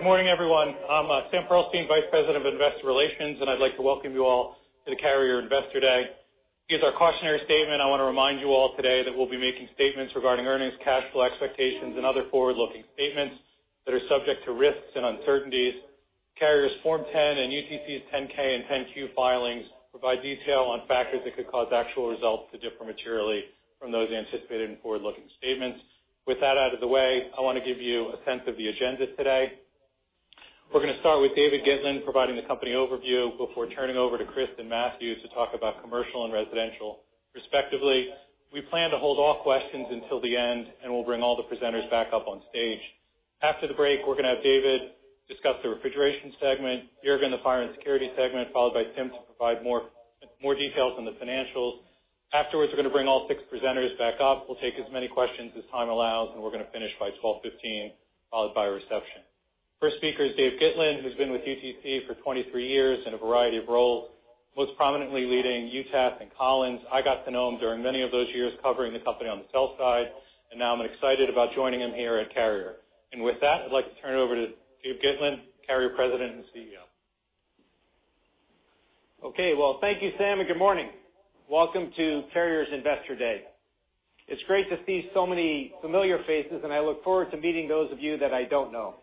Good morning, everyone. I'm Sam Pearlstein, Vice President of Investor Relations, and I'd like to welcome you all to the Carrier Investor Day. Here's our cautionary statement. I want to remind you all today that we'll be making statements regarding earnings, cash flow expectations, and other forward-looking statements that are subject to risks and uncertainties. Carrier's Form 10 and UTC's 10-K and 10-Q filings provide detail on factors that could cause actual results to differ materially from those anticipated in forward-looking statements. With that out of the way, I want to give you a sense of the agenda today. We're going to start with David Gitlin providing the company overview before turning over to Chris and Matthew to talk about commercial and residential, respectively. We plan to hold all questions until the end, and we'll bring all the presenters back up on stage. After the break, we're going to have David discuss the Refrigeration segment, Juergen the Fire and Security segment, followed by Tim to provide more details on the financials. Afterwards, we're going to bring all six presenters back up. We'll take as many questions as time allows. We're going to finish by 12:15 P.M., followed by a reception. First speaker is Dave Gitlin, who's been with UTC for 23 years in a variety of roles, most prominently leading UTAS and Collins. I got to know him during many of those years covering the company on the sell side. Now I'm excited about joining him here at Carrier. With that, I'd like to turn it over to Dave Gitlin, Carrier President and CEO. Okay. Well, thank you, Sam, and good morning. Welcome to Carrier's Investor Day. It's great to see so many familiar faces, and I look forward to meeting those of you that I don't know.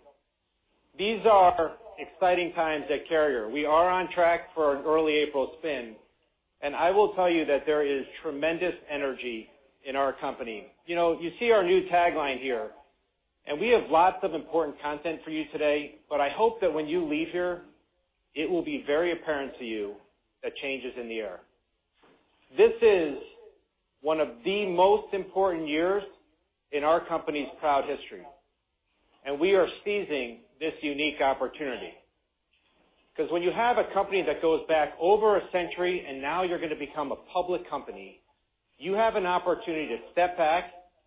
These are exciting times at Carrier. We are on track for an early April spin, and I will tell you that there is tremendous energy in our company. You see our new tagline here, and we have lots of important content for you today, but I hope that when you leave here, it will be very apparent to you that change is in the air. This is one of the most important years in our company's proud history, and we are seizing this unique opportunity. When you have a company that goes back over a century and now you're going to become a public company, you have an opportunity to step back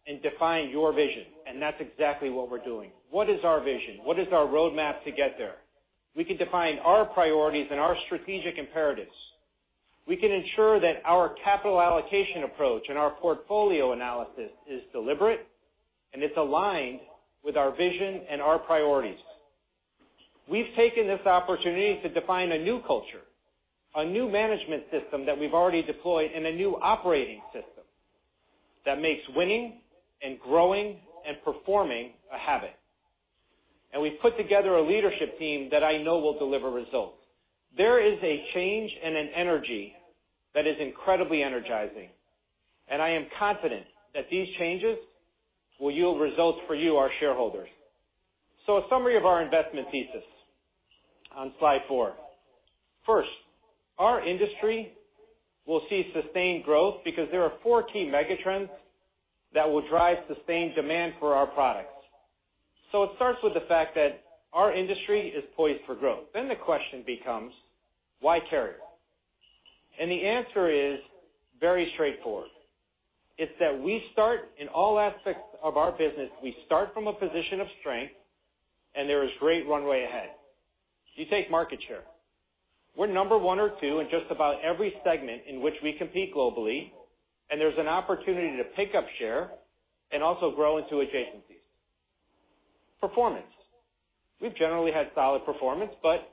and define your vision, and that's exactly what we're doing. What is our vision? What is our roadmap to get there? We can define our priorities and our strategic imperatives. We can ensure that our capital allocation approach and our portfolio analysis is deliberate, and it's aligned with our vision and our priorities. We've taken this opportunity to define a new culture, a new management system that we've already deployed, and a new Operating System that makes winning and growing and performing a habit. We've put together a leadership team that I know will deliver results. There is a change and an energy that is incredibly energizing, and I am confident that these changes will yield results for you, our shareholders. A summary of our investment thesis on slide four. First, our industry will see sustained growth because there are four key mega trends that will drive sustained demand for our products. It starts with the fact that our industry is poised for growth. The question becomes, why Carrier? The answer is very straightforward. It's that we start in all aspects of our business. We start from a position of strength, and there is great runway ahead. You take market share. We're number one or two in just about every segment in which we compete globally, and there's an opportunity to pick up share and also grow into adjacencies. Performance. We've generally had solid performance, but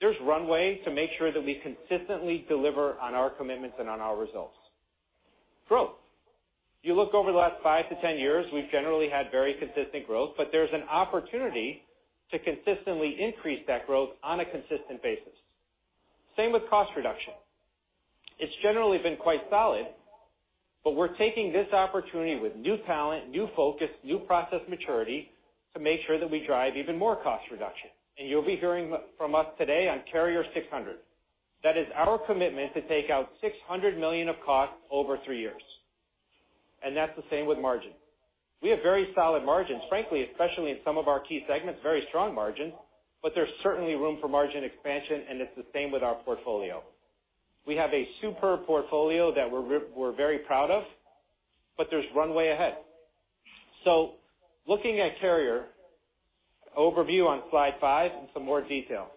there's runway to make sure that we consistently deliver on our commitments and on our results. Growth. You look over the last 5-10 years, we've generally had very consistent growth. There's an opportunity to consistently increase that growth on a consistent basis. Same with cost reduction. It's generally been quite solid. We're taking this opportunity with new talent, new focus, new process maturity to make sure that we drive even more cost reduction. You'll be hearing from us today on Carrier 600. That is our commitment to take out $600 million of costs over three years. That's the same with margin. We have very solid margins, frankly, especially in some of our key segments, very strong margin. There's certainly room for margin expansion. It's the same with our portfolio. We have a superb portfolio that we're very proud of. There's runway ahead. Looking at Carrier, overview on slide five in some more detail.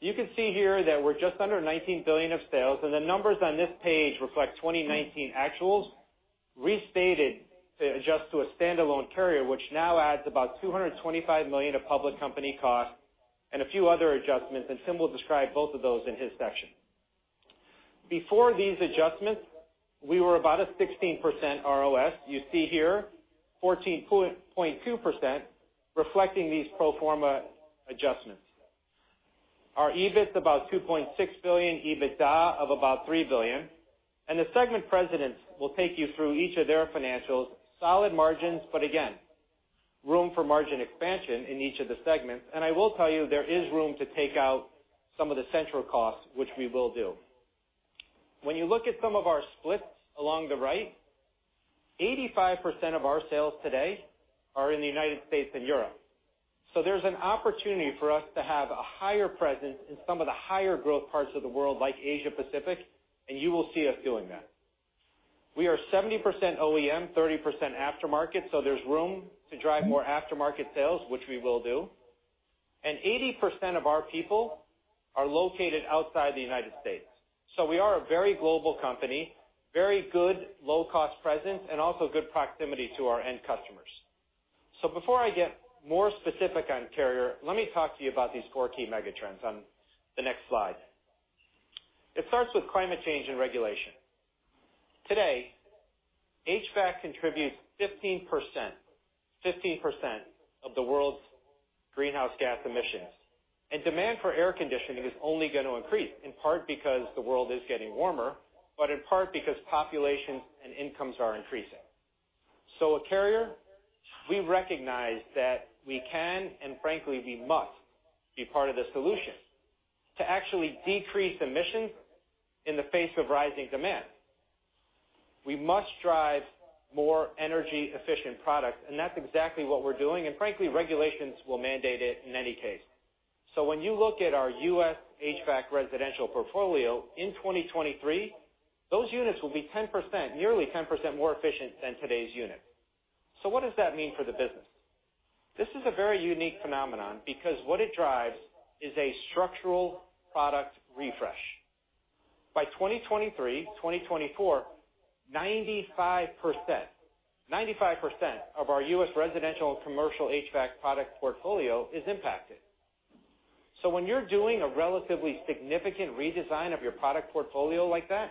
You can see here that we're just under $19 billion of sales. The numbers on this page reflect 2019 actuals restated to adjust to a standalone Carrier, which now adds about $225 million of public company costs and a few other adjustments. Tim will describe both of those in his section. Before these adjustments, we were about a 16% ROS. You see here, 14.2% reflecting these pro forma adjustments. Our EBIT about $2.6 billion, EBITDA of about $3 billion. The segment presidents will take you through each of their financials. Solid margins, again, room for margin expansion in each of the segments. I will tell you, there is room to take out some of the central costs, which we will do. When you look at some of our splits along the right, 85% of our sales today are in the U.S. and Europe. There's an opportunity for us to have a higher presence in some of the higher growth parts of the world like Asia Pacific, and you will see us doing that. We are 70% OEM, 30% aftermarket, so there's room to drive more aftermarket sales, which we will do. 80% of our people are located outside the United States. We are a very global company, very good low-cost presence, and also good proximity to our end customers. Before I get more specific on Carrier, let me talk to you about these four key mega trends on the next slide. It starts with climate change and regulation. Today, HVAC contributes 15% of the world's greenhouse gas emissions, and demand for air conditioning is only going to increase, in part because the world is getting warmer, but in part because populations and incomes are increasing. At Carrier, we recognize that we can, and frankly, we must be part of the solution to actually decrease emissions in the face of rising demand. We must drive more energy-efficient products, and that's exactly what we're doing, and frankly, regulations will mandate it in any case. When you look at our U.S. HVAC residential portfolio in 2023, those units will be 10%, nearly 10% more efficient than today's unit. What does that mean for the business? This is a very unique phenomenon because what it drives is a structural product refresh. By 2023, 2024, 95% of our U.S. residential and commercial HVAC product portfolio is impacted. When you're doing a relatively significant redesign of your product portfolio like that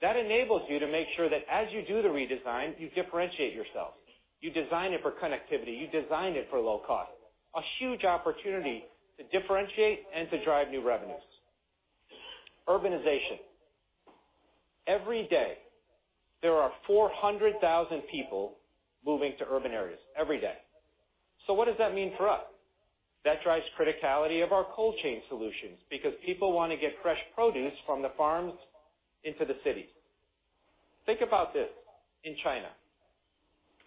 enables you to make sure that as you do the redesign, you differentiate yourself. You design it for connectivity. You design it for low cost. A huge opportunity to differentiate and to drive new revenues. Urbanization. Every day, there are 400,000 people moving to urban areas every day. What does that mean for us? That drives criticality of our cold chain solutions because people want to get fresh produce from the farms into the cities. Think about this. In China,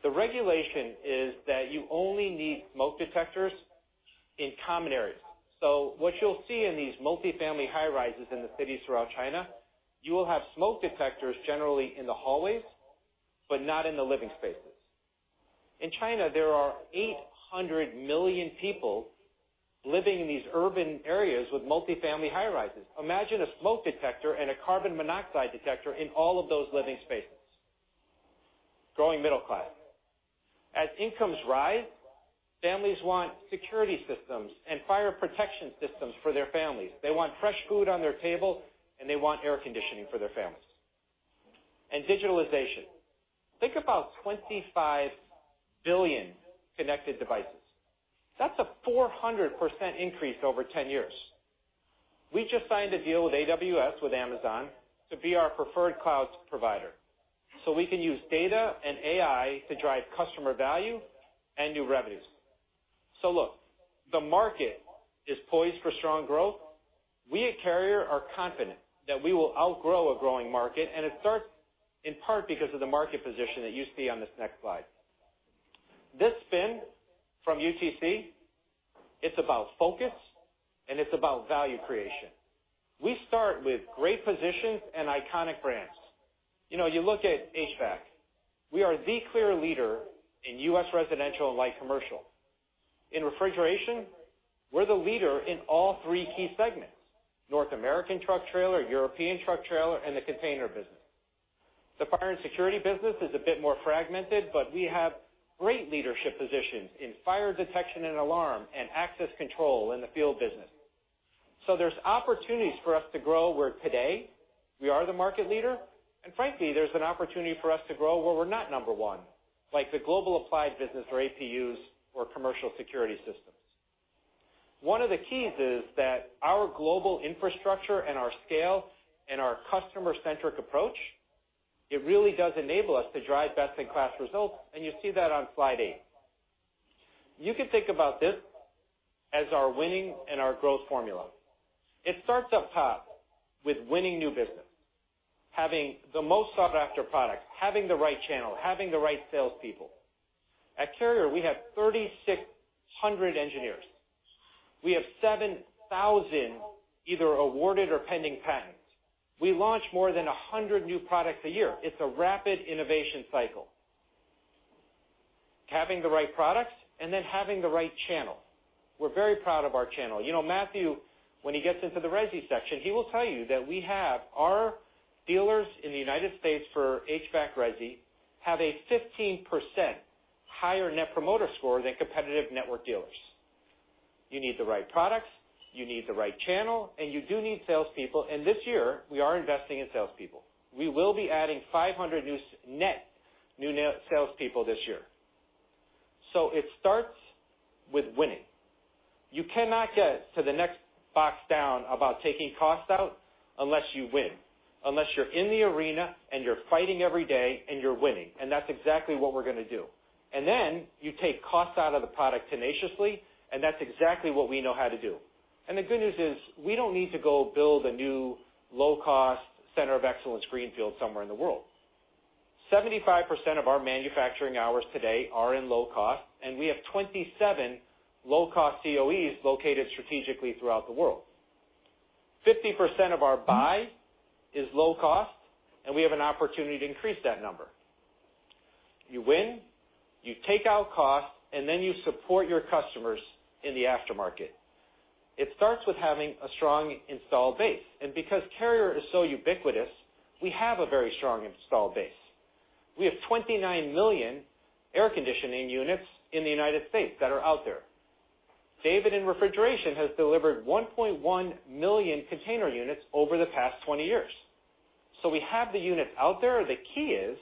the regulation is that you only need smoke detectors in common areas. What you'll see in these multi-family high-rises in the cities throughout China, you will have smoke detectors generally in the hallways, but not in the living spaces. In China, there are 800 million people living in these urban areas with multi-family high-rises. Imagine a smoke detector and a carbon monoxide detector in all of those living spaces. Growing middle class. As incomes rise, families want security systems and fire protection systems for their families. They want fresh food on their table, and they want air conditioning for their families. Digitalization. Think about 25 billion connected devices. That's a 400% increase over 10 years. We just signed a deal with AWS, with Amazon, to be our preferred cloud provider, so we can use data and AI to drive customer value and new revenues. Look, the market is poised for strong growth. We at Carrier are confident that we will outgrow a growing market, and it starts in part because of the market position that you see on this next slide. This spin from UTC, it's about focus, and it's about value creation. We start with great positions and iconic brands. You look at HVAC. We are the clear leader in U.S. residential and light commercial. In refrigeration, we're the leader in all three key segments: North American truck trailer, European truck trailer, and the container business. The fire and security business is a bit more fragmented, but we have great leadership positions in fire detection and alarm and access control in the field business. There's opportunities for us to grow where today we are the market leader, and frankly, there's an opportunity for us to grow where we're not number one, like the global applied business for APUs or commercial security systems. One of the keys is that our global infrastructure and our scale and our customer-centric approach, it really does enable us to drive best-in-class results, and you see that on slide eight. You can think about this as our winning and our growth formula. It starts up top with winning new business. Having the most sought-after product, having the right channel, having the right salespeople. At Carrier, we have 3,600 engineers. We have 7,000 either awarded or pending patents. We launch more than 100 new products a year. It's a rapid innovation cycle. Having the right products and then having the right channel. We're very proud of our channel. Matthew, when he gets into the resi section, he will tell you that we have our dealers in the U.S. for HVAC resi have a 15% higher Net Promoter Score than competitive network dealers. You need the right products, you need the right channel, and you do need salespeople, and this year, we are investing in salespeople. We will be adding 500 new net salespeople this year. It starts with winning. You cannot get to the next box down about taking costs out unless you win, unless you're in the arena and you're fighting every day and you're winning. That's exactly what we're going to do. Then you take costs out of the product tenaciously, and that's exactly what we know how to do. The good news is, we don't need to go build a new low-cost Center of Excellence greenfield somewhere in the world. 75% of our manufacturing hours today are in low cost, and we have 27 low-cost COEs located strategically throughout the world. 50% of our buy is low cost, and we have an opportunity to increase that number. You win, you take out cost, and then you support your customers in the aftermarket. It starts with having a strong installed base. Because Carrier is so ubiquitous, we have a very strong installed base. We have 29 million air conditioning units in the U.S. that are out there. David in refrigeration has delivered 1.1 million container units over the past 20 years. We have the units out there. The key is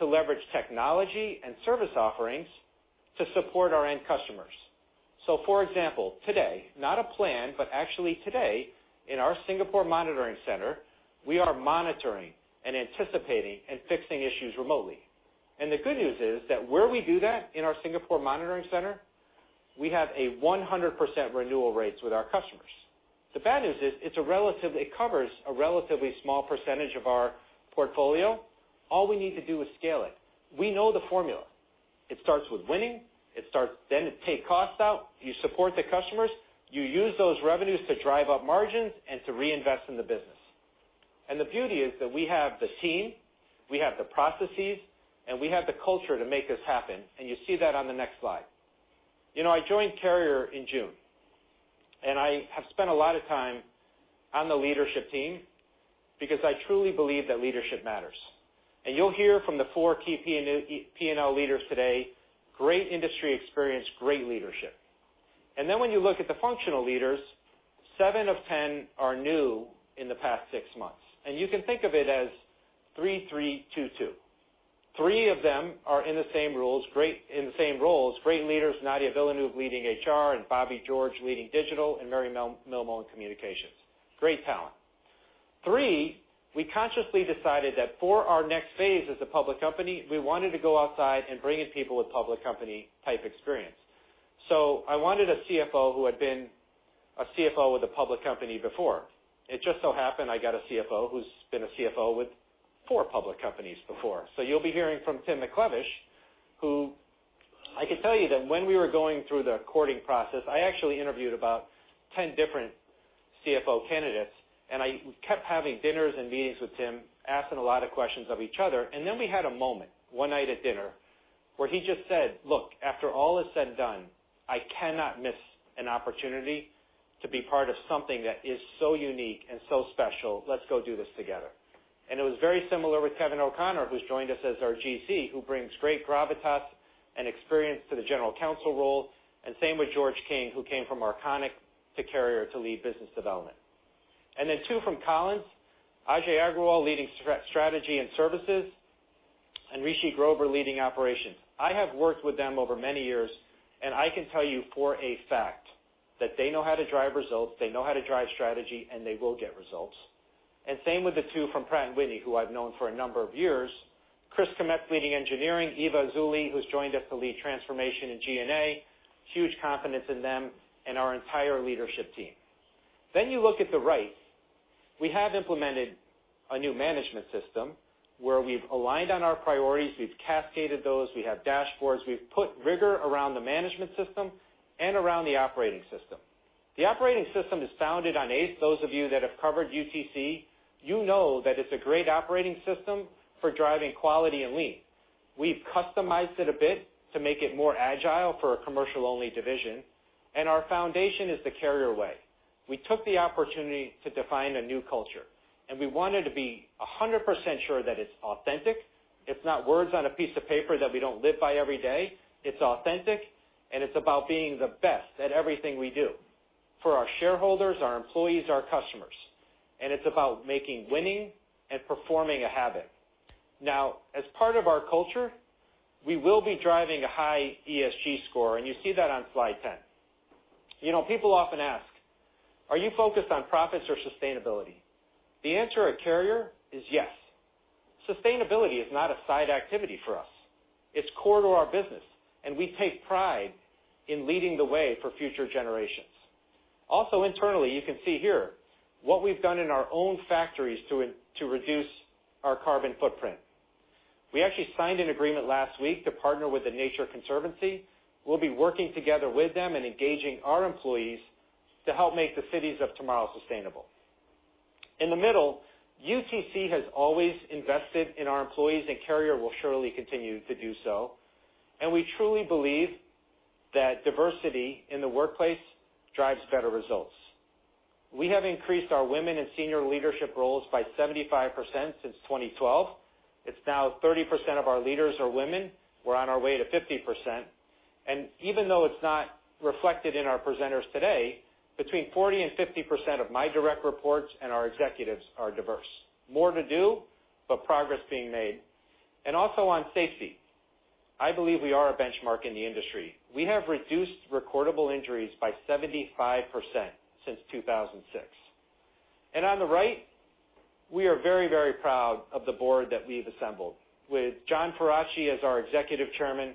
to leverage technology and service offerings to support our end customers. For example, today, not a plan, but actually today in our Singapore monitoring center, we are monitoring and anticipating and fixing issues remotely. The good news is that where we do that in our Singapore monitoring center, we have a 100% renewal rates with our customers. The bad news is it covers a relatively small percentage of our portfolio. All we need to do is scale it. We know the formula. It starts with winning. It starts then to take costs out. You support the customers. You use those revenues to drive up margins and to reinvest in the business. The beauty is that we have the team, we have the processes, and we have the culture to make this happen. You see that on the next slide. I joined Carrier in June, and I have spent a lot of time on the leadership team because I truly believe that leadership matters. You'll hear from the four key P&L leaders today, great industry experience, great leadership. When you look at the functional leaders, seven of 10 are new in the past six months. You can think of it as three three two two. Three of them are in the same roles, great leaders, Nadia Villeneuve leading HR, and Bobby George leading digital, and Mary Milmoe in communications. Great talent. We consciously decided that for our next phase as a public company, we wanted to go outside and bring in people with public company type experience. I wanted a CFO who had been a CFO with a public company before. It just so happened I got a CFO who's been a CFO with four public companies before. You'll be hearing from Tim McLevish, who I can tell you that when we were going through the recording process, I actually interviewed about 10 different CFO candidates, and I kept having dinners and meetings with Tim, asking a lot of questions of each other. We had a moment one night at dinner where he just said, look, after all is said and done, I cannot miss an opportunity to be part of something that is so unique and so special. Let's go do this together. It was very similar with Kevin O'Connor, who's joined us as our GC, who brings great gravitas and experience to the general counsel role, and same with George King, who came from Arconic to Carrier to lead business development. Two from Collins, Ajay Agrawal leading strategy and services, and Rishi Grover leading operations. I have worked with them over many years, and I can tell you for a fact that they know how to drive results, they know how to drive strategy, and they will get results. Same with the two from Pratt & Whitney, who I've known for a number of years. Chris Kmetz leading engineering, Eva Zulli, who's joined us to lead transformation in G&A. Huge confidence in them and our entire leadership team. You look at the right. We have implemented a new management system where we've aligned on our priorities, we've cascaded those, we have dashboards. We've put rigor around the management system and around the operating system. The operating system is founded on ACE. Those of you that have covered UTC, you know that it's a great operating system for driving quality and lean. We've customized it a bit to make it more agile for a commercial-only division. Our foundation is The Carrier Way. We took the opportunity to define a new culture, we wanted to be 100% sure that it's authentic. It's not words on a piece of paper that we don't live by every day. It's authentic, it's about being the best at everything we do for our shareholders, our employees, our customers. It's about making winning and performing a habit. As part of our culture, we will be driving a high ESG score. You see that on slide 10. People often ask, are you focused on profits or sustainability? The answer at Carrier is yes. Sustainability is not a side activity for us. It's core to our business. We take pride in leading the way for future generations. Internally, you can see here what we've done in our own factories to reduce our carbon footprint. We actually signed an agreement last week to partner with The Nature Conservancy. We'll be working together with them, engaging our employees to help make the cities of tomorrow sustainable. In the middle, UTC has always invested in our employees. Carrier will surely continue to do so. We truly believe that diversity in the workplace drives better results. We have increased our women in senior leadership roles by 75% since 2012. It's now 30% of our leaders are women. We're on our way to 50%. Even though it's not reflected in our presenters today, between 40% and 50% of my direct reports and our executives are diverse. More to do, progress being made. Also on safety. I believe we are a benchmark in the industry. We have reduced recordable injuries by 75% since 2006. On the right, we are very proud of the board that we've assembled with John Faraci as our executive chairman,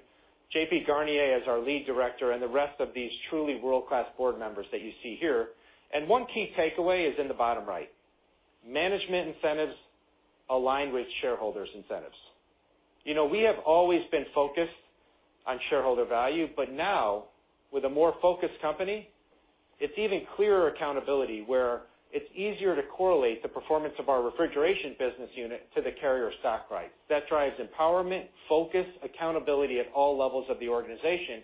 JP Garnier as our lead director, and the rest of these truly world-class board members that you see here. One key takeaway is in the bottom right. Management incentives aligned with shareholders' incentives. We have always been focused on shareholder value. Now with a more focused company, it's even clearer accountability, where it's easier to correlate the performance of our refrigeration business unit to the Carrier stock price. That drives empowerment, focus, accountability at all levels of the organization.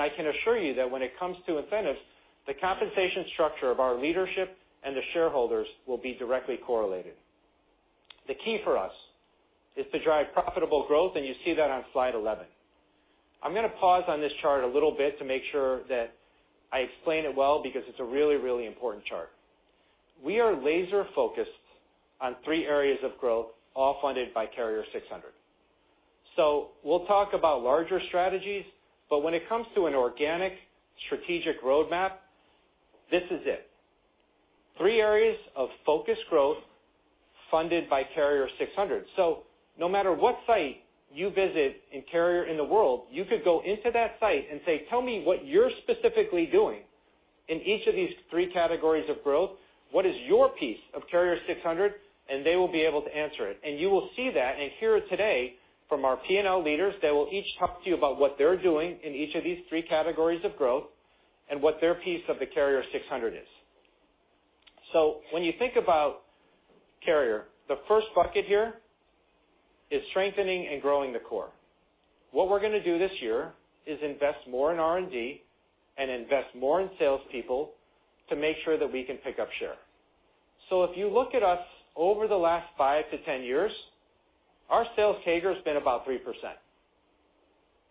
I can assure you that when it comes to incentives, the compensation structure of our leadership and the shareholders will be directly correlated. The key for us is to drive profitable growth. You see that on slide 11. I'm going to pause on this chart a little bit to make sure that I explain it well, because it's a really, really important chart. We are laser-focused on three areas of growth, all funded by Carrier 600. We'll talk about larger strategies. When it comes to an organic strategic roadmap, this is it. Three areas of focused growth funded by Carrier 600. No matter what site you visit in Carrier in the world, you could go into that site and say, tell me what you're specifically doing in each of these three categories of growth. What is your piece of Carrier 600? They will be able to answer it. You will see that and hear it today from our P&L leaders. They will each talk to you about what they're doing in each of these three categories of growth and what their piece of the Carrier 600 is. When you think about Carrier, the first bucket here is strengthening and growing the core. What we're going to do this year is invest more in R&D and invest more in salespeople to make sure that we can pick up share. If you look at us over the last 5-10 years, our sales CAGR has been about 3%.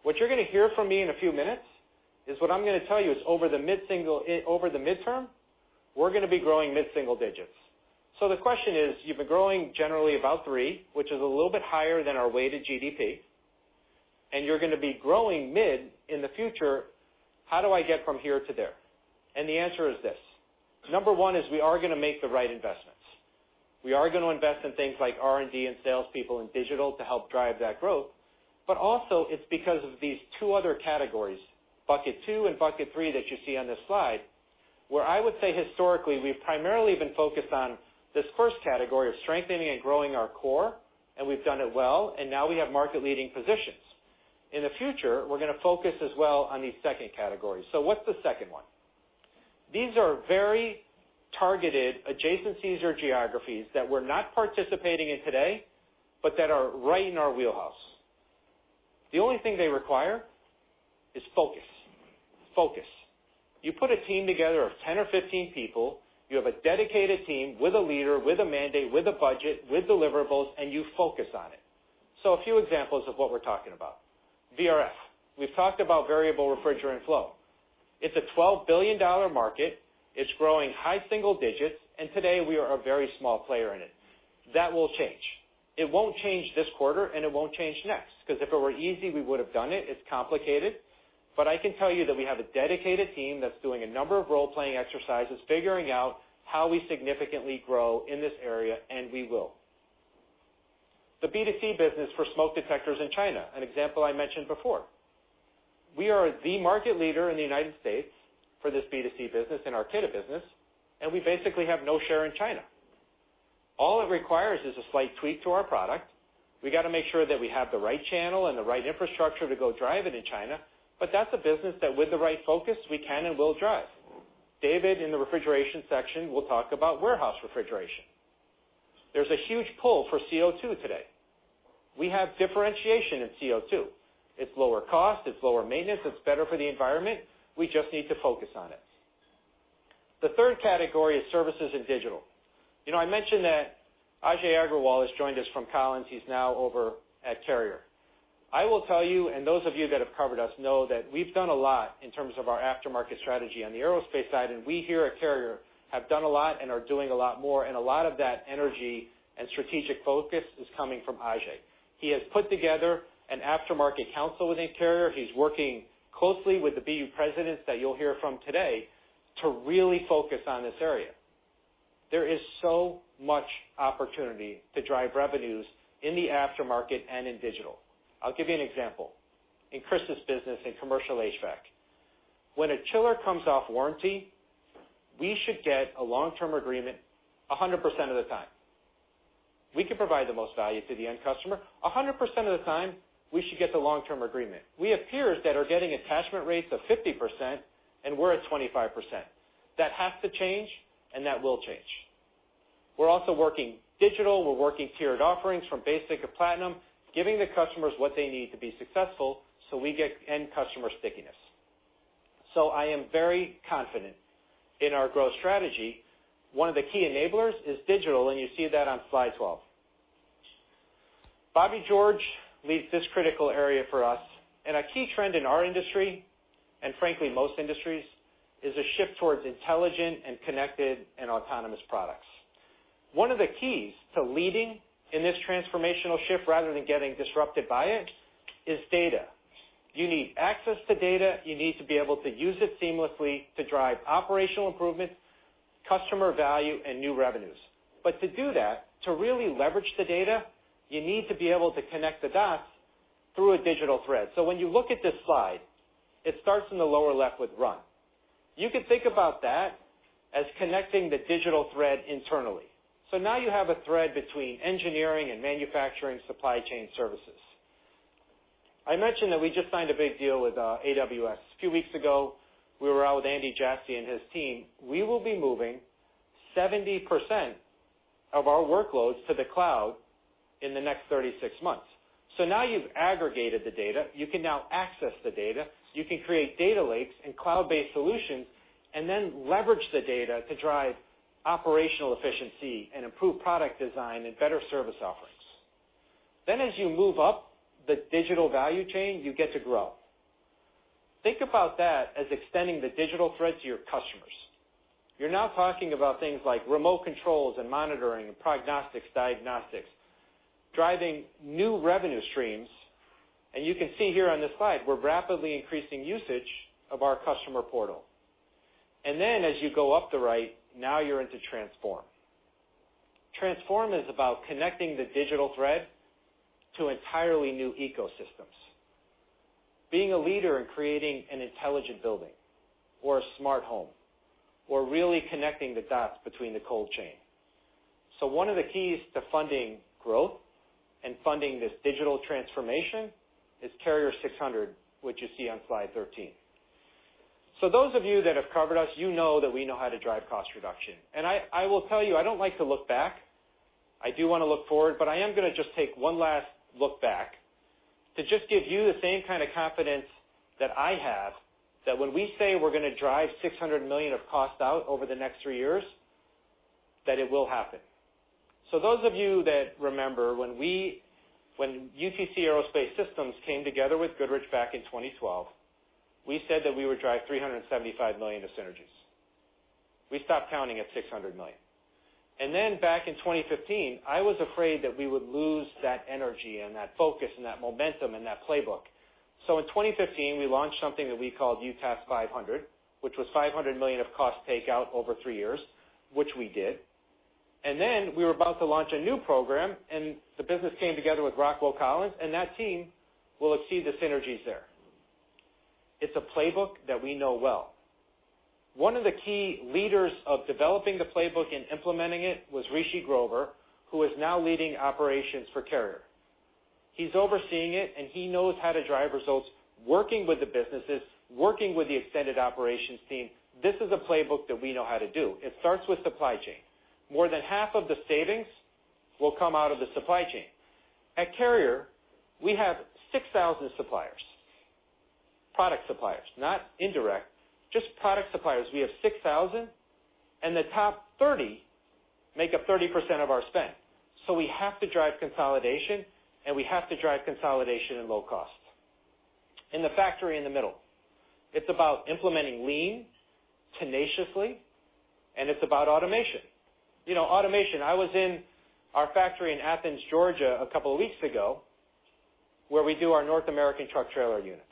What you're going to hear from me in a few minutes is what I'm going to tell you is over the midterm, we're going to be growing mid-single digits. The question is, you've been growing generally about 3%, which is a little bit higher than our weighted GDP, and you're going to be growing mid in the future. How do I get from here to there? The answer is this. Number one is we are going to make the right investments. We are going to invest in things like R&D and salespeople and digital to help drive that growth. Also, it's because of these two other categories, bucket 2 and bucket 3 that you see on this slide, where I would say historically, we've primarily been focused on this first category of strengthening and growing our core, and we've done it well, and now we have market-leading positions. In the future, we're going to focus as well on these second categories. What's the second one? These are very targeted adjacencies or geographies that we're not participating in today, but that are right in our wheelhouse. The only thing they require is focus. Focus. You put a team together of 10 or 15 people. You have a dedicated team with a leader, with a mandate, with a budget, with deliverables, and you focus on it. A few examples of what we're talking about. VRF. We've talked about variable refrigerant flow. It's a $12 billion market. It's growing high single digits, and today we are a very small player in it. That will change. It won't change this quarter, and it won't change next, because if it were easy, we would have done it. It's complicated. I can tell you that we have a dedicated team that's doing a number of role-playing exercises, figuring out how we significantly grow in this area, and we will. The B2C business for smoke detectors in China, an example I mentioned before. We are the market leader in the U.S. for this B2C business and our UTEC business, and we basically have no share in China. All it requires is a slight tweak to our product. We got to make sure that we have the right channel and the right infrastructure to go drive it in China, but that's a business that with the right focus, we can and will drive. David in the refrigeration section will talk about warehouse refrigeration. There's a huge pull for CO₂ today. We have differentiation in CO₂. It's lower cost, it's lower maintenance, it's better for the environment. We just need to focus on it. The third category is services and digital. I mentioned that Ajay Agrawal has joined us from Collins. He's now over at Carrier. I will tell you, and those of you that have covered us know that we've done a lot in terms of our aftermarket strategy on the aerospace side, and we here at Carrier have done a lot and are doing a lot more, and a lot of that energy and strategic focus is coming from Ajay. He has put together an aftermarket council within Carrier. He's working closely with the BU presidents that you'll hear from today to really focus on this area. There is so much opportunity to drive revenues in the aftermarket and in digital. I'll give you an example. In Chris's business in commercial HVAC. When a chiller comes off warranty, we should get a long-term agreement 100% of the time. We can provide the most value to the end customer. 100% of the time, we should get the long-term agreement. We have peers that are getting attachment rates of 50%, and we're at 25%. That has to change, and that will change. We're also working digital. We're working tiered offerings from basic to platinum, giving the customers what they need to be successful so we get end customer stickiness. I am very confident in our growth strategy. One of the key enablers is digital, and you see that on slide 12. Bobby George leads this critical area for us, and a key trend in our industry, and frankly, most industries, is a shift towards intelligent and connected and autonomous products. One of the keys to leading in this transformational shift rather than getting disrupted by it is data. You need access to data. You need to be able to use it seamlessly to drive operational improvements, customer value, and new revenues. To do that, to really leverage the data, you need to be able to connect the dots through a digital thread. When you look at this slide, it starts in the lower left with run. You can think about that as connecting the digital thread internally. Now you have a thread between engineering and manufacturing supply chain services. I mentioned that we just signed a big deal with AWS. A few weeks ago, we were out with Andy Jassy and his team. We will be moving 70% of our workloads to the cloud in the next 36 months. Now you've aggregated the data, you can now access the data, you can create data lakes and cloud-based solutions, and then leverage the data to drive operational efficiency and improve product design and better service offerings. As you move up the digital value chain, you get to grow. Think about that as extending the digital thread to your customers. You're now talking about things like remote controls and monitoring, prognostics, diagnostics, driving new revenue streams. You can see here on this slide, we're rapidly increasing usage of our customer portal. As you go up the right, now you're into transform. Transform is about connecting the digital thread to entirely new ecosystems. Being a leader in creating an intelligent building or a smart home, or really connecting the dots between the cold chain. One of the keys to funding growth and funding this digital transformation is Carrier 600, which you see on slide 13. Those of you that have covered us, you know that we know how to drive cost reduction. I will tell you, I don't like to look back. I do want to look forward, I am going to just take one last look back to just give you the same kind of confidence that I have, that when we say we're going to drive $600 million of cost out over the next 3 years, that it will happen. Those of you that remember when UTC Aerospace Systems came together with Goodrich back in 2012, we said that we would drive $375 million of synergies. We stopped counting at $600 million. Back in 2015, I was afraid that we would lose that energy and that focus and that momentum and that playbook. In 2015, we launched something that we called UTAS 500, which was $500 million of cost takeout over three years, which we did. We were about to launch a new program, and the business came together with Rockwell Collins, and that team will exceed the synergies there. It's a playbook that we know well. One of the key leaders of developing the playbook and implementing it was Rishi Grover, who is now leading operations for Carrier. He's overseeing it, and he knows how to drive results, working with the businesses, working with the extended operations team. This is a playbook that we know how to do. It starts with supply chain. More than half of the savings will come out of the supply chain. At Carrier, we have 6,000 suppliers, product suppliers. Not indirect, just product suppliers. We have 6,000, and the top 30 make up 30% of our spend. We have to drive consolidation, and we have to drive consolidation and low costs. In the factory in the middle, it's about implementing lean tenaciously, and it's about automation. Automation. I was in our factory in Athens, Georgia, a couple of weeks ago, where we do our North American truck trailer units.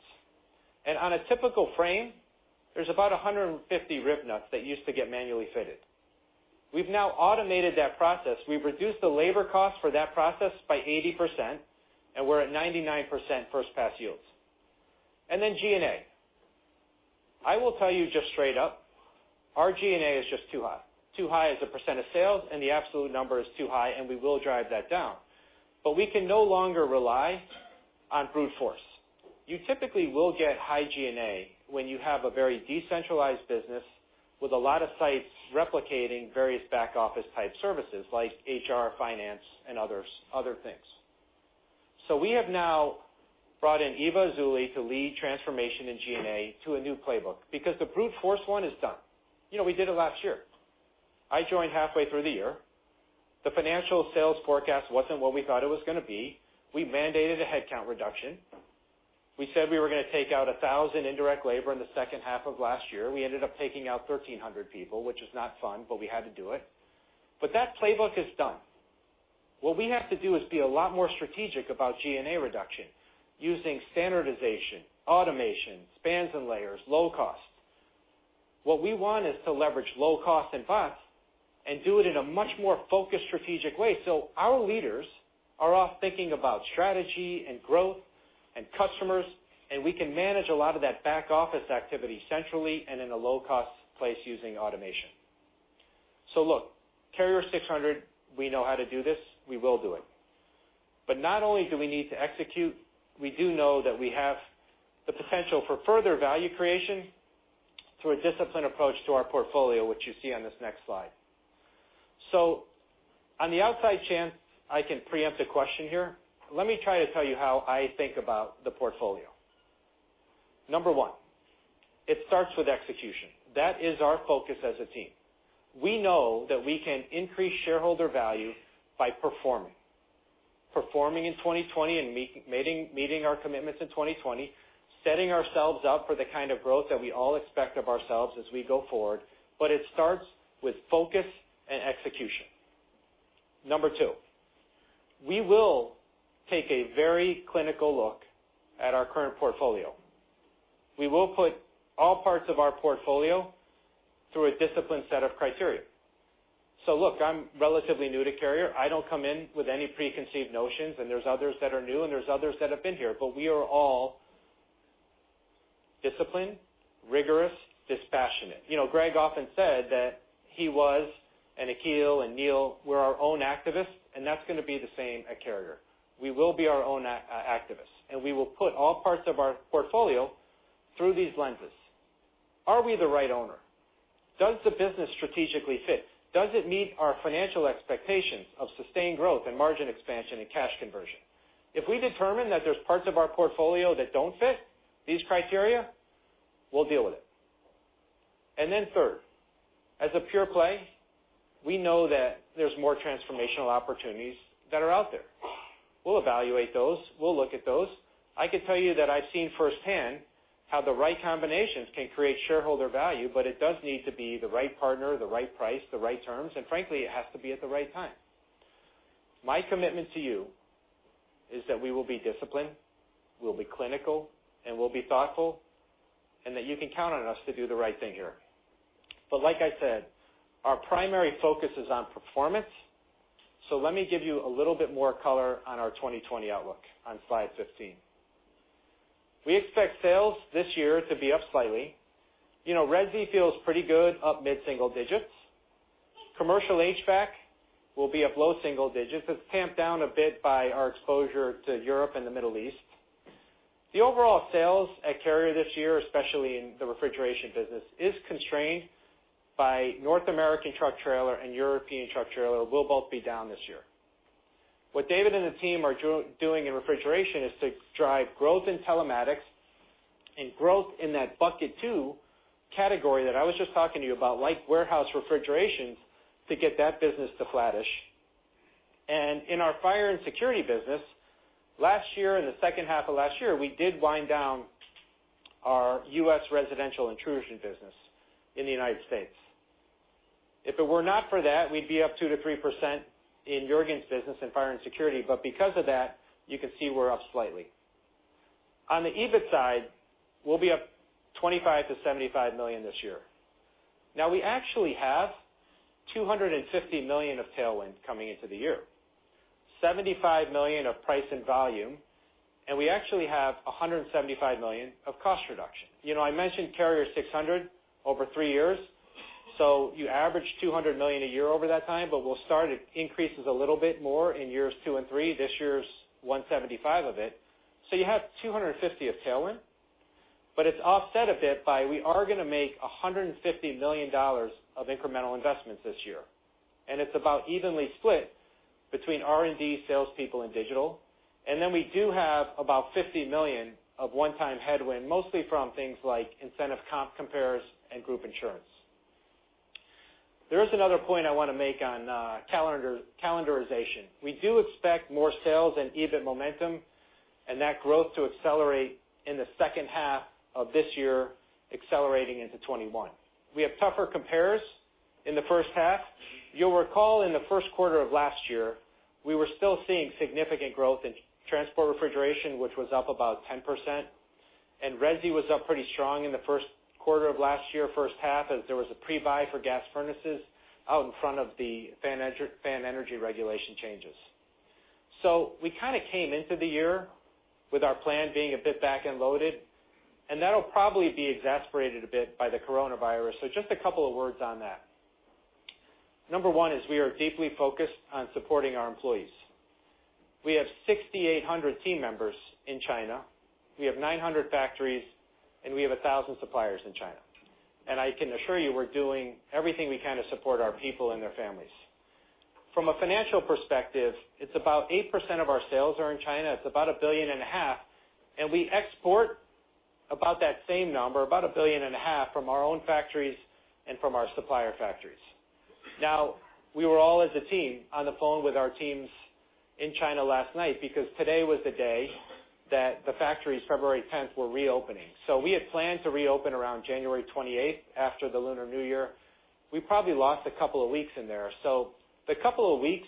On a typical frame, there's about 150 rivnuts that used to get manually fitted. We've now automated that process. We've reduced the labor cost for that process by 80%, and we're at 99% first pass yields. Then G&A. I will tell you just straight up, our G&A is just too high. Too high as a percent of sales, and the absolute number is too high, and we will drive that down. We can no longer rely on brute force. You typically will get high G&A when you have a very decentralized business with a lot of sites replicating various back office type services, like HR, finance, and other things. We have now brought in Eva Zulli to lead transformation in G&A to a new playbook, because the brute force one is done. We did it last year. I joined halfway through the year. The financial sales forecast wasn't what we thought it was going to be. We mandated a headcount reduction. We said we were going to take out 1,000 indirect labor in the second half of last year. We ended up taking out 1,300 people, which is not fun, but we had to do it. That playbook is done. What we have to do is be a lot more strategic about G&A reduction using standardization, automation, spans and layers, low cost. What we want is to leverage low cost and bots, and do it in a much more focused, strategic way. Our leaders are off thinking about strategy and growth and customers, and we can manage a lot of that back office activity centrally and in a low-cost place using automation. Look, Carrier 600, we know how to do this. We will do it. Not only do we need to execute, we do know that we have the potential for further value creation through a disciplined approach to our portfolio, which you see on this next slide. On the outside chance I can preempt a question here, let me try to tell you how I think about the portfolio. Number one, it starts with execution. That is our focus as a team. We know that we can increase shareholder value by performing. Performing in 2020 and meeting our commitments in 2020, setting ourselves up for the kind of growth that we all expect of ourselves as we go forward. It starts with focus and execution. Number two, we will take a very clinical look at our current portfolio. We will put all parts of our portfolio through a disciplined set of criteria. Look, I'm relatively new to Carrier. I don't come in with any preconceived notions, and there's others that are new, and there's others that have been here, but we are all disciplined, rigorous, dispassionate. You know, Greg often said that he was, and Akhil and Neil were our own activists, and that's going to be the same at Carrier. We will be our own activists, and we will put all parts of our portfolio through these lenses. Are we the right owner? Does the business strategically fit? Does it meet our financial expectations of sustained growth and margin expansion and cash conversion? If we determine that there's parts of our portfolio that don't fit these criteria, we'll deal with it. Third, as a pure play, we know that there's more transformational opportunities that are out there. We'll evaluate those, we'll look at those. I could tell you that I've seen firsthand how the right combinations can create shareholder value, but it does need to be the right partner, the right price, the right terms, and frankly, it has to be at the right time. My commitment to you is that we will be disciplined, we'll be clinical, and we'll be thoughtful, and that you can count on us to do the right thing here. Like I said, our primary focus is on performance. Let me give you a little bit more color on our 2020 outlook on slide 15. We expect sales this year to be up slightly. Resi feels pretty good, up mid-single digits. Commercial HVAC will be up low single digits. It's tamped down a bit by our exposure to Europe and the Middle East. The overall sales at Carrier this year, especially in the refrigeration business, is constrained by North American truck trailer and European truck trailer will both be down this year. What David and the team are doing in refrigeration is to drive growth in telematics and growth in that bucket 2 category that I was just talking to you about, like warehouse refrigerations, to get that business to flattish. In our fire and security business, last year, in the second half of last year, we did wind down our U.S. residential intrusion business in the United States. If it were not for that, we'd be up 2% to 3% in Jurgen's business in fire and security. Because of that, you can see we're up slightly. On the EBIT side, we'll be up $25 million-$75 million this year. We actually have $250 million of tailwind coming into the year. $75 million of price and volume, and we actually have $175 million of cost reduction. I mentioned Carrier 600 over three years. You average $200 million a year over that time, but we'll start increases a little bit more in years two and three. This year's $175 million of it. You have $250 million of tailwind, but it's offset a bit by we are going to make $150 million of incremental investments this year. It's about evenly split between R&D, salespeople, and digital. We do have about $50 million of one-time headwind, mostly from things like incentive comp compares and group insurance. There is another point I want to make on calendarization. We do expect more sales and EBIT momentum, and that growth to accelerate in the second half of this year, accelerating into 2021. We have tougher compares in the first half. You'll recall in the first quarter of last year, we were still seeing significant growth in transport refrigeration, which was up about 10%, and resi was up pretty strong in the first quarter of last year, first half, as there was a pre-buy for gas furnaces out in front of the Fan Energy Rating changes. We kind of came into the year with our plan being a bit back end loaded, and that'll probably be exacerbated a bit by the coronavirus. Just a couple of words on that. Number one is we are deeply focused on supporting our employees. We have 6,800 team members in China. We have 900 factories, and we have 1,000 suppliers in China. I can assure you we're doing everything we can to support our people and their families. From a financial perspective, it's about 8% of our sales are in China. It's about a $1.5 billion. We export about that same number, about a $1.5 billion from our own factories and from our supplier factories. We were all as a team on the phone with our teams in China last night because today was the day that the factories, February 10th, were reopening. We had planned to reopen around January 28th after the Lunar New Year. We probably lost a couple of weeks in there. The couple of weeks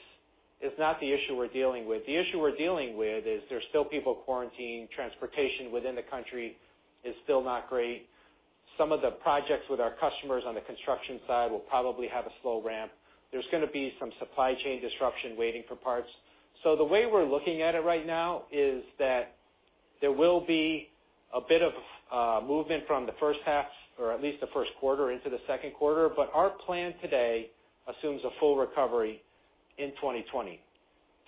is not the issue we're dealing with. The issue we're dealing with is there's still people quarantined. Transportation within the country is still not great. Some of the projects with our customers on the construction side will probably have a slow ramp. There's gonna be some supply chain disruption waiting for parts. The way we're looking at it right now is that there will be a bit of movement from the first half, or at least the first quarter into the second quarter, but our plan today assumes a full recovery in 2020.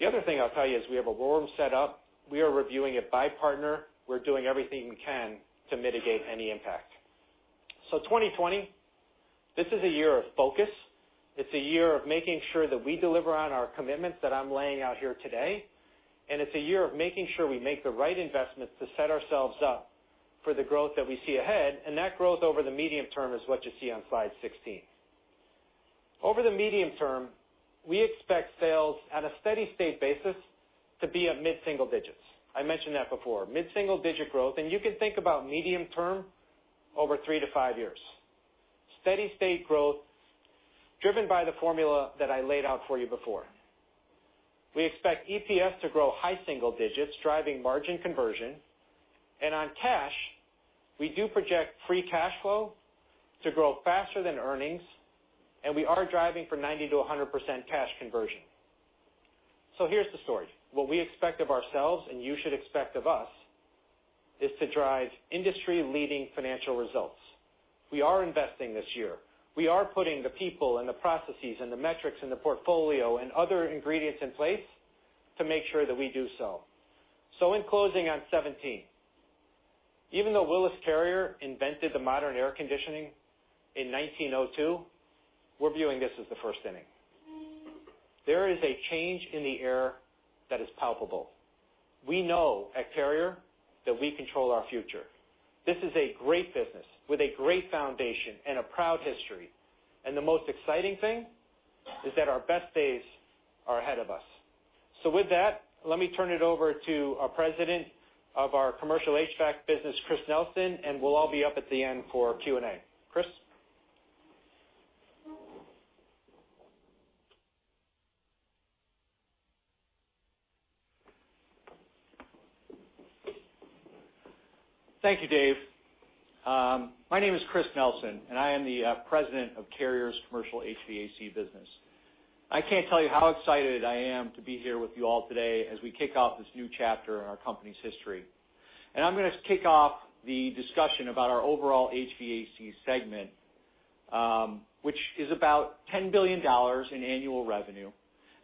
The other thing I'll tell you is we have a war room set up. We are reviewing it by partner. We're doing everything we can to mitigate any impact. 2020, this is a year of focus. It's a year of making sure that we deliver on our commitments that I'm laying out here today, and it's a year of making sure we make the right investments to set ourselves up for the growth that we see ahead. That growth over the medium term is what you see on slide 16. Over the medium term, we expect sales at a steady state basis to be up mid-single digits. I mentioned that before. Mid-single digit growth. You can think about medium term over three to five years. Steady state growth driven by the formula that I laid out for you before. We expect EPS to grow high single digits, driving margin conversion. On cash, we do project free cash flow to grow faster than earnings, and we are driving for 90%-100% cash conversion. Here's the story. What we expect of ourselves, and you should expect of us, is to drive industry-leading financial results. We are investing this year. We are putting the people and the processes and the metrics and the portfolio and other ingredients in place to make sure that we do so. In closing on 2017, even though Willis Carrier invented the modern air conditioning in 1902, we're viewing this as the first inning. There is a change in the air that is palpable. We know at Carrier that we control our future. This is a great business with a great foundation and a proud history. The most exciting thing is that our best days are ahead of us. With that, let me turn it over to our President of our commercial HVAC business, Chris Nelson, and we'll all be up at the end for Q&A. Chris? Thank you, Dave. My name is Chris Nelson. I am the president of Carrier's commercial HVAC business. I can't tell you how excited I am to be here with you all today as we kick off this new chapter in our company's history. I'm going to kick off the discussion about our overall HVAC segment, which is about $10 billion in annual revenue,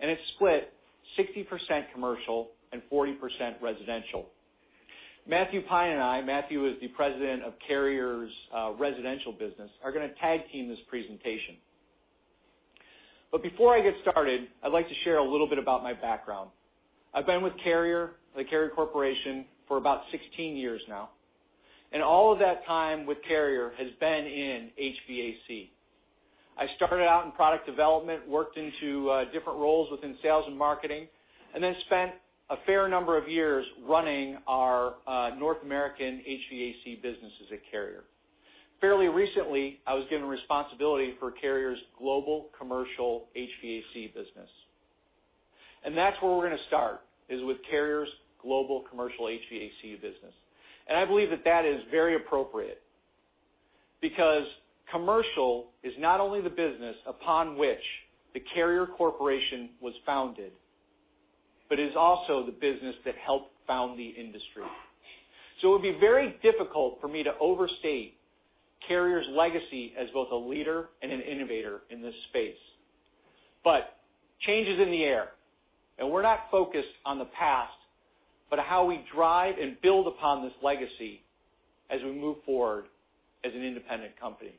and it's split 60% commercial and 40% residential. Matthew Pine and I, Matthew is the president of Carrier's residential business, are going to tag team this presentation. Before I get started, I'd like to share a little bit about my background. I've been with Carrier, the Carrier Corporation, for about 16 years now, and all of that time with Carrier has been in HVAC. I started out in product development, worked into different roles within sales and marketing, and then spent a fair number of years running our North American HVAC business as at Carrier. Fairly recently, I was given responsibility for Carrier's global commercial HVAC business. That's where we're going to start, is with Carrier's global commercial HVAC business. I believe that that is very appropriate because commercial is not only the business upon which the Carrier Corporation was founded, but is also the business that helped found the industry. It would be very difficult for me to overstate Carrier's legacy as both a leader and an innovator in this space. Change is in the air, and we're not focused on the past, but how we drive and build upon this legacy as we move forward as an independent company.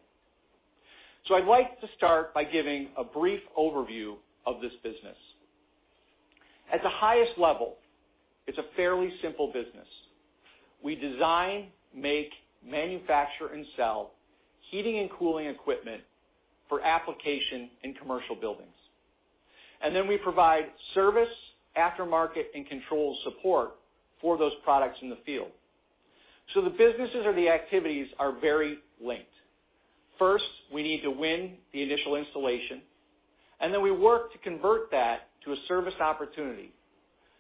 I'd like to start by giving a brief overview of this business. At the highest level, it's a fairly simple business. We design, make, manufacture, and sell heating and cooling equipment for application in commercial buildings. Then we provide service, aftermarket, and control support for those products in the field. The businesses or the activities are very linked. First, we need to win the initial installation, and then we work to convert that to a service opportunity,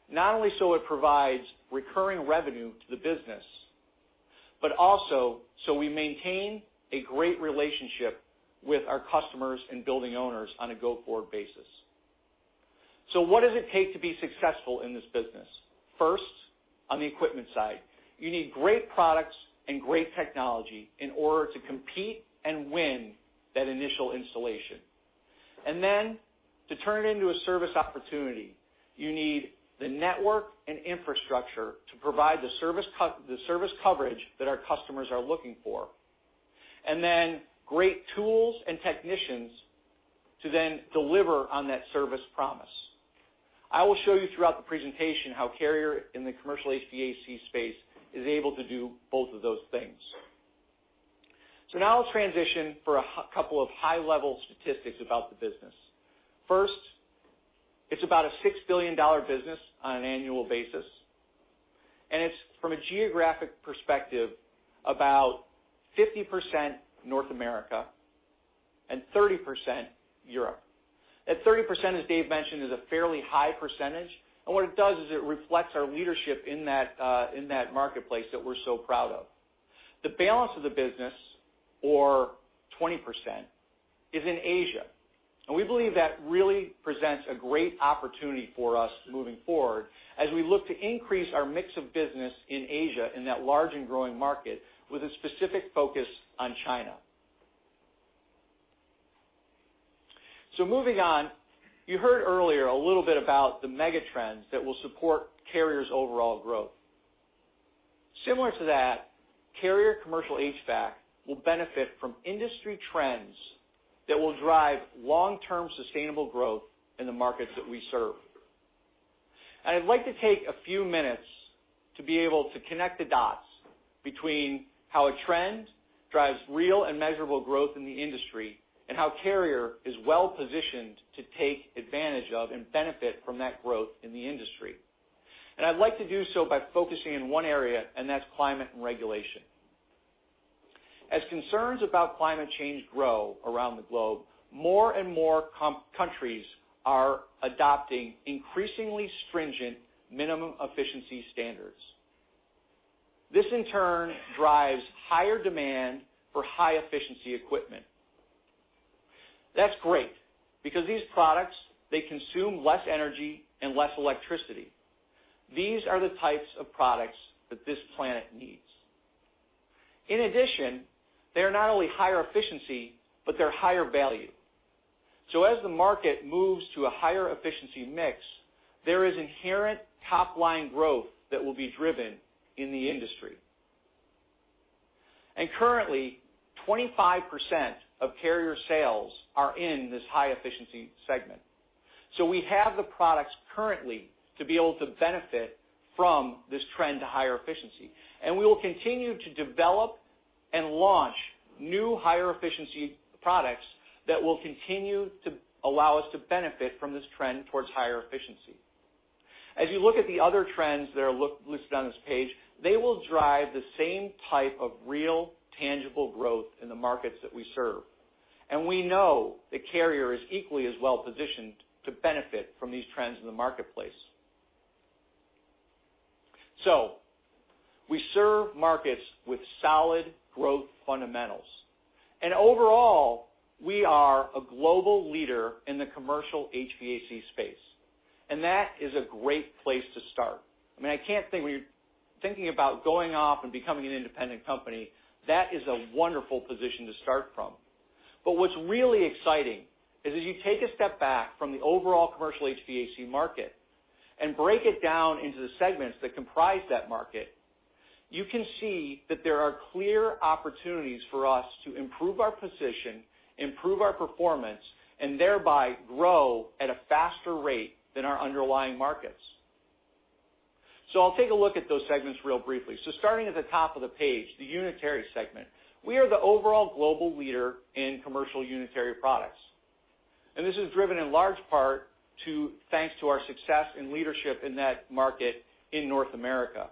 not only so it provides recurring revenue to the business, but also so we maintain a great relationship with our customers and building owners on a go-forward basis. What does it take to be successful in this business? First, on the equipment side, you need great products and great technology in order to compete and win that initial installation. To turn it into a service opportunity, you need the network and infrastructure to provide the service coverage that our customers are looking for. Then great tools and technicians to then deliver on that service promise. I will show you throughout the presentation how Carrier in the commercial HVAC space is able to do both of those things. Let's transition for a couple of high-level statistics about the business. First, it's about a $6 billion business on an annual basis, and it's from a geographic perspective, about 50% North America and 30% Europe. That 30%, as Dave mentioned, is a fairly high percentage, and what it does is it reflects our leadership in that marketplace that we're so proud of. The balance of the business, or 20%, is in Asia. We believe that really presents a great opportunity for us moving forward as we look to increase our mix of business in Asia in that large and growing market with a specific focus on China. Moving on, you heard earlier a little bit about the mega trends that will support Carrier's overall growth. Similar to that, Carrier commercial HVAC will benefit from industry trends that will drive long-term sustainable growth in the markets that we serve. I'd like to take a few minutes to be able to connect the dots between how a trend drives real and measurable growth in the industry, and how Carrier is well-positioned to take advantage of and benefit from that growth in the industry. I'd like to do so by focusing in one area, and that's climate and regulation. As concerns about climate change grow around the globe, more and more countries are adopting increasingly stringent minimum efficiency standards. This in turn drives higher demand for high efficiency equipment. That's great because these products consume less energy and less electricity. These are the types of products that this planet needs. In addition, they're not only higher efficiency, but they're higher value. As the market moves to a higher efficiency mix, there is inherent top-line growth that will be driven in the industry. Currently, 25% of Carrier sales are in this high-efficiency segment. We have the products currently to be able to benefit from this trend to higher efficiency. We will continue to develop and launch new higher efficiency products that will continue to allow us to benefit from this trend towards higher efficiency. As you look at the other trends that are listed on this page, they will drive the same type of real, tangible growth in the markets that we serve. We know that Carrier is equally as well positioned to benefit from these trends in the marketplace. We serve markets with solid growth fundamentals. Overall, we are a global leader in the commercial HVAC space, and that is a great place to start. Thinking about going off and becoming an independent company, that is a wonderful position to start from. What's really exciting is as you take a step back from the overall commercial HVAC market and break it down into the segments that comprise that market, you can see that there are clear opportunities for us to improve our position, improve our performance, and thereby grow at a faster rate than our underlying markets. I'll take a look at those segments real briefly. Starting at the top of the page, the unitary segment. We are the overall global leader in commercial unitary products. This is driven in large part thanks to our success and leadership in that market in North America.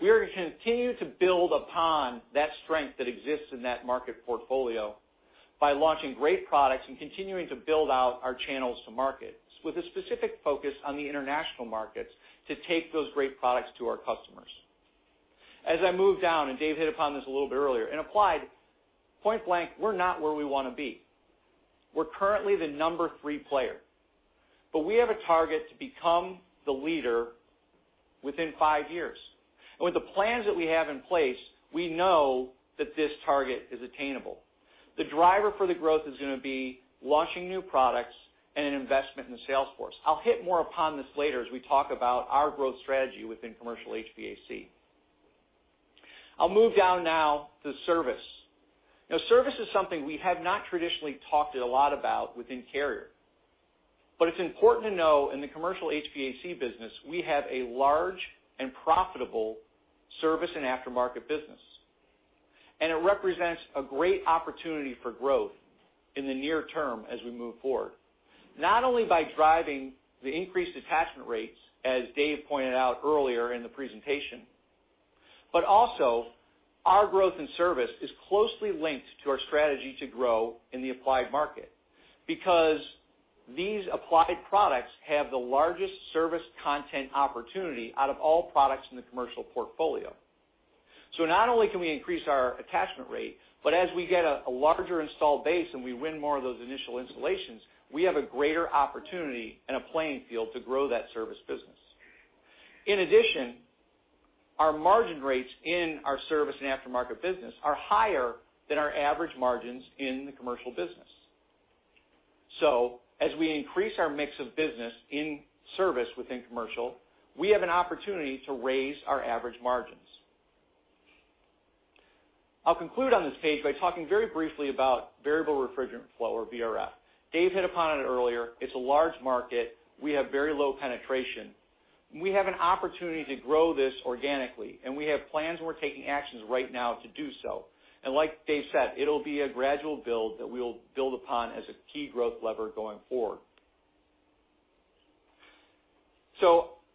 We are going to continue to build upon that strength that exists in that market portfolio by launching great products and continuing to build out our channels to markets, with a specific focus on the international markets to take those great products to our customers. As I move down, and Dave hit upon this a little bit earlier. In Applied, point blank, we're not where we want to be. We're currently the number three player. We have a target to become the leader within five years. With the plans that we have in place, we know that this target is attainable. The driver for the growth is going to be launching new products and an investment in the sales force. I'll hit more upon this later as we talk about our growth strategy within commercial HVAC. I'll move down now to service. Now, service is something we have not traditionally talked a lot about within Carrier. It's important to know, in the commercial HVAC business, we have a large and profitable service and aftermarket business. It represents a great opportunity for growth in the near term as we move forward, not only by driving the increased attachment rates, as Dave pointed out earlier in the presentation, but also our growth in service is closely linked to our strategy to grow in the Applied market because these Applied products have the largest service content opportunity out of all products in the commercial portfolio. Not only can we increase our attachment rate, but as we get a larger install base and we win more of those initial installations, we have a greater opportunity and a playing field to grow that service business. In addition, our margin rates in our service and aftermarket business are higher than our average margins in the commercial business. As we increase our mix of business in service within commercial, we have an opportunity to raise our average margins. I'll conclude on this page by talking very briefly about variable refrigerant flow, or VRF. Dave hit upon it earlier. It's a large market. We have very low penetration. We have an opportunity to grow this organically, and we have plans, and we're taking actions right now to do so. Like Dave said, it'll be a gradual build that we'll build upon as a key growth lever going forward.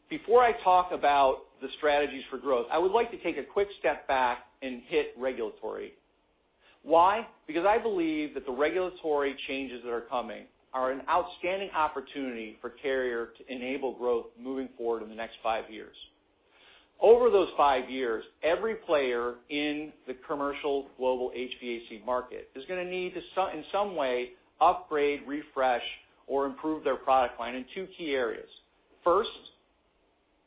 Before I talk about the strategies for growth, I would like to take a quick step back and hit regulatory. Why? Because I believe that the regulatory changes that are coming are an outstanding opportunity for Carrier to enable growth moving forward in the next five years. Over those five years, every player in the commercial global HVAC market is going to need to, in some way, upgrade, refresh, or improve their product line in two key areas. First,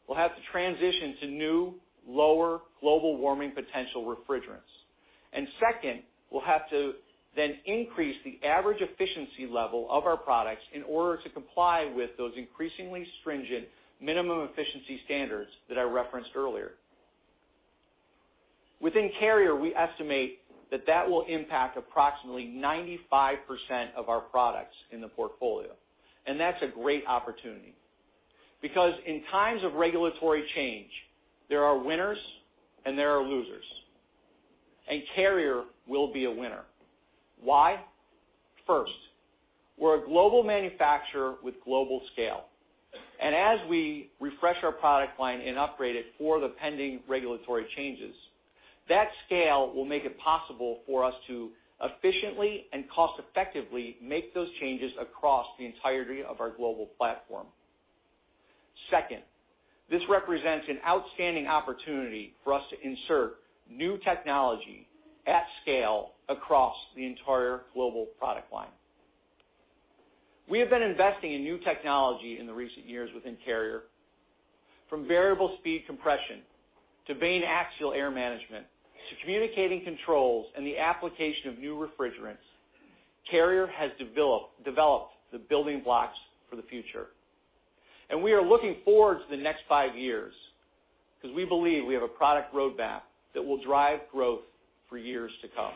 we'll have to transition to new, lower global warming potential refrigerants. Second, we'll have to then increase the average efficiency level of our products in order to comply with those increasingly stringent minimum efficiency standards that I referenced earlier. Within Carrier, we estimate that that will impact approximately 95% of our products in the portfolio. That's a great opportunity, because in times of regulatory change, there are winners and there are losers. Carrier will be a winner. Why? First, we're a global manufacturer with global scale. As we refresh our product line and upgrade it for the pending regulatory changes. That scale will make it possible for us to efficiently and cost effectively make those changes across the entirety of our global platform. Second, this represents an outstanding opportunity for us to insert new technology at scale across the entire global product line. We have been investing in new technology in the recent years within Carrier. From variable speed compression to vane axial air management, to communicating controls and the application of new refrigerants. Carrier has developed the building blocks for the future. We are looking forward to the next five years, because we believe we have a product roadmap that will drive growth for years to come.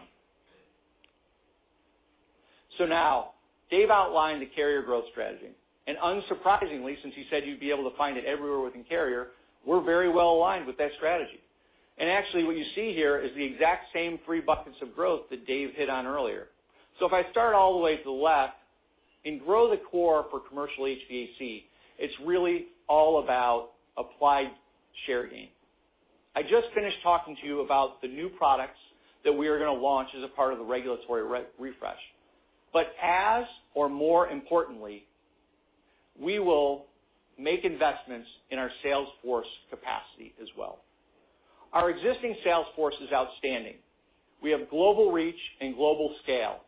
Now, Dave outlined the Carrier growth strategy. Unsurprisingly, since he said you'd be able to find it everywhere within Carrier, we're very well aligned with that strategy. Actually, what you see here is the exact same three buckets of growth that Dave hit on earlier. If I start all the way to the left, in grow the core for commercial HVAC, it's really all about applied share gain. I just finished talking to you about the new products that we are going to launch as a part of the regulatory refresh. As, or more importantly, we will make investments in our sales force capacity as well. Our existing sales force is outstanding. We have global reach and global scale,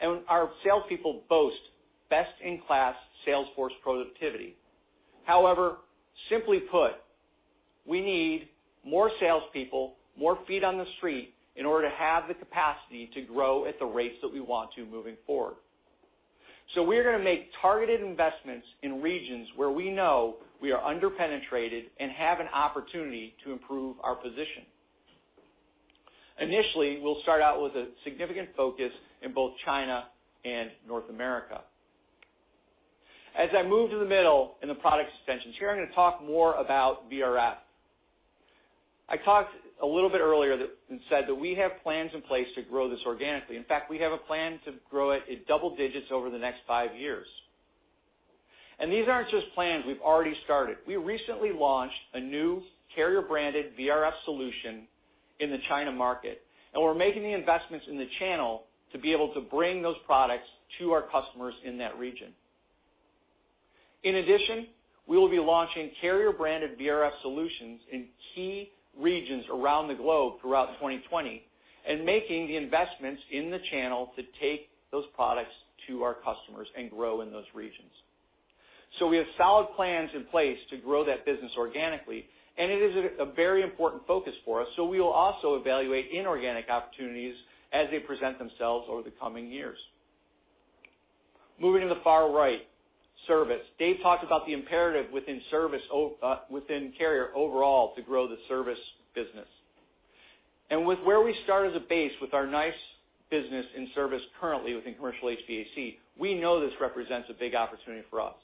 and our salespeople boast best-in-class sales force productivity. However, simply put, we need more salespeople, more feet on the street, in order to have the capacity to grow at the rates that we want to moving forward. We are going to make targeted investments in regions where we know we are under-penetrated and have an opportunity to improve our position. Initially, we'll start out with a significant focus in both China and North America. As I move to the middle in the product extensions here, I'm going to talk more about VRF. I talked a little bit earlier that said that we have plans in place to grow this organically. In fact, we have a plan to grow it at double digits over the next five years. These aren't just plans. We've already started. We recently launched a new Carrier-branded VRF solution in the China market, and we're making the investments in the channel to be able to bring those products to our customers in that region. In addition, we will be launching Carrier-branded VRF solutions in key regions around the globe throughout 2020 and making the investments in the channel to take those products to our customers and grow in those regions. We have solid plans in place to grow that business organically, and it is a very important focus for us, so we will also evaluate inorganic opportunities as they present themselves over the coming years. Moving to the far right, service. Dave talked about the imperative within Carrier overall to grow the service business. With where we start as a base with our nice business and service currently within commercial HVAC, we know this represents a big opportunity for us.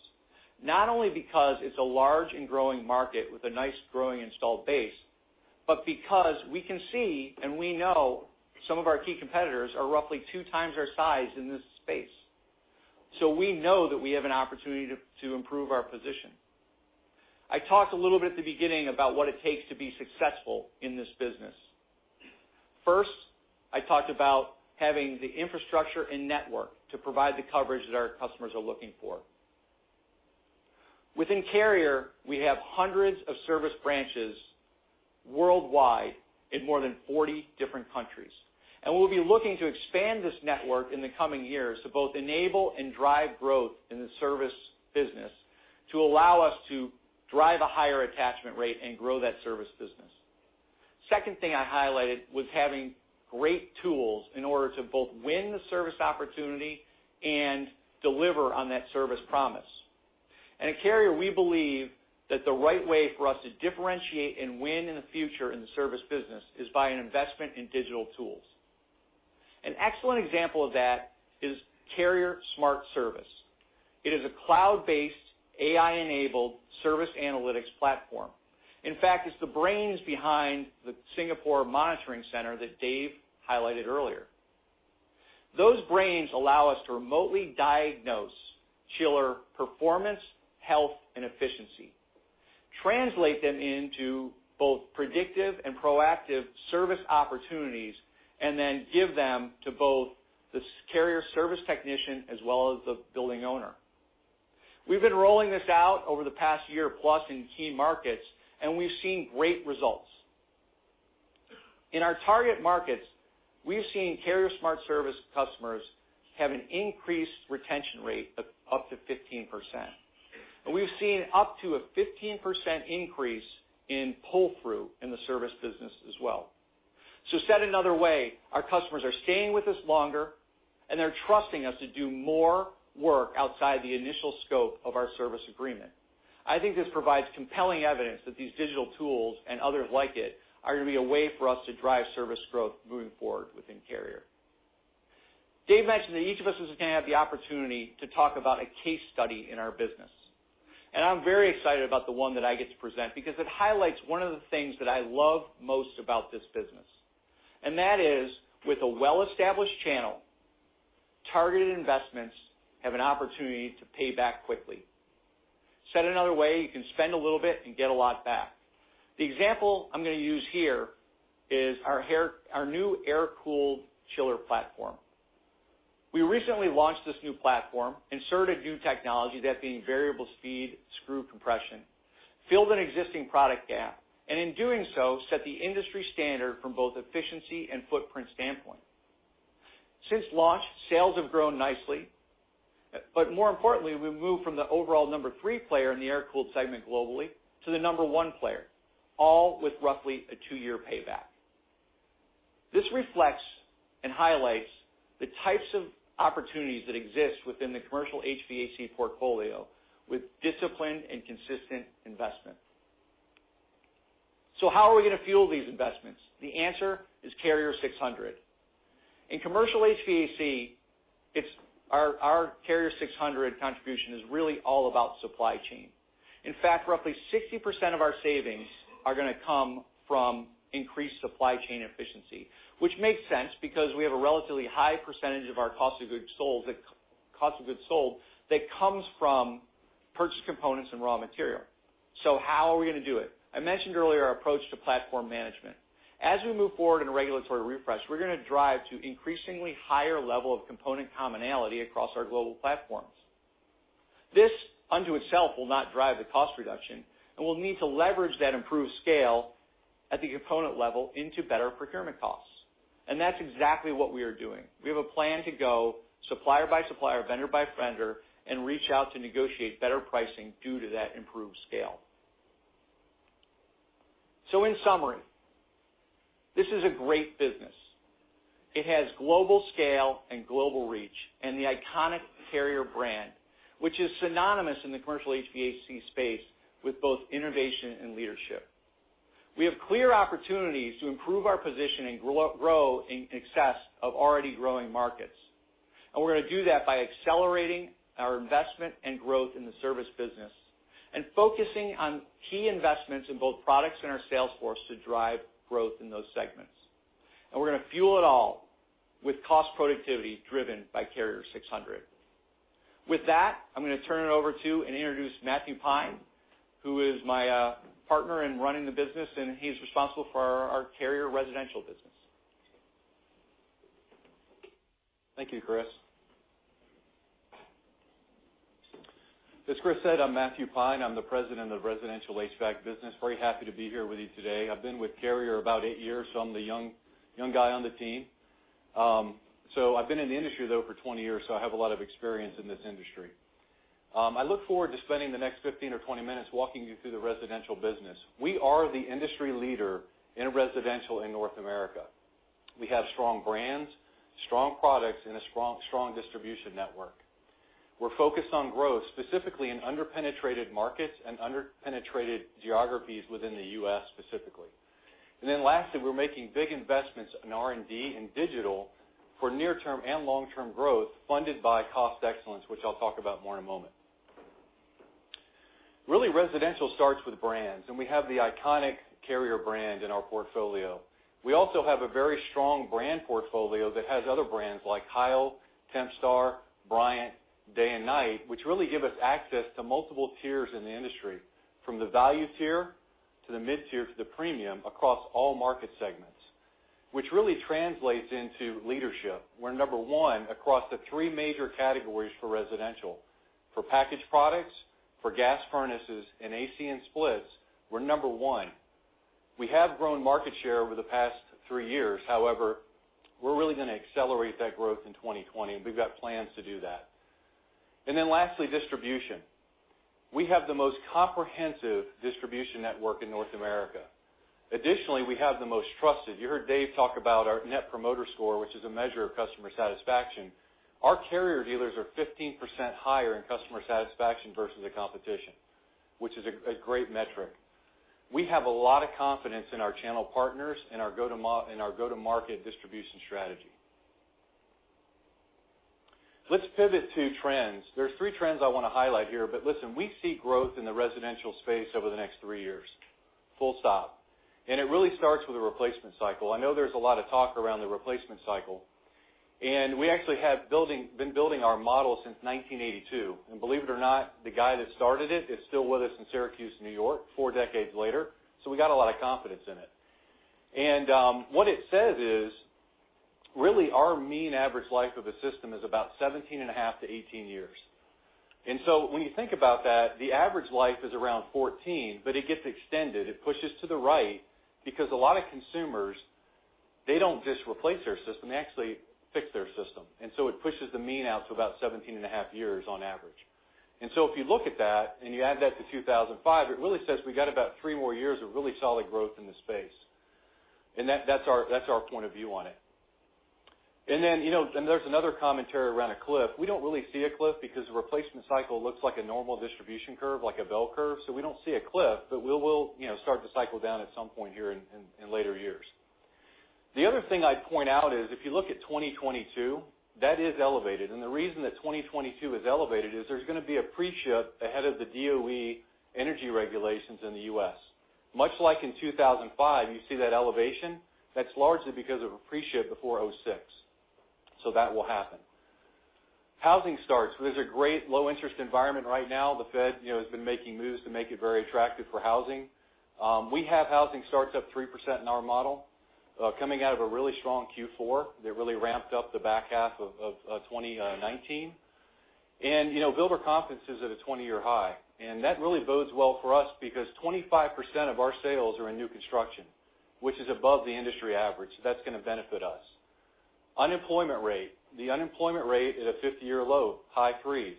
Not only because it's a large and growing market with a nice growing installed base, but because we can see and we know some of our key competitors are roughly two times our size in this space. We know that we have an opportunity to improve our position. I talked a little bit at the beginning about what it takes to be successful in this business. First, I talked about having the infrastructure and network to provide the coverage that our customers are looking for. Within Carrier, we have hundreds of service branches worldwide in more than 40 different countries. We'll be looking to expand this network in the coming years to both enable and drive growth in the service business to allow us to drive a higher attachment rate and grow that service business. Second thing I highlighted was having great tools in order to both win the service opportunity and deliver on that service promise. At Carrier, we believe that the right way for us to differentiate and win in the future in the service business is by an investment in digital tools. An excellent example of that is Carrier SMART Service. It is a cloud-based, AI-enabled service analytics platform. In fact, it's the brains behind the Singapore monitoring center that Dave highlighted earlier. Those brains allow us to remotely diagnose chiller performance, health, and efficiency, translate them into both predictive and proactive service opportunities, then give them to both the Carrier service technician as well as the building owner. We've been rolling this out over the past year plus in key markets. We've seen great results. In our target markets, we've seen Carrier SMART Service customers have an increased retention rate of up to 15%. We've seen up to a 15% increase in pull-through in the service business as well. Said another way, our customers are staying with us longer, they're trusting us to do more work outside the initial scope of our service agreement. I think this provides compelling evidence that these digital tools and others like it are going to be a way for us to drive service growth moving forward within Carrier. Dave mentioned that each of us is going to have the opportunity to talk about a case study in our business. I'm very excited about the one that I get to present because it highlights one of the things that I love most about this business. That is, with a well-established channel. Targeted investments have an opportunity to pay back quickly. Said another way, you can spend a little bit and get a lot back. The example I'm going to use here is our new air-cooled chiller platform. We recently launched this new platform, inserted new technology, that being variable speed screw compression, filled an existing product gap, and in doing so, set the industry standard from both efficiency and footprint standpoint. Since launch, sales have grown nicely, more importantly, we moved from the overall number three player in the air-cooled segment globally to the number one player, all with roughly a two-year payback. This reflects and highlights the types of opportunities that exist within the commercial HVAC portfolio with disciplined and consistent investment. How are we going to fuel these investments? The answer is Carrier 600. In commercial HVAC, our Carrier 600 contribution is really all about supply chain. In fact, roughly 60% of our savings are going to come from increased supply chain efficiency, which makes sense because we have a relatively high percentage of our cost of goods sold that comes from purchased components and raw material. How are we going to do it? I mentioned earlier our approach to platform management. As we move forward in a regulatory refresh, we're going to drive to increasingly higher level of component commonality across our global platforms. This, unto itself, will not drive the cost reduction, and we'll need to leverage that improved scale at the component level into better procurement costs. That's exactly what we are doing. We have a plan to go supplier by supplier, vendor by vendor, and reach out to negotiate better pricing due to that improved scale. In summary, this is a great business. It has global scale and global reach, and the iconic Carrier brand, which is synonymous in the commercial HVAC space with both innovation and leadership. We have clear opportunities to improve our position and grow in excess of already growing markets. We're going to do that by accelerating our investment and growth in the service business and focusing on key investments in both products and our sales force to drive growth in those segments. We're going to fuel it all with cost productivity driven by Carrier 600. With that, I'm going to turn it over to and introduce Matthew Pine, who is my partner in running the business, and he's responsible for our Carrier residential business. Thank you, Chris. As Chris said, I'm Matthew Pine. I'm the President of Residential HVAC business. Very happy to be here with you today. I've been with Carrier about eight years, I'm the young guy on the team. I've been in the industry, though, for 20 years, I have a lot of experience in this industry. I look forward to spending the next 15 or 20 minutes walking you through the residential business. We are the industry leader in residential in North America. We have strong brands, strong products, and a strong distribution network. We're focused on growth, specifically in under-penetrated markets and under-penetrated geographies within the U.S. specifically. Lastly, we're making big investments in R&D and digital for near-term and long-term growth funded by cost excellence, which I'll talk about more in a moment. Residential starts with brands. We have the iconic Carrier brand in our portfolio. We also have a very strong brand portfolio that has other brands like Heil, Tempstar, Bryant, Day & Night, which really give us access to multiple tiers in the industry, from the value tier to the mid-tier to the premium across all market segments, which really translates into leadership. We're number one across the three major categories for residential. For packaged products, for gas furnaces, and AC and splits, we're number one. We have grown market share over the past three years. We're really going to accelerate that growth in 2020, and we've got plans to do that. Lastly, distribution. We have the most comprehensive distribution network in North America. Additionally, we have the most trusted. You heard Dave talk about our Net Promoter Score, which is a measure of customer satisfaction. Our Carrier dealers are 15% higher in customer satisfaction versus the competition, which is a great metric. We have a lot of confidence in our channel partners and our go-to-market distribution strategy. Let's pivot to trends. Listen, we see growth in the residential space over the next three years. Full stop. It really starts with a replacement cycle. I know there's a lot of talk around the replacement cycle. We actually have been building our model since 1982. Believe it or not, the guy that started it is still with us in Syracuse, New York, four decades later, so we got a lot of confidence in it. What it says is, really our mean average life of a system is about 17 and a half to 18 years. When you think about that, the average life is around 14 years, but it gets extended. It pushes to the right because a lot of consumers, they don't just replace their system, they actually fix their system. It pushes the mean out to about 17.5 years on average. If you look at that and you add that to 2005, it really says we got about three more years of really solid growth in the space. That's our point of view on it. There's another commentary around a cliff. We don't really see a cliff because the replacement cycle looks like a normal distribution curve, like a bell curve. We don't see a cliff, but we will start to cycle down at some point here in later years. The other thing I'd point out is if you look at 2022, that is elevated. The reason that 2022 is elevated is there's going to be a pre-ship ahead of the DOE energy regulations in the U.S. Much like in 2005, you see that elevation. That's largely because of appreciate the R-410A. That will happen. Housing starts. There's a great low interest environment right now. The Fed has been making moves to make it very attractive for housing. We have housing starts up 3% in our model, coming out of a really strong Q4 that really ramped up the back half of 2019. Builder confidence is at a 20-year high, and that really bodes well for us because 25% of our sales are in new construction, which is above the industry average. That's going to benefit us. Unemployment rate. The unemployment rate is a 50-year low, high threes.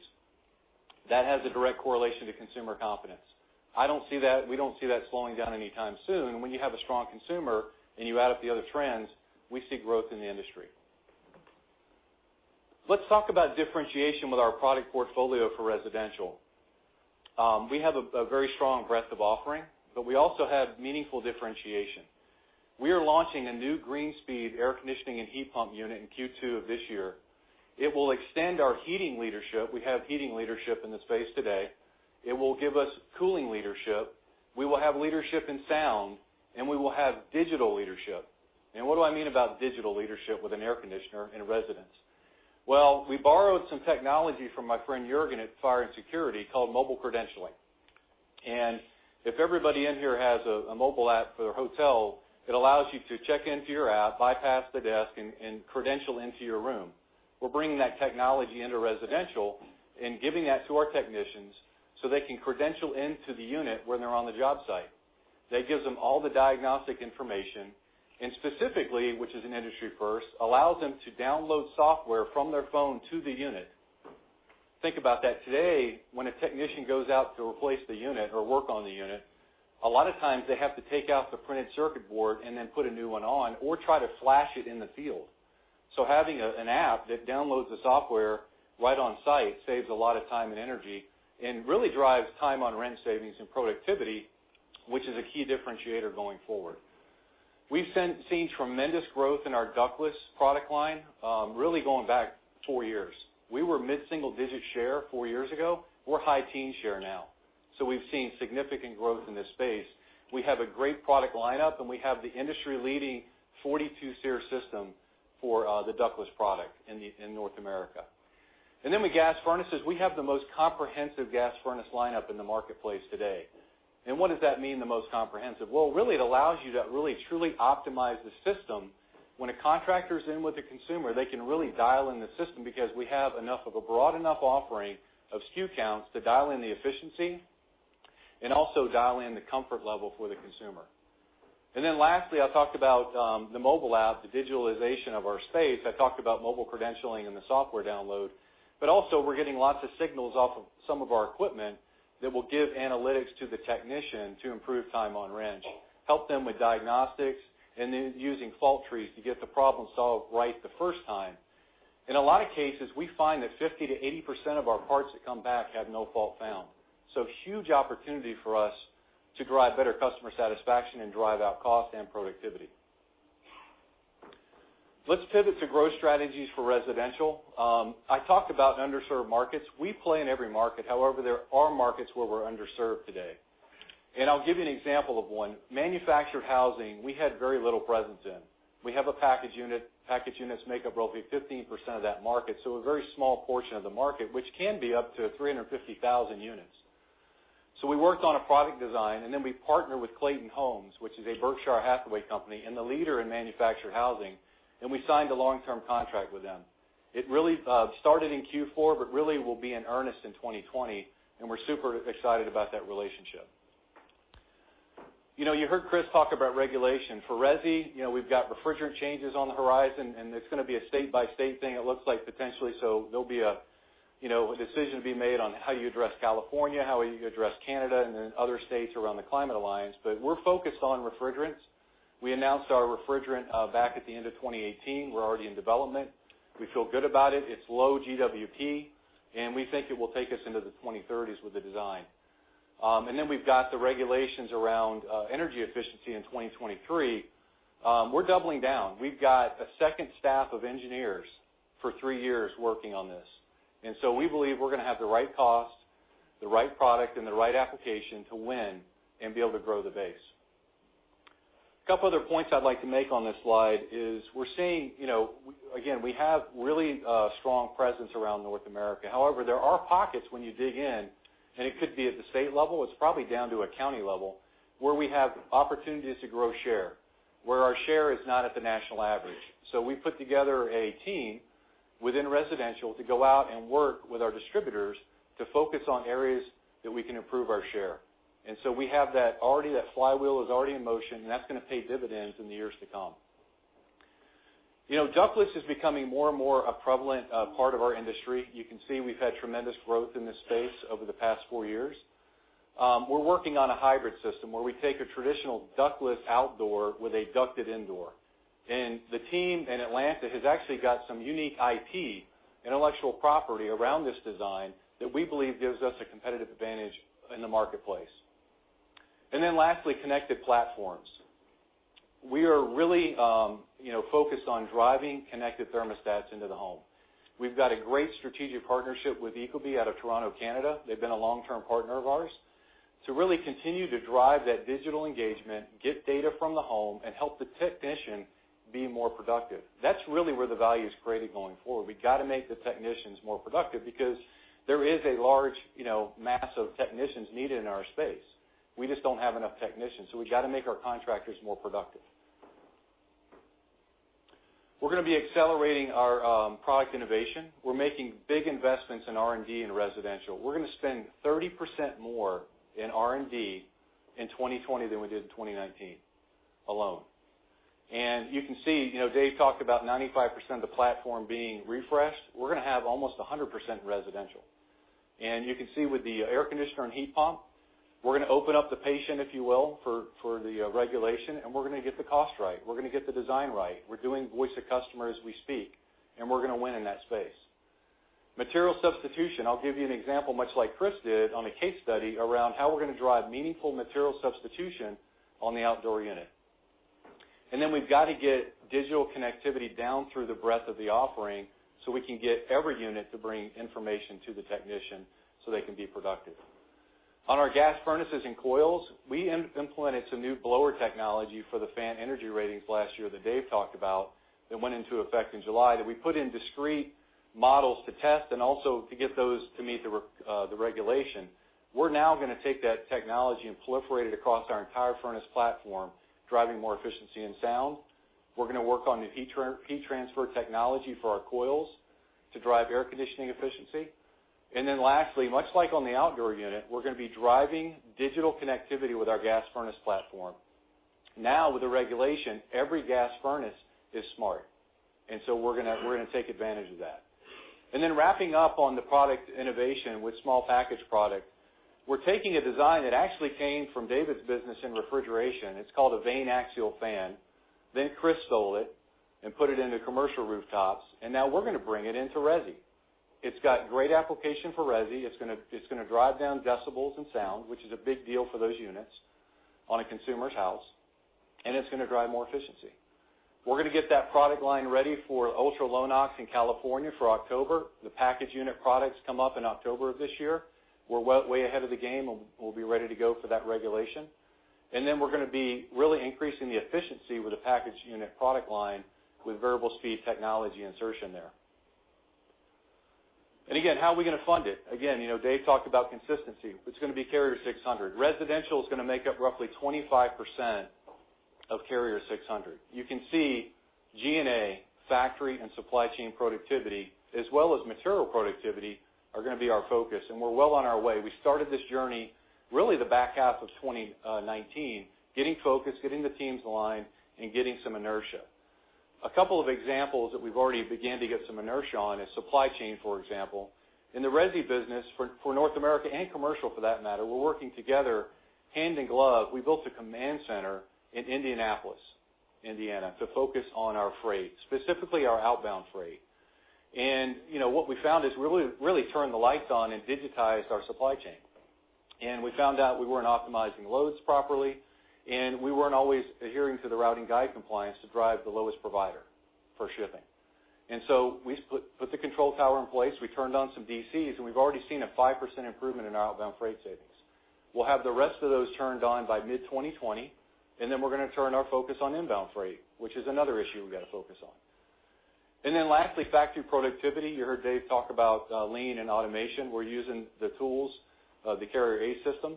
That has a direct correlation to consumer confidence. We don't see that slowing down anytime soon. When you have a strong consumer and you add up the other trends, we see growth in the industry. Let's talk about differentiation with our product portfolio for residential. We have a very strong breadth of offering, but we also have meaningful differentiation. We are launching a new Greenspeed air conditioning and heat pump unit in Q2 of this year. It will extend our heating leadership. We have heating leadership in the space today. It will give us cooling leadership. We will have leadership in sound, and we will have digital leadership. What do I mean about digital leadership with an air conditioner in a residence? Well, we borrowed some technology from my friend Jurgen at Fire and Security called mobile credentialing. If everybody in here has a mobile app for their hotel, it allows you to check into your app, bypass the desk, and credential into your room. We're bringing that technology into residential and giving that to our technicians so they can credential into the unit when they're on the job site. That gives them all the diagnostic information, specifically, which is an industry first, allows them to download software from their phone to the unit. Think about that. Today, when a technician goes out to replace the unit or work on the unit, a lot of times they have to take out the printed circuit board and then put a new one on, or try to flash it in the field. Having an app that downloads the software right on site saves a lot of time and energy and really drives time on rent savings and productivity, which is a key differentiator going forward. We've seen tremendous growth in our ductless product line, really going back four years. We were mid-single digit share four years ago. We're high teen share now. We've seen significant growth in this space. We have a great product lineup, and we have the industry-leading 42 SEER system for the ductless product in North America. With gas furnaces, we have the most comprehensive gas furnace lineup in the marketplace today. What does that mean, the most comprehensive? Well, really, it allows you to really, truly optimize the system. When a contractor is in with a consumer, they can really dial in the system because we have enough of a broad enough offering of SKU counts to dial in the efficiency and also dial in the comfort level for the consumer. Lastly, I talked about the mobile app, the digitalization of our space. I talked about mobile credentialing and the software download. Also, we're getting lots of signals off of some of our equipment that will give analytics to the technician to improve time on wrench, help them with diagnostics, and then using fault trees to get the problem solved right the first time. In a lot of cases, we find that 50%-80% of our parts that come back have no fault found. Huge opportunity for us to drive better customer satisfaction and drive out cost and productivity. Let's pivot to growth strategies for residential. I talked about underserved markets. We play in every market. There are markets where we're underserved today, and I'll give you an example of one. Manufactured housing, we had very little presence in. We have a packaged unit. Packaged units make up roughly 15% of that market, a very small portion of the market, which can be up to 350,000 units. We worked on a product design, and then we partnered with Clayton Homes, which is a Berkshire Hathaway company and the leader in manufactured housing, and we signed a long-term contract with them. It really started in Q4, but really will be in earnest in 2020, and we're super excited about that relationship. You heard Chris talk about regulation. For resi, we've got refrigerant changes on the horizon, and it's going to be a state-by-state thing, it looks like, potentially. There'll be a decision to be made on how you address California, how you address Canada, and then other states around the Climate Alliance. We're focused on refrigerants. We announced our refrigerant back at the end of 2018. We're already in development. We feel good about it. It's low GWP, and we think it will take us into the 2030s with the design. We've got the regulations around energy efficiency in 2023. We're doubling down. We've got a second staff of engineers for three years working on this. We believe we're going to have the right cost, the right product, and the right application to win and be able to grow the base. A couple other points I'd like to make on this slide is we're seeing, again, we have really strong presence around North America. There are pockets when you dig in, and it could be at the state level. It's probably down to a county level, where we have opportunities to grow share, where our share is not at the national average. We put together a team within residential to go out and work with our distributors to focus on areas that we can improve our share. We have that. That flywheel is already in motion, and that's going to pay dividends in the years to come. Ductless is becoming more and more a prevalent part of our industry. You can see we've had tremendous growth in this space over the past four years. We're working on a hybrid system where we take a traditional ductless outdoor with a ducted indoor. The team in Atlanta has actually got some unique IP, intellectual property, around this design that we believe gives us a competitive advantage in the marketplace. Lastly, connected platforms. We are really focused on driving connected thermostats into the home. We've got a great strategic partnership with ecobee out of Toronto, Canada, they've been a long-term partner of ours, to really continue to drive that digital engagement, get data from the home, and help the technician be more productive. That's really where the value is created going forward. We got to make the technicians more productive because there is a large mass of technicians needed in our space. We just don't have enough technicians, so we got to make our contractors more productive. We're going to be accelerating our product innovation. We're making big investments in R&D in residential. We're going to spend 30% more in R&D in 2020 than we did in 2019 alone. You can see, Dave talked about 95% of the platform being refreshed. We're going to have almost 100% residential. You can see with the air conditioner and heat pump, we're going to open up the patient, if you will, for the regulation, and we're going to get the cost right. We're going to get the design right. We're doing voice of customer as we speak, and we're going to win in that space. Material substitution, I'll give you an example, much like Chris did, on a case study around how we're going to drive meaningful material substitution on the outdoor unit. We've got to get digital connectivity down through the breadth of the offering so we can get every unit to bring information to the technician so they can be productive. On our gas furnaces and coils, we implemented some new blower technology for the Fan Energy Rating last year that Dave talked about, that went into effect in July, that we put in discrete models to test and also to get those to meet the regulation. We're now going to take that technology and proliferate it across our entire furnace platform, driving more efficiency and sound. We're going to work on the heat transfer technology for our coils to drive air conditioning efficiency. Lastly, much like on the outdoor unit, we're going to be driving digital connectivity with our gas furnace platform. Now with the regulation, every gas furnace is smart. We're going to take advantage of that. Wrapping up on the product innovation with small package product, we're taking a design that actually came from David's business in refrigeration. It's called a vane axial fan. Chris stole it and put it into commercial rooftops, now we're going to bring it into resi. It's got great application for resi. It's going to drive down decibels and sound, which is a big deal for those units on a consumer's house, and it's going to drive more efficiency. We're going to get that product line ready for ultra-low NOx in California for October. The package unit products come up in October of this year. We're way ahead of the game, and we'll be ready to go for that regulation. We're going to be really increasing the efficiency with the package unit product line with variable speed technology insertion there. How are we going to fund it? Dave talked about consistency. It's going to be Carrier 600. Residential is going to make up roughly 25% of Carrier 600. You can see G&A, factory, and supply chain productivity, as well as material productivity, are going to be our focus, and we're well on our way. We started this journey, really the back half of 2019, getting focused, getting the teams aligned, and getting some inertia. A couple of examples that we've already began to get some inertia on is supply chain, for example. In the resi business, for North America and commercial for that matter, we're working together hand in glove. We built a command center in Indianapolis, Indiana, to focus on our freight, specifically our outbound freight. What we found is we really turned the lights on and digitized our supply chain. We found out we weren't optimizing loads properly, and we weren't always adhering to the routing guide compliance to drive the lowest provider for shipping. We put the control tower in place. We turned on some DCs, and we've already seen a 5% improvement in our outbound freight savings. We'll have the rest of those turned on by mid-2020, and then we're going to turn our focus on inbound freight, which is another issue we got to focus on. Lastly, factory productivity. You heard Dave talk about lean and automation. We're using the tools, the Carrier Operating System,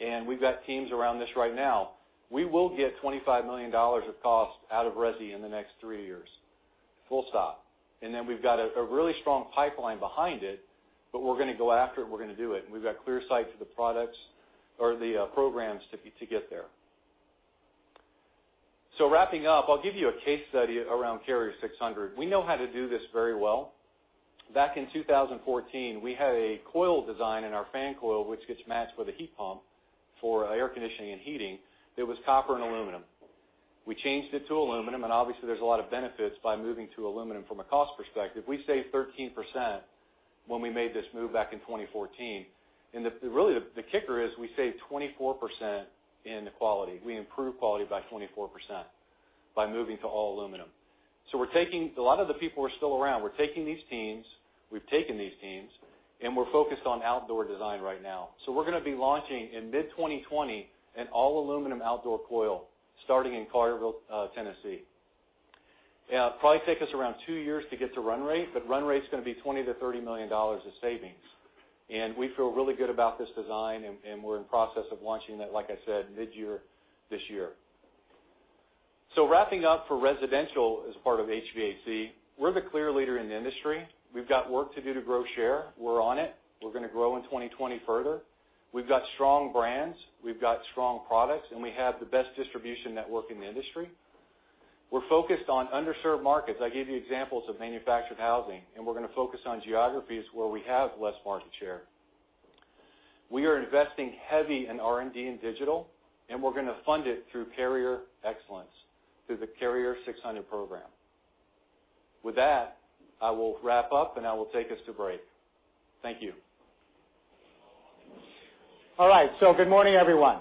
and we've got teams around this right now. We will get $25 million of cost out of resi in the next three years. Then we've got a really strong pipeline behind it, but we're going to go after it, and we're going to do it, and we've got clear sight to the products or the programs to get there. Wrapping up, I'll give you a case study around Carrier 600. We know how to do this very well. Back in 2014, we had a coil design in our fan coil, which gets matched with a heat pump for air conditioning and heating, that was copper and aluminum. We changed it to aluminum, obviously there's a lot of benefits by moving to aluminum from a cost perspective. We saved 13% when we made this move back in 2014. Really, the kicker is we saved 24% in the quality. We improved quality by 24% by moving to all aluminum. A lot of the people are still around. We're taking these teams, we're focused on outdoor design right now. We're going to be launching in mid-2020 an all-aluminum outdoor coil starting in Collierville, Tennessee. It'll probably take us around two years to get to run rate, run rate's going to be $20 million-$30 million of savings. We feel really good about this design, we're in the process of launching that, like I said, mid-year this year. Wrapping up for residential as part of HVAC. We're the clear leader in the industry. We've got work to do to grow share. We're on it. We're going to grow in 2020 further. We've got strong brands, we've got strong products, we have the best distribution network in the industry. We're focused on underserved markets. I gave you examples of manufactured housing, and we're going to focus on geographies where we have less market share. We are investing heavy in R&D and digital, and we're going to fund it through Carrier Excellence, through the Carrier 600 program. With that, I will wrap up, and I will take us to break. Thank you. All right. Good morning, everyone.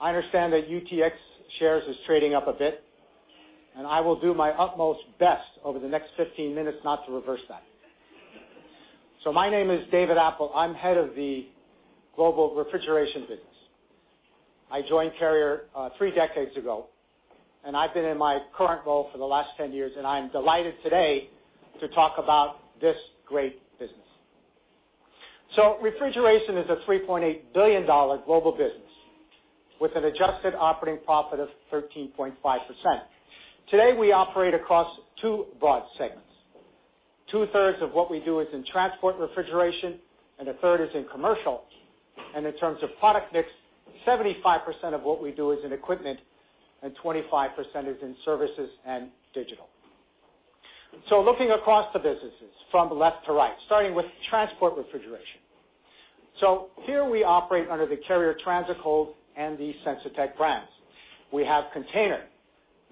I understand that UTX shares is trading up a bit, and I will do my utmost best over the next 15 minutes not to reverse that. My name is David Appel. I'm head of the global refrigeration business. I joined Carrier, three decades ago, and I've been in my current role for the last 10 years, and I am delighted today to talk about this great business. Refrigeration is a $3.8 billion global business with an adjusted operating profit of 13.5%. Today, we operate across two broad segments. Two-thirds of what we do is in transport refrigeration and a third is in commercial. In terms of product mix, 75% of what we do is in equipment and 25% is in services and digital. Looking across the businesses from left to right, starting with transport refrigeration. Here we operate under the Carrier Transicold and the Sensitech brands. We have container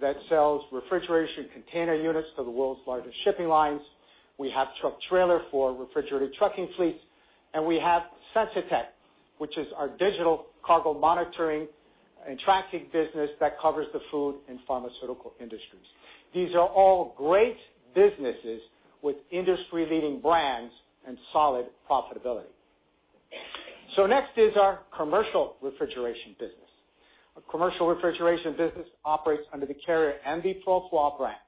that sells refrigeration container units to the world's largest shipping lines. We have truck trailer for refrigerated trucking fleets, and we have Sensitech, which is our digital cargo monitoring and tracking business that covers the food and pharmaceutical industries. These are all great businesses with industry-leading brands and solid profitability. Next is our commercial refrigeration business. Our commercial refrigeration business operates under the Carrier and the Profroid brands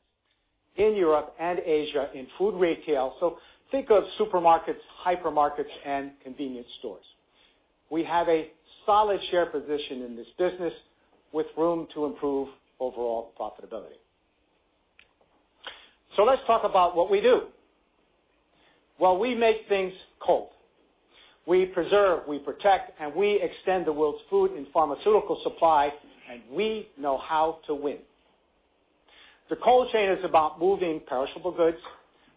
in Europe and Asia in food retail. Think of supermarkets, hypermarkets, and convenience stores. We have a solid share position in this business with room to improve overall profitability. Let's talk about what we do. Well, we make things cold. We preserve, we protect, and we extend the world's food and pharmaceutical supply, and we know how to win. The cold chain is about moving perishable goods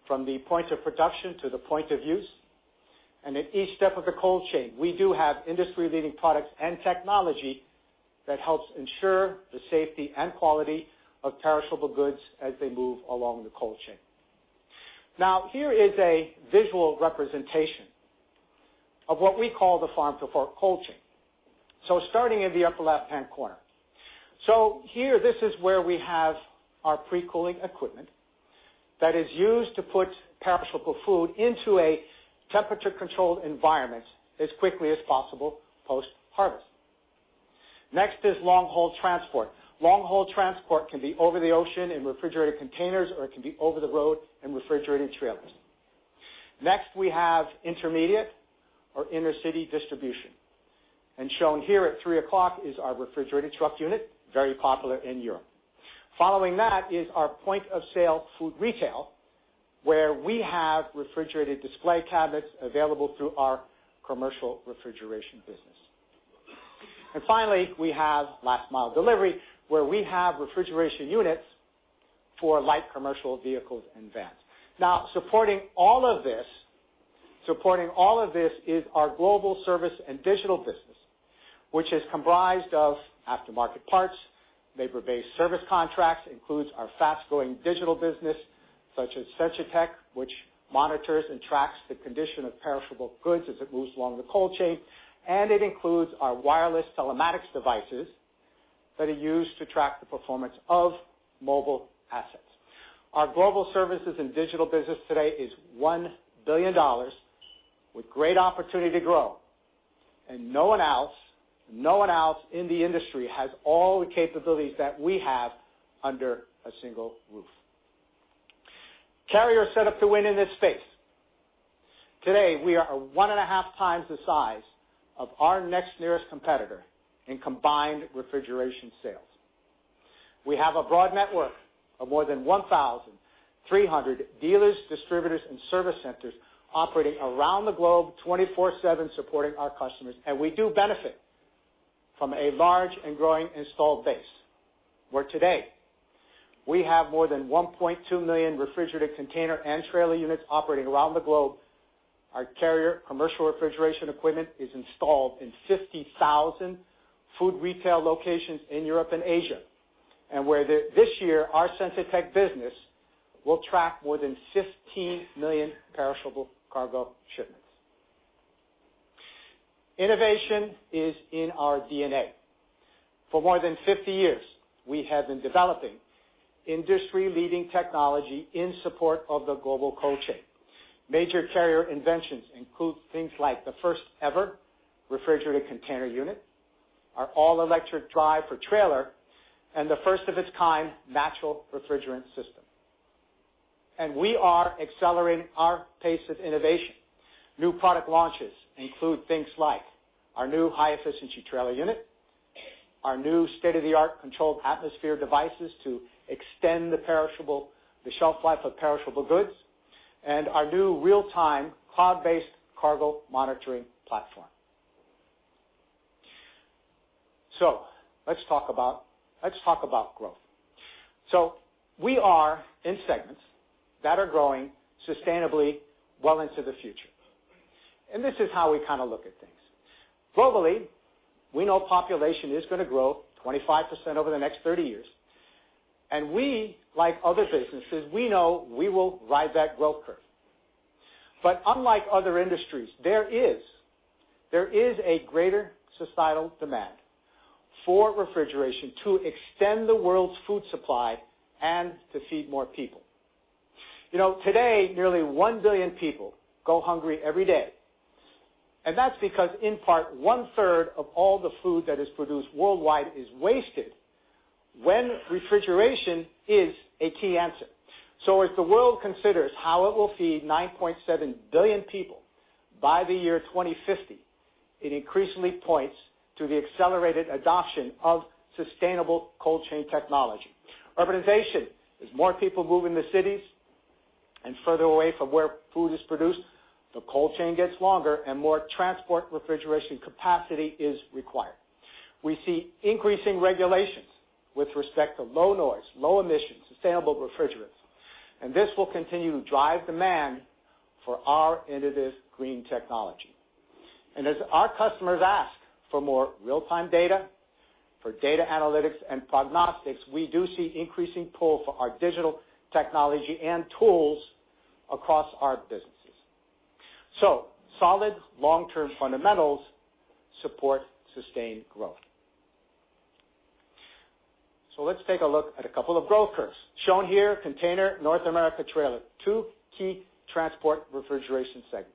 from the point of production to the point of use. At each step of the cold chain, we do have industry-leading products and technology that helps ensure the safety and quality of perishable goods as they move along the cold chain. Here is a visual representation of what we call the farm-to-fork cold chain. Starting in the upper left-hand corner, here, this is where we have our pre-cooling equipment that is used to put perishable food into a temperature-controlled environment as quickly as possible post-harvest. Next is long-haul transport. Long-haul transport can be over the ocean in refrigerated containers, or it can be over the road in refrigerated trailers. Next, we have intermediate or inner city distribution. Shown here at 3 o'clock is our refrigerated truck unit, very popular in Europe. Following that is our point of sale food retail, where we have refrigerated display cabinets available through our commercial refrigeration business. Finally, we have last-mile delivery, where we have refrigeration units for light commercial vehicles and vans. Now, supporting all of this is our global service and digital business, which is comprised of aftermarket parts, labor-based service contracts. Includes our fast-growing digital business such as Sensitech, which monitors and tracks the condition of perishable goods as it moves along the cold chain. It includes our wireless telematics devices that are used to track the performance of mobile assets. Our global services and digital business today is $1 billion with great opportunity to grow. No one else in the industry has all the capabilities that we have under a single roof. Carrier is set up to win in this space. Today, we are one and a half times the size of our next nearest competitor in combined refrigeration sales. We have a broad network of more than 1,300 dealers, distributors, and service centers operating around the globe 24/7 supporting our customers. We do benefit from a large and growing installed base, where today we have more than 1.2 million refrigerated container and trailer units operating around the globe. Our Carrier commercial refrigeration equipment is installed in 50,000 food retail locations in Europe and Asia. Where this year, our Sensitech business will track more than 15 million perishable cargo shipments. Innovation is in our DNA. For more than 50 years, we have been developing industry-leading technology in support of the global cold chain. Major Carrier inventions include things like the first-ever refrigerated container unit, our all-electric drive for trailer, and the first of its kind natural refrigerant system. We are accelerating our pace of innovation. New product launches include things like our new high-efficiency trailer unit, our new state-of-the-art controlled atmosphere devices to extend the shelf life of perishable goods, and our new real-time cloud-based cargo monitoring platform. Let's talk about growth. We are in segments that are growing sustainably well into the future. This is how we kind of look at things. Globally, we know population is going to grow 25% over the next 30 years. We, like other businesses, we know we will ride that growth curve. Unlike other industries, there is a greater societal demand for refrigeration to extend the world's food supply and to feed more people. Today, nearly 1 billion people go hungry every day, and that's because, in part, one-third of all the food that is produced worldwide is wasted when refrigeration is a key answer. As the world considers how it will feed 9.7 billion people by the year 2050, it increasingly points to the accelerated adoption of sustainable cold chain technology. Urbanization. As more people move into cities and further away from where food is produced, the cold chain gets longer and more transport refrigeration capacity is required. We see increasing regulations with respect to low noise, low emissions, sustainable refrigerants, and this will continue to drive demand for our innovative green technology. As our customers ask for more real-time data, for data analytics and prognostics, we do see increasing pull for our digital technology and tools across our businesses. Solid long-term fundamentals support sustained growth. Let's take a look at a couple of growth curves. Shown here, container, North America trailer. Two key transport refrigeration segments.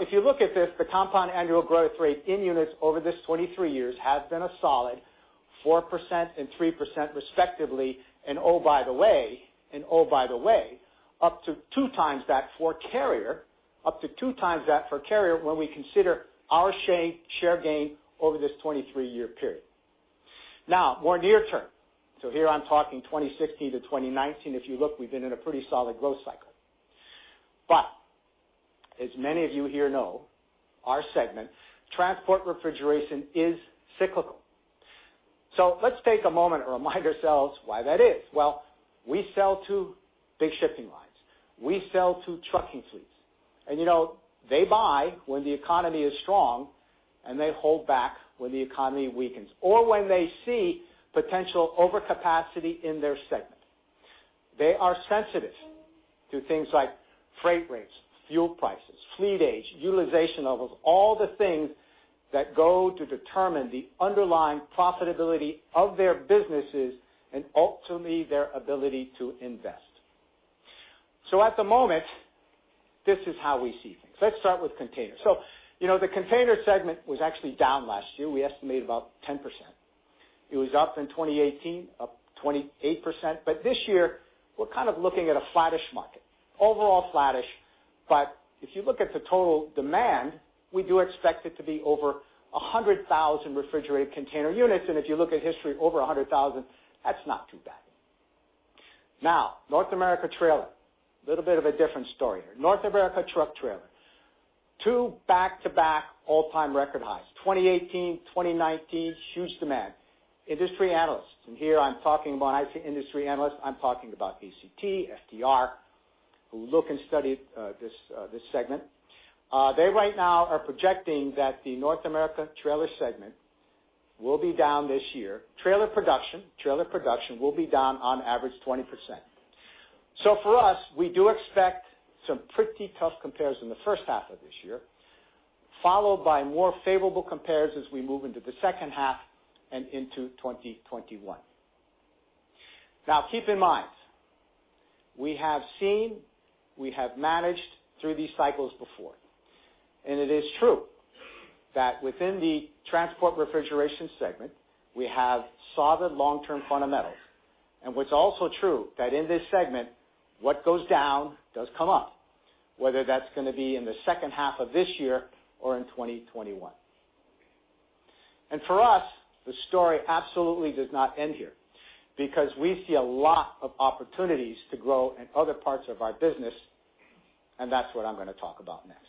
If you look at this, the compound annual growth rate in units over this 23 years has been a solid 4% and 3% respectively, and oh, by the way, up to 2x that for Carrier when we consider our share gain over this 23-year period. More near term. Here I'm talking 2016 to 2019. If you look, we've been in a pretty solid growth cycle. As many of you here know, our segment, transport refrigeration, is cyclical. Let's take a moment and remind ourselves why that is. Well, we sell to big shipping lines. We sell to trucking fleets. They buy when the economy is strong, and they hold back when the economy weakens or when they see potential overcapacity in their segment. They are sensitive to things like freight rates, fuel prices, fleet age, utilization levels, all the things that go to determine the underlying profitability of their businesses and ultimately their ability to invest. At the moment, this is how we see things. Let's start with containers. The container segment was actually down last year. We estimated about 10%. It was up in 2018, up 28%. This year, we're kind of looking at a flattish market. Overall flattish, but if you look at the total demand, we do expect it to be over 100,000 refrigerated container units. If you look at history, over 100,000, that's not too bad. North America trailer, little bit of a different story. North America truck trailer, two back-to-back all-time record highs, 2018, 2019, huge demand. Industry analysts, here I'm talking about industry analysts, I'm talking about ACT, FTR, who look and study this segment. They right now are projecting that the North America trailer segment will be down this year. Trailer production will be down on average 20%. For us, we do expect some pretty tough compares in the first half of this year, followed by more favorable compares as we move into the second half and into 2021. Keep in mind, we have seen, we have managed through these cycles before. It is true that within the transport refrigeration segment, we have solid long-term fundamentals. What's also true, that in this segment, what goes down, does come up, whether that's going to be in the second half of this year or in 2021. For us, the story absolutely does not end here because we see a lot of opportunities to grow in other parts of our business, and that's what I'm going to talk about next.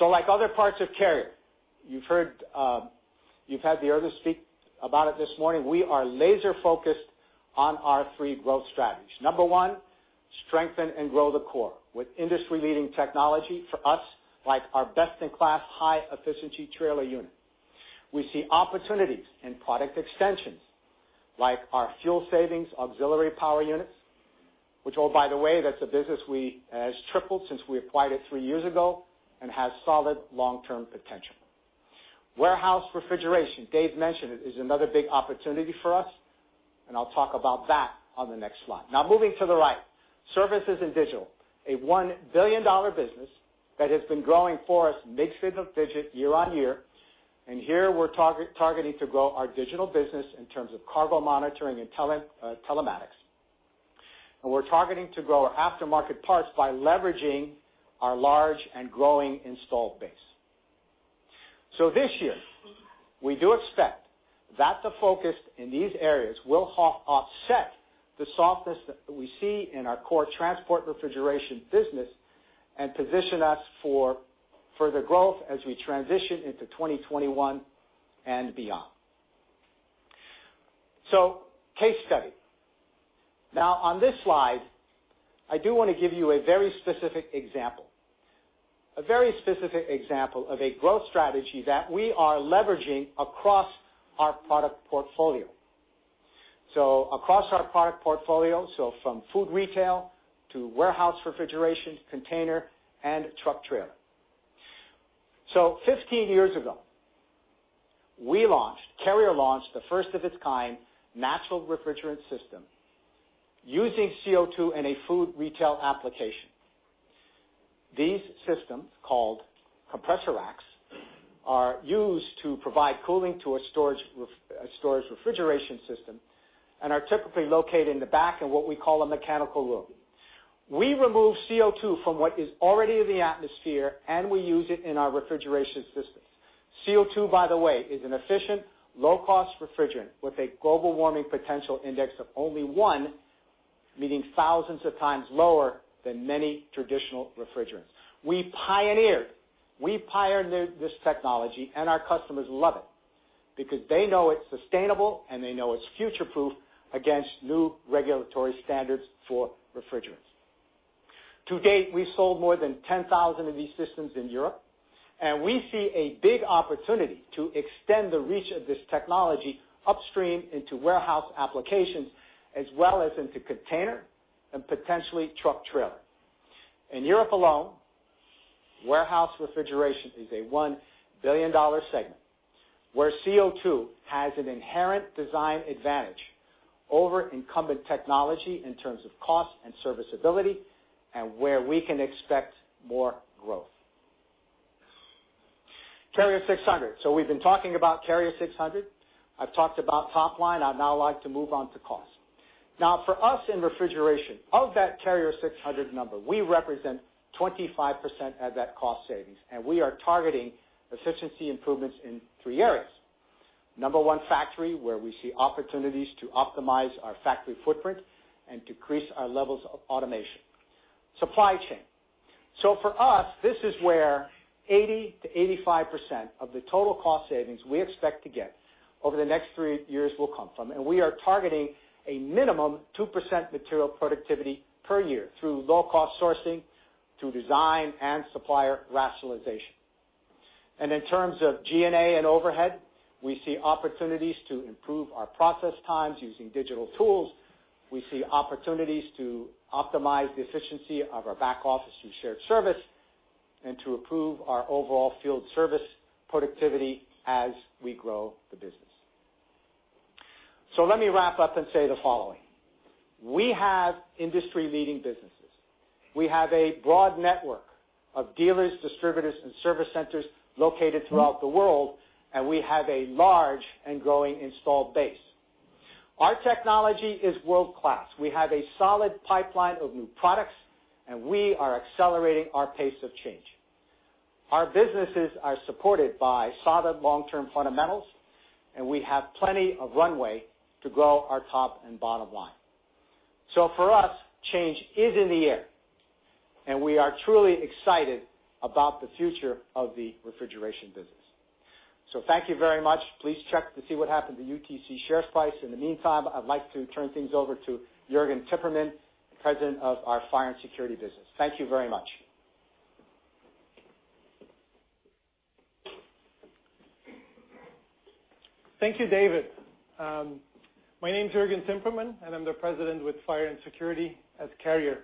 Like other parts of Carrier, you've had the ear to speak about it this morning, we are laser-focused on our three growth strategies. Number one, strengthen and grow the core with industry-leading technology for us, like our best-in-class high-efficiency trailer unit. We see opportunities in product extensions like our fuel savings auxiliary power units, which, oh, by the way, that's a business that has tripled since we acquired it three years ago and has solid long-term potential. Warehouse refrigeration, David mentioned it, is another big opportunity for us, and I'll talk about that on the next slide. Moving to the right, services and digital, a $1 billion business that has been growing for us mid-single digit year-over-year, and here we're targeting to grow our digital business in terms of cargo monitoring and telematics. We're targeting to grow our aftermarket parts by leveraging our large and growing installed base. This year, we do expect that the focus in these areas will offset the softness that we see in our core transport refrigeration business and position us for further growth as we transition into 2021 and beyond. Case study. On this slide, I do want to give you a very specific example of a growth strategy that we are leveraging across our product portfolio. Across our product portfolio, so from food retail to warehouse refrigeration, container, and truck trailer. 15 years ago, Carrier launched the first of its kind natural refrigerant system using CO₂ in a food retail application. These systems, called compressor racks, are used to provide cooling to a storage refrigeration system and are typically located in the back in what we call a mechanical room. We remove CO₂ from what is already in the atmosphere, and we use it in our refrigeration system. CO₂, by the way, is an efficient, low-cost refrigerant with a global warming potential index of only one, meaning thousands of times lower than many traditional refrigerants. We pioneered this technology, and our customers love it because they know it's sustainable, and they know it's future-proof against new regulatory standards for refrigerants. To date, we've sold more than 10,000 of these systems in Europe, and we see a big opportunity to extend the reach of this technology upstream into warehouse applications, as well as into container and potentially truck trailing. In Europe alone, warehouse refrigeration is a $1 billion segment, where CO₂ has an inherent design advantage over incumbent technology in terms of cost and serviceability, and where we can expect more growth. Carrier 600. We've been talking about Carrier 600. I've talked about top line. I'd now like to move on to cost. Now for us in refrigeration, of that Carrier 600 number, we represent 25% of that cost savings, and we are targeting efficiency improvements in three areas. Number one, factory, where we see opportunities to optimize our factory footprint and decrease our levels of automation. Supply chain. For us, this is where 80%-85% of the total cost savings we expect to get over the next three years will come from, and we are targeting a minimum 2% material productivity per year through low-cost sourcing, through design, and supplier rationalization. In terms of G&A and overhead, we see opportunities to improve our process times using digital tools. We see opportunities to optimize the efficiency of our back office through shared service and to improve our overall field service productivity as we grow the business. Let me wrap up and say the following. We have industry-leading businesses. We have a broad network of dealers, distributors, and service centers located throughout the world, and we have a large and growing installed base. Our technology is world-class. We have a solid pipeline of new products, and we are accelerating our pace of change. Our businesses are supported by solid long-term fundamentals, and we have plenty of runway to grow our top and bottom line. For us, change is in the air, and we are truly excited about the future of the refrigeration business. Thank you very much. Please check to see what happens to UTC share price. In the meantime, I'd like to turn things over to Jurgen Timperman, President of our Fire & Security business. Thank you very much. Thank you, David. My name's Jurgen Timperman, and I'm the President with Fire & Security at Carrier.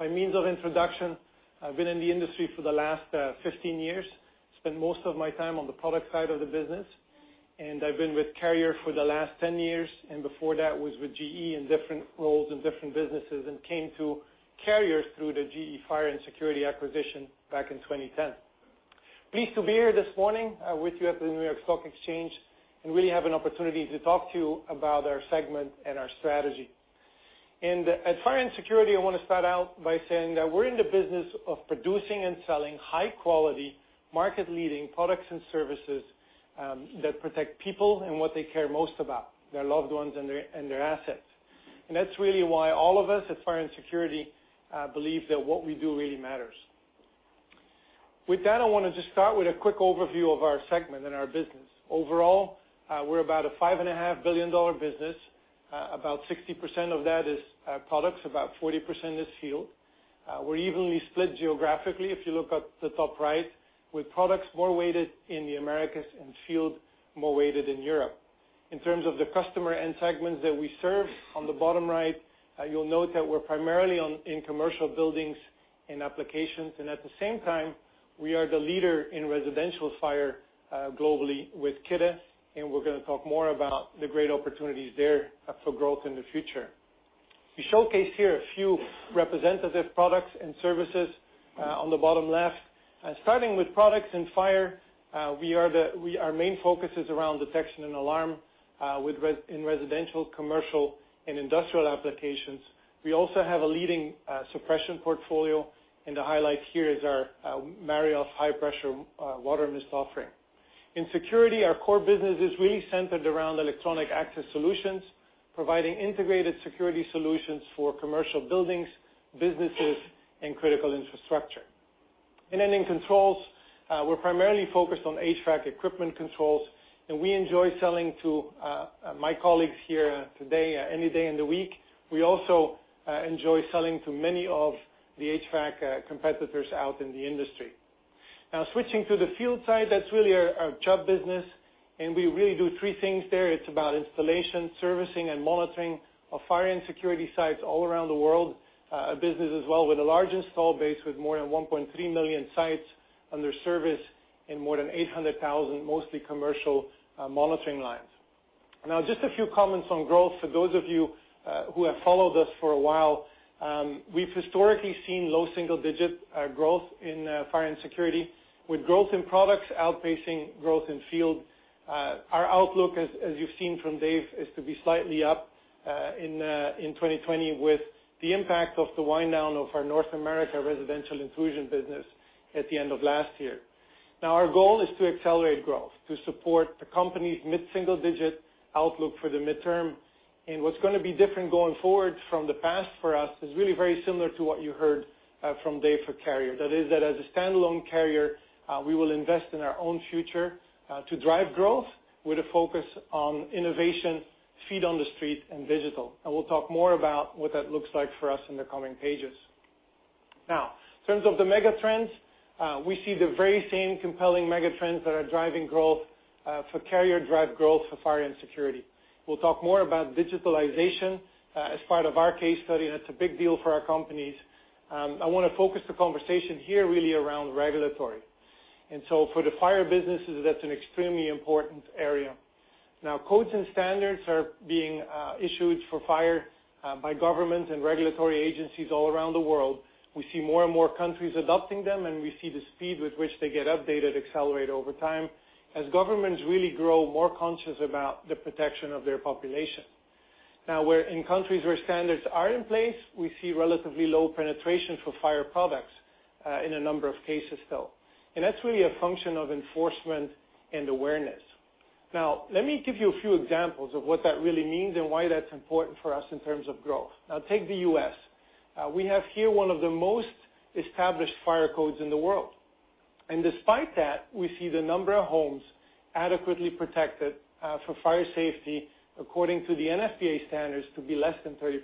By means of introduction, I've been in the industry for the last 15 years, spent most of my time on the product side of the business, and I've been with Carrier for the last 10 years, and before that was with GE in different roles and different businesses and came to Carrier through the GE Security acquisition back in 2010. Pleased to be here this morning with you at the New York Stock Exchange, really have an opportunity to talk to you about our segment and our strategy. At Fire & Security, I want to start out by saying that we're in the business of producing and selling high quality, market-leading products and services that protect people and what they care most about, their loved ones and their assets. That's really why all of us at Fire & Security believe that what we do really matters. With that, I want to just start with a quick overview of our segment and our business. Overall, we're about a $5.5 billion business. About 60% of that is products, about 40% is field. We're evenly split geographically, if you look at the top right, with products more weighted in the Americas, and field more weighted in Europe. In terms of the customer end segments that we serve, on the bottom right, you'll note that we're primarily in commercial buildings and applications. At the same time, we are the leader in residential fire globally with Kidde, and we're going to talk more about the great opportunities there for growth in the future. We showcase here a few representative products and services on the bottom left. Starting with Products & Fire, our main focus is around detection and alarm in residential, commercial, and industrial applications. We also have a leading suppression portfolio, and the highlight here is our Marioff high-pressure water mist offering. In security, our core business is really centered around electronic access solutions, providing integrated security solutions for commercial buildings, businesses, and critical infrastructure. In ending controls, we're primarily focused on HVAC equipment controls, and we enjoy selling to my colleagues here today, any day in the week. We also enjoy selling to many of the HVAC competitors out in the industry. Switching to the field side, that's really our Chubb business, and we really do three things there. It's about installation, servicing, and monitoring of fire and security sites all around the world. A business as well with a large install base with more than 1.3 million sites under service in more than 800,000 mostly commercial monitoring lines. Just a few comments on growth. For those of you who have followed us for a while, we've historically seen low single-digit growth in fire and security with growth in products outpacing growth in field. Our outlook, as you've seen from Dave, is to be slightly up in 2020 with the impact of the wind down of our North America residential intrusion business at the end of last year. Our goal is to accelerate growth to support the company's mid-single digit outlook for the midterm. What's going to be different going forward from the past for us is really very similar to what you heard from Dave for Carrier. That is that as a standalone Carrier, we will invest in our own future to drive growth with a focus on innovation, feet on the street, and digital. We'll talk more about what that looks like for us in the coming pages. In terms of the mega trends, we see the very same compelling mega trends that are driving growth for Carrier drive growth for fire and security. We'll talk more about digitalization as part of our case study, and it's a big deal for our companies. I want to focus the conversation here really around regulatory. For the fire businesses, that's an extremely important area. Codes and standards are being issued for fire by governments and regulatory agencies all around the world. We see more and more countries adopting them. We see the speed with which they get updated accelerate over time as governments really grow more conscious about the protection of their population. In countries where standards are in place, we see relatively low penetration for fire products in a number of cases still. That's really a function of enforcement and awareness. Let me give you a few examples of what that really means and why that's important for us in terms of growth. Take the U.S. We have here one of the most established fire codes in the world. Despite that, we see the number of homes adequately protected for fire safety, according to the NFPA standards, to be less than 30%.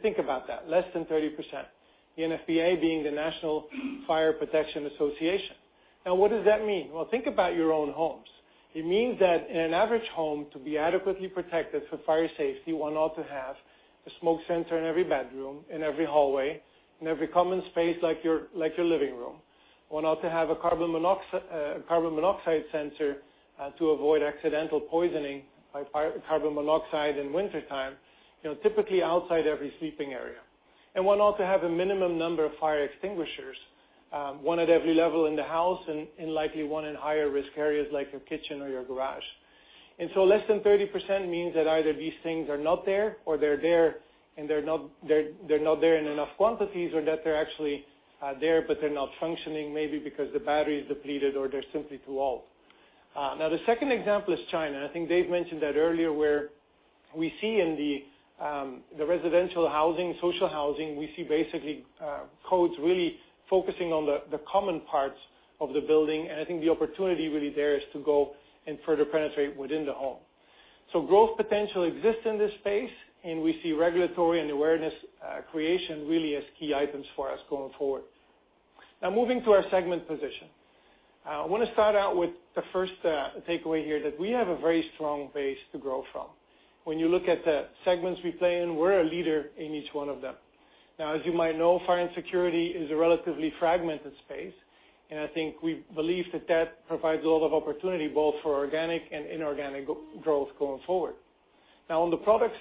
Think about that, less than 30%. The NFPA being the National Fire Protection Association. What does that mean? Well, think about your own homes. It means that in an average home, to be adequately protected for fire safety, one ought to have a smoke sensor in every bedroom, in every hallway, in every common space like your living room. One ought to have a carbon monoxide sensor to avoid accidental poisoning by carbon monoxide in wintertime, typically outside every sleeping area. One ought to have a minimum number of fire extinguishers, one at every level in the house and likely one in higher risk areas like your kitchen or your garage. Less than 30% means that either these things are not there or they're there and they're not there in enough quantities or that they're actually there, but they're not functioning, maybe because the battery is depleted or they're simply too old. Now, the second example is China. I think Dave mentioned that earlier, where we see in the residential housing, social housing, we see basically codes really focusing on the common parts of the building. I think the opportunity really there is to go and further penetrate within the home. Growth potential exists in this space, and we see regulatory and awareness creation really as key items for us going forward. Moving to our segment position. I want to start out with the first takeaway here, that we have a very strong base to grow from. When you look at the segments we play in, we're a leader in each one of them. As you might know, fire and security is a relatively fragmented space, and I think we believe that that provides a lot of opportunity both for organic and inorganic growth going forward. On the product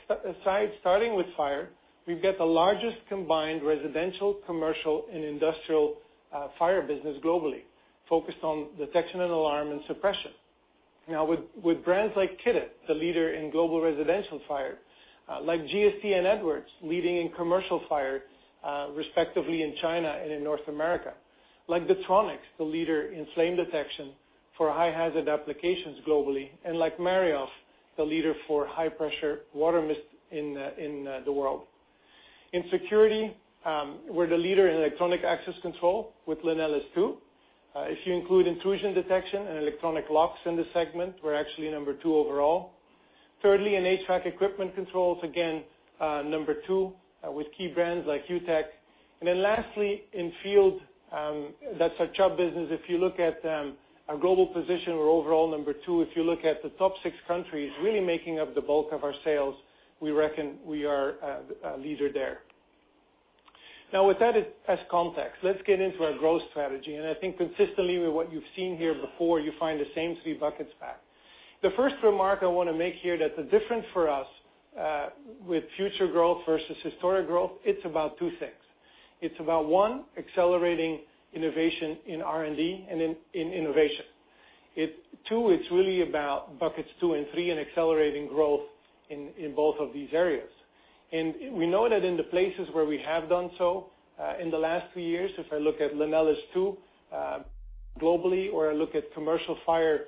side, starting with fire, we've got the largest combined residential, commercial, and industrial fire business globally, focused on detection and alarm and suppression. With brands like Kidde, the leader in global residential fire, like GST and Edwards, leading in commercial fire, respectively in China and in North America. Like Det-Tronics, the leader in flame detection for high hazard applications globally. Like Marioff, the leader for high pressure water mist in the world. In security, we're the leader in electronic access control with LenelS2. If you include intrusion detection and electronic locks in this segment, we're actually number two overall. Thirdly, in HVAC equipment controls, again, number two with key brands like UTEC. Lastly, in field, that's our Chubb business. If you look at our global position, we're overall number two. If you look at the top six countries really making up the bulk of our sales, we reckon we are a leader there. Now, with that as context, let's get into our growth strategy. I think consistently with what you've seen here before, you find the same three buckets back. The first remark I want to make here that the difference for us with future growth versus historic growth, it's about two things. It's about, one, accelerating innovation in R&D and in innovation. Two, it's really about buckets two and three and accelerating growth in both of these areas. We know that in the places where we have done so in the last few years, if I look at LenelS2 globally, or look at commercial fire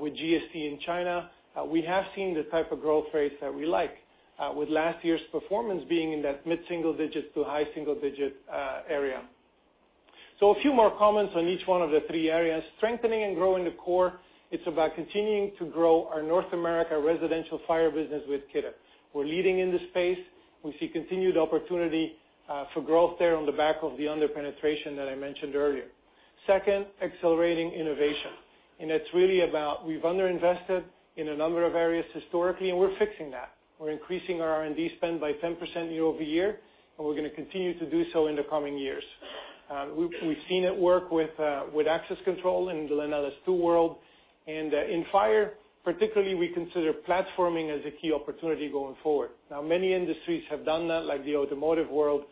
with GST in China, we have seen the type of growth rates that we like, with last year's performance being in that mid-single digit to high single-digit area. A few more comments on each one of the three areas. Strengthening and growing the core, it's about continuing to grow our North America residential fire business with Kidde. We're leading in the space. We see continued opportunity for growth there on the back of the under-penetration that I mentioned earlier. Second, accelerating innovation. It's really about, we've under-invested in a number of areas historically, and we're fixing that. We're increasing our R&D spend by 10% year-over-year, and we're going to continue to do so in the coming years. We've seen it work with access control in the LenelS2 world, and in fire, particularly, we consider platforming as a key opportunity going forward. Many industries have done that, like the automotive world.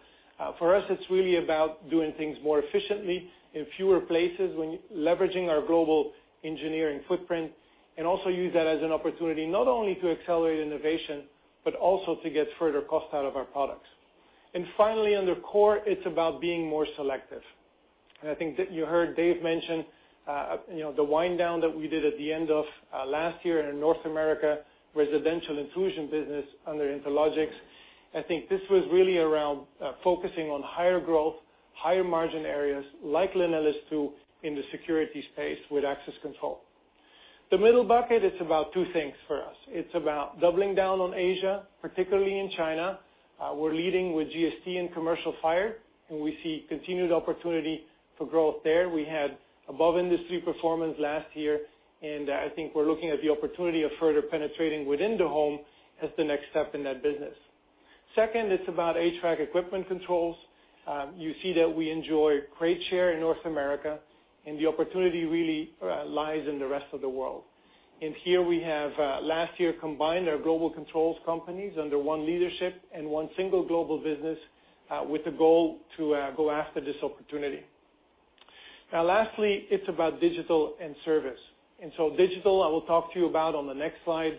For us, it's really about doing things more efficiently in fewer places when leveraging our global engineering footprint, and also use that as an opportunity not only to accelerate innovation, but also to get further cost out of our products. Finally, under core, it's about being more selective. I think that you heard Dave mention the wind down that we did at the end of last year in North America residential intrusion business under Interlogix. I think this was really around focusing on higher growth, higher margin areas like LenelS2 in the security space with access control. The middle bucket, it's about two things for us. It's about doubling down on Asia, particularly in China. We're leading with GST in commercial fire, and we see continued opportunity for growth there. We had above-industry performance last year, and I think we're looking at the opportunity of further penetrating within the home as the next step in that business. Second, it's about HVAC equipment controls. You see that we enjoy great share in North America, and the opportunity really lies in the rest of the world. Here we have, last year, combined our global controls companies under one leadership and one single global business with a goal to go after this opportunity. Now, lastly, it's about digital and service. Digital, I will talk to you about on the next slide.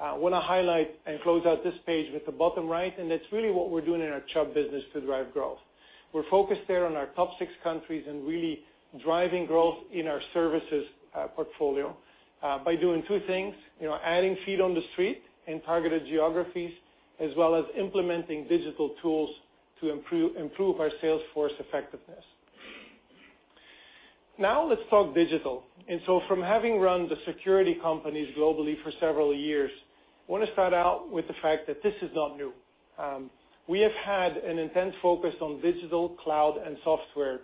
I want to highlight and close out this page with the bottom right, and that's really what we're doing in our Chubb business to drive growth. We're focused there on our top six countries and really driving growth in our services portfolio by doing two things, adding feet on the street in targeted geographies, as well as implementing digital tools to improve our sales force effectiveness. Now let's talk digital. From having run the security companies globally for several years, I want to start out with the fact that this is not new. We have had an intense focus on digital, cloud, and software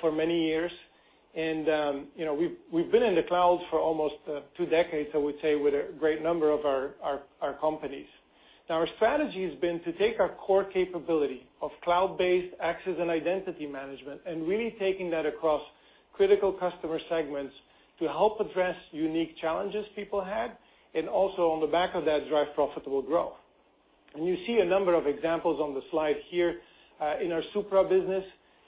for many years. We've been in the cloud for almost two decades, I would say, with a great number of our companies. Our strategy has been to take our core capability of cloud-based access and identity management and really taking that across critical customer segments to help address unique challenges people had, and also on the back of that, drive profitable growth. You see a number of examples on the slide here in our Supra business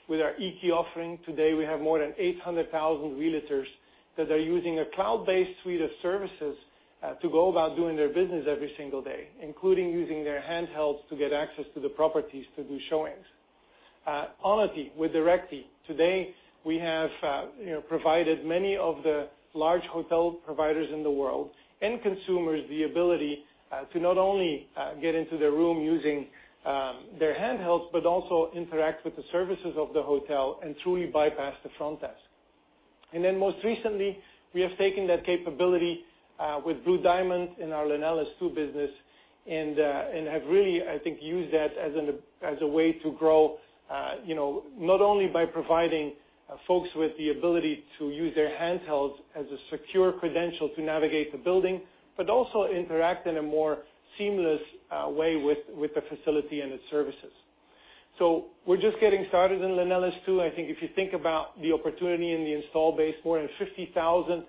with our eKEY offering. Today, we have more than 800,000 realtors that are using a cloud-based suite of services to go about doing their business every single day, including using their handhelds to get access to the properties to do showings. Onity with DirectKey. Today, we have provided many of the large hotel providers in the world and consumers the ability to not only get into their room using their handhelds, but also interact with the services of the hotel and truly bypass the front desk. Most recently, we have taken that capability with BlueDiamond in our LenelS2 business and have really, I think, used that as a way to grow, not only by providing folks with the ability to use their handhelds as a secure credential to navigate the building, but also interact in a more seamless way with the facility and its services. We're just getting started in LenelS2. I think if you think about the opportunity in the install base, more than 50,000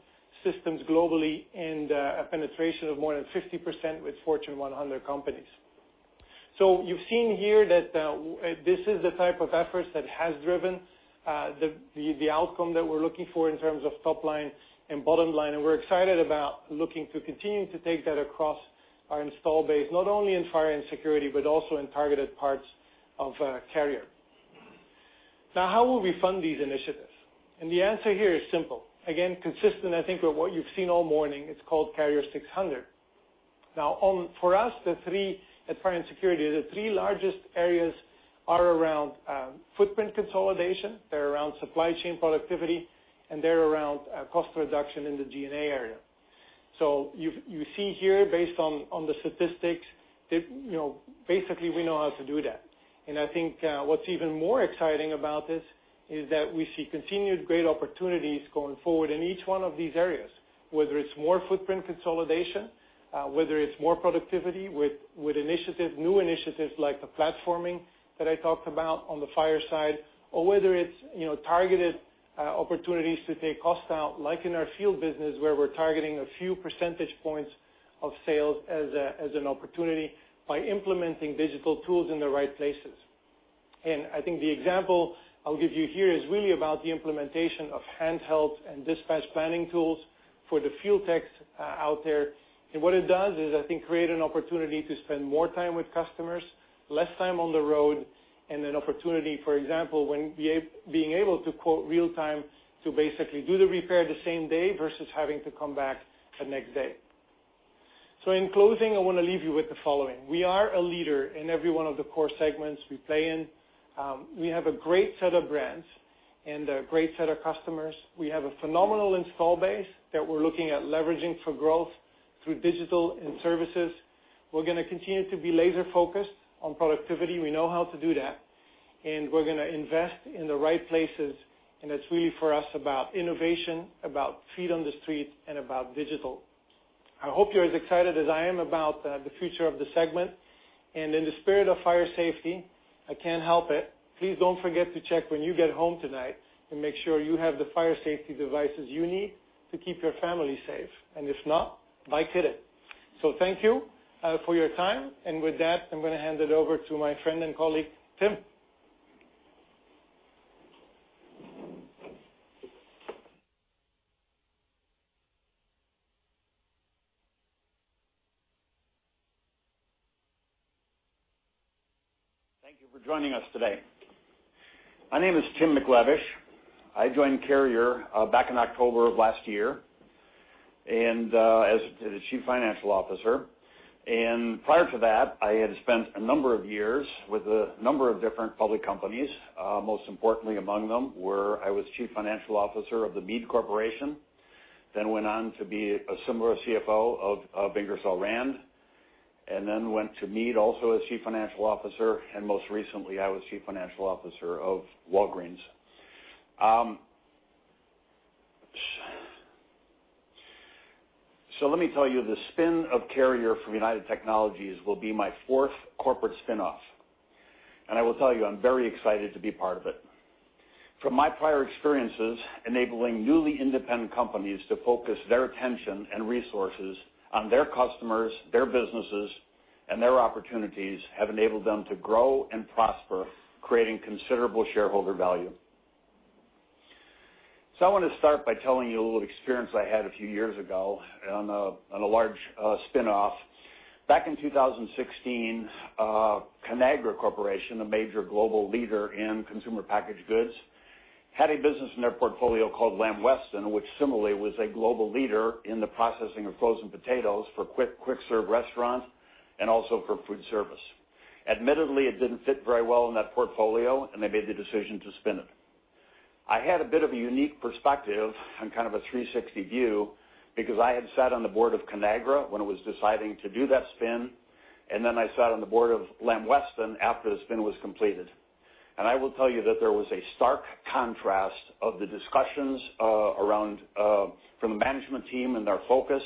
systems globally and a penetration of more than 50% with Fortune 100 companies. You've seen here that this is the type of efforts that has driven the outcome that we're looking for in terms of top line and bottom line, and we're excited about looking to continue to take that across our install base, not only in Fire & Security, but also in targeted parts of Carrier. How will we fund these initiatives? The answer here is simple. Again, consistent, I think, with what you've seen all morning. It's called Carrier 600. For us at Fire & Security, the three largest areas are around footprint consolidation, they're around supply chain productivity, and they're around cost reduction in the G&A area. You see here, based on the statistics, basically we know how to do that. I think what's even more exciting about this is that we see continued great opportunities going forward in each one of these areas, whether it's more footprint consolidation, whether it's more productivity with initiatives, new initiatives like the platforming that I talked about on the fire side, or whether it's targeted opportunities to take cost out, like in our field business, where we're targeting a few percentage points of sales as an opportunity by implementing digital tools in the right places. I think the example I'll give you here is really about the implementation of handheld and dispatch planning tools for the fuel techs out there, and what it does is, I think, create an opportunity to spend more time with customers, less time on the road, and an opportunity, for example, when being able to quote real-time to basically do the repair the same day versus having to come back the next day. In closing, I want to leave you with the following. We are a leader in every one of the core segments we play in. We have a great set of brands and a great set of customers. We have a phenomenal install base that we're looking at leveraging for growth through digital and services. We're going to continue to be laser-focused on productivity. We know how to do that, and we're going to invest in the right places, and it's really for us about innovation, about feet on the street, and about digital. I hope you're as excited as I am about the future of the segment. In the spirit of fire safety, I can't help it, please don't forget to check when you get home tonight and make sure you have the fire safety devices you need to keep your family safe. If not, buy Kidde. Thank you for your time. With that, I'm going to hand it over to my friend and colleague, Tim. Thank you for joining us today. My name is Tim McLevish. I joined Carrier back in October of last year as the Chief Financial Officer. Prior to that, I had spent a number of years with a number of different public companies. Most importantly among them were I was Chief Financial Officer of the Mead Corporation, then went on to be a similar CFO of Ingersoll Rand, and then went to Mead, also as Chief Financial Officer, and most recently I was Chief Financial Officer of Walgreens. Let me tell you, the spin of Carrier from United Technologies will be my fourth corporate spin-off. I will tell you, I'm very excited to be part of it. From my prior experiences, enabling newly independent companies to focus their attention and resources on their customers, their businesses, and their opportunities have enabled them to grow and prosper, creating considerable shareholder value. I want to start by telling you a little experience I had a few years ago on a large spin-off. Back in 2016, Conagra Corporation, a major global leader in consumer packaged goods, had a business in their portfolio called Lamb Weston, which similarly was a global leader in the processing of frozen potatoes for quick-serve restaurants and also for food service. Admittedly, it didn't fit very well in that portfolio, and they made the decision to spin it. I had a bit of a unique perspective on kind of a 360 view because I had sat on the board of Conagra when it was deciding to do that spin, then I sat on the board of Lamb Weston after the spin was completed. I will tell you that there was a stark contrast of the discussions from the management team and their focus.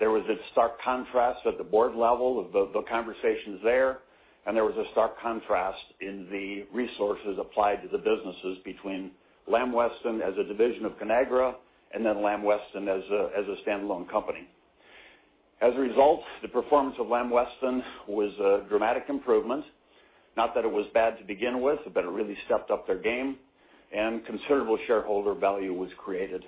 There was a stark contrast at the board level of the conversations there, and there was a stark contrast in the resources applied to the businesses between Lamb Weston as a division of Conagra and then Lamb Weston as a standalone company. As a result, the performance of Lamb Weston was a dramatic improvement, not that it was bad to begin with, but it really stepped up their game and considerable shareholder value was created.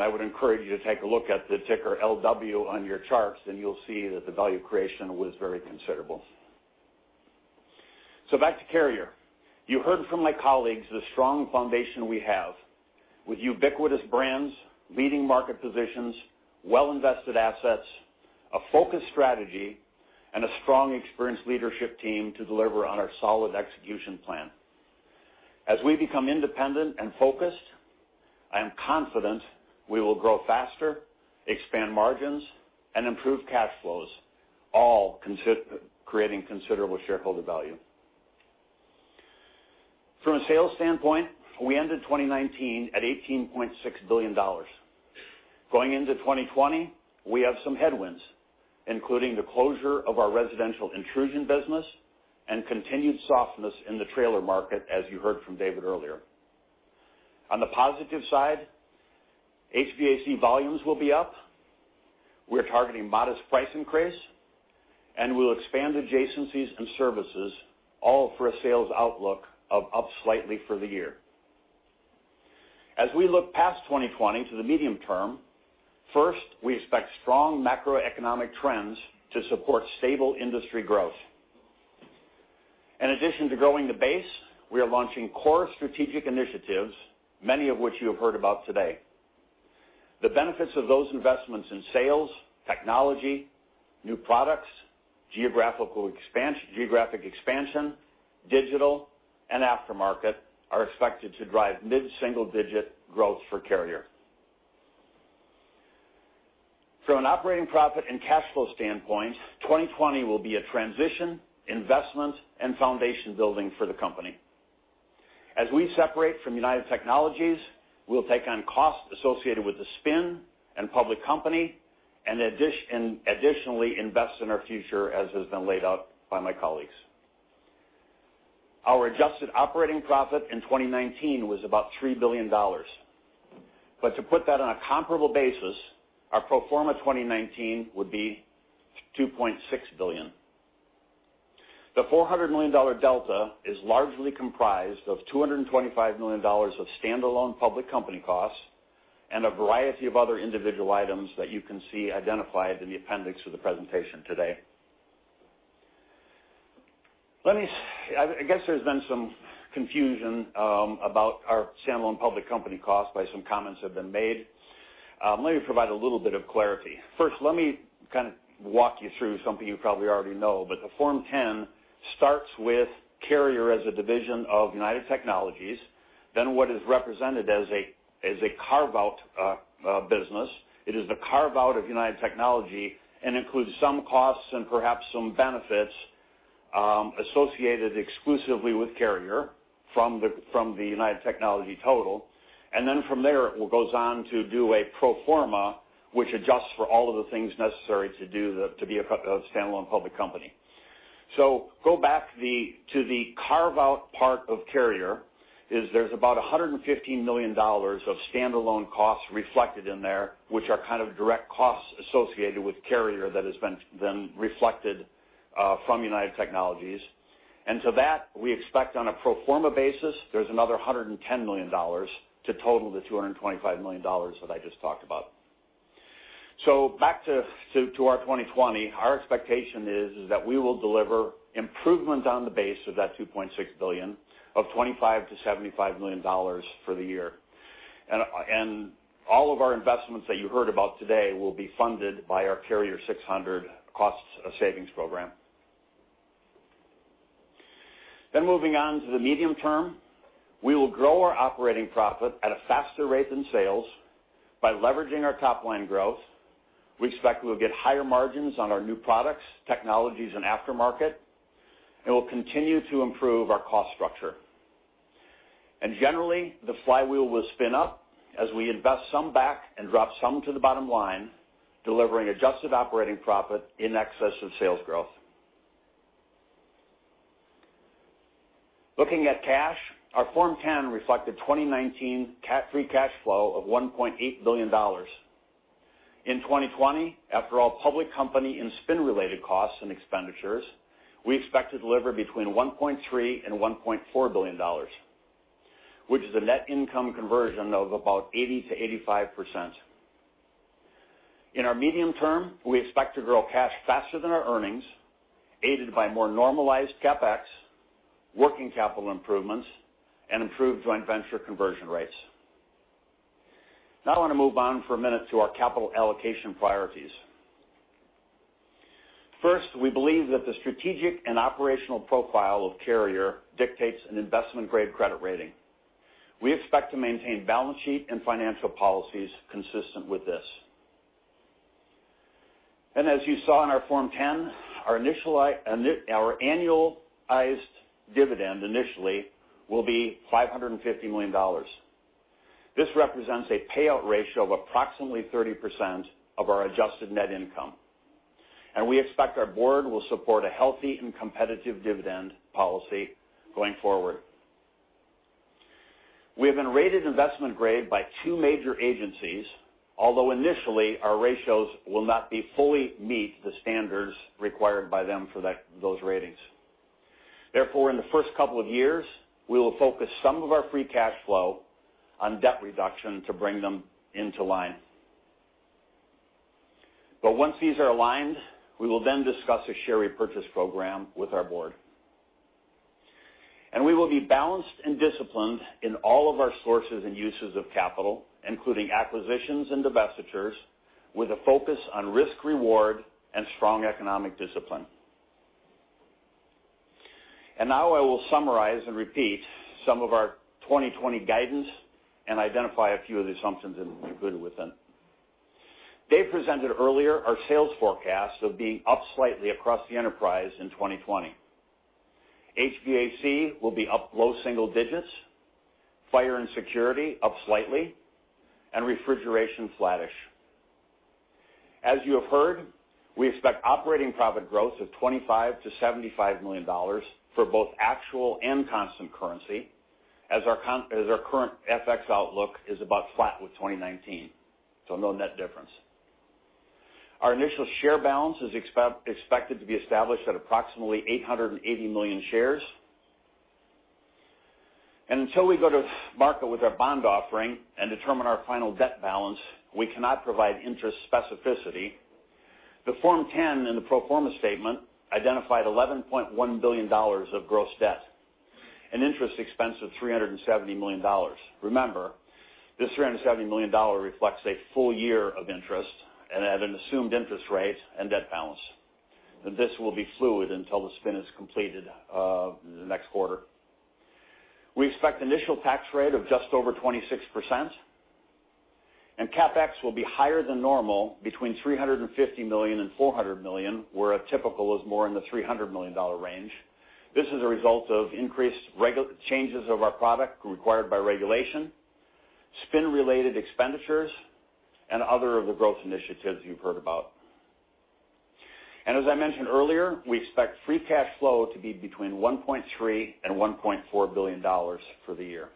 I would encourage you to take a look at the ticker LW on your charts, and you'll see that the value creation was very considerable. Back to Carrier. You heard from my colleagues the strong foundation we have with ubiquitous brands, leading market positions, well-invested assets, a focused strategy, and a strong experienced leadership team to deliver on our solid execution plan. As we become independent and focused, I am confident we will grow faster, expand margins, and improve cash flows, all creating considerable shareholder value. From a sales standpoint, we ended 2019 at $18.6 billion. Going into 2020, we have some headwinds, including the closure of our residential intrusion business and continued softness in the trailer market, as you heard from David earlier. On the positive side, HVAC volumes will be up. We're targeting modest price increase, and we'll expand adjacencies and services all for a sales outlook of up slightly for the year. As we look past 2020 to the medium term, first, we expect strong macroeconomic trends to support stable industry growth. In addition to growing the base, we are launching core strategic initiatives, many of which you have heard about today. The benefits of those investments in sales, technology, new products, geographic expansion, digital, and aftermarket are expected to drive mid-single-digit growth for Carrier. From an operating profit and cash flow standpoint, 2020 will be a transition, investment, and foundation-building for the company. As we separate from United Technologies, we'll take on costs associated with the spin and public company. Additionally invest in our future as has been laid out by my colleagues. Our adjusted operating profit in 2019 was about $3 billion. To put that on a comparable basis, our pro forma 2019 would be $2.6 billion. The $400 million delta is largely comprised of $225 million of standalone public company costs and a variety of other individual items that you can see identified in the appendix of the presentation today. There's been some confusion about our standalone public company costs by some comments that have been made. Let me provide a little bit of clarity. First, let me kind of walk you through something you probably already know. The Form 10 starts with Carrier as a division of United Technologies, then what is represented as a carve-out business. It is the carve-out of United Technologies and includes some costs and perhaps some benefits associated exclusively with Carrier from the United Technologies total. From there, it goes on to do a pro forma, which adjusts for all of the things necessary to be a standalone public company. Go back to the carve-out part of Carrier, is there's about $115 million of standalone costs reflected in there, which are kind of direct costs associated with Carrier that has been reflected from United Technologies. To that, we expect on a pro forma basis, there's another $110 million to total the $225 million that I just talked about. Back to our 2020, our expectation is that we will deliver improvement on the base of that $2.6 billion of $25 million-$75 million for the year. All of our investments that you heard about today will be funded by our Carrier 600 costs savings program. Moving on to the medium term, we will grow our operating profit at a faster rate than sales by leveraging our top-line growth. We expect we will get higher margins on our new products, technologies, and aftermarket. We'll continue to improve our cost structure. Generally, the flywheel will spin up as we invest some back and drop some to the bottom line, delivering adjusted operating profit in excess of sales growth. Looking at cash, our Form 10 reflected 2019 free cash flow of $1.8 billion. In 2020, after all public company and spin-related costs and expenditures, we expect to deliver between $1.3 billion-$1.4 billion, which is a net income conversion of about 80%-85%. In our medium term, we expect to grow cash faster than our earnings, aided by more normalized CapEx, working capital improvements, and improved joint venture conversion rates. Now I want to move on for a minute to our capital allocation priorities. First, we believe that the strategic and operational profile of Carrier dictates an investment-grade credit rating. We expect to maintain balance sheet and financial policies consistent with this. As you saw in our Form 10, our annualized dividend initially will be $550 million. This represents a payout ratio of approximately 30% of our adjusted net income. We expect our board will support a healthy and competitive dividend policy going forward. We have been rated investment grade by two major agencies, although initially, our ratios will not fully meet the standards required by them for those ratings. Therefore, in the first couple of years, we will focus some of our free cash flow on debt reduction to bring them into line. Once these are aligned, we will discuss a share repurchase program with our board. We will be balanced and disciplined in all of our sources and uses of capital, including acquisitions and divestitures, with a focus on risk-reward and strong economic discipline. Now I will summarize and repeat some of our 2020 guidance and identify a few of the assumptions included within. Dave presented earlier our sales forecast of being up slightly across the enterprise in 2020. HVAC will be up low single digits, fire and security up slightly, and refrigeration flattish. As you have heard, we expect operating profit growth of $25 million-$75 million for both actual and constant currency, as our current FX outlook is about flat with 2019. No net difference. Our initial share balance is expected to be established at approximately 880 million shares. Until we go to market with our bond offering and determine our final debt balance, we cannot provide interest specificity. The Form 10 in the pro forma statement identified $11.1 billion of gross debt and interest expense of $370 million. Remember, this $370 million reflects a full year of interest and at an assumed interest rate and debt balance. This will be fluid until the spin is completed the next quarter. We expect initial tax rate of just over 26%. CapEx will be higher than normal, between $350 million and $400 million, where a typical is more in the $300 million range. This is a result of increased changes of our product required by regulation, spin-related expenditures, and other of the growth initiatives you've heard about. As I mentioned earlier, we expect free cash flow to be between $1.3 billion and $1.4 billion for the year.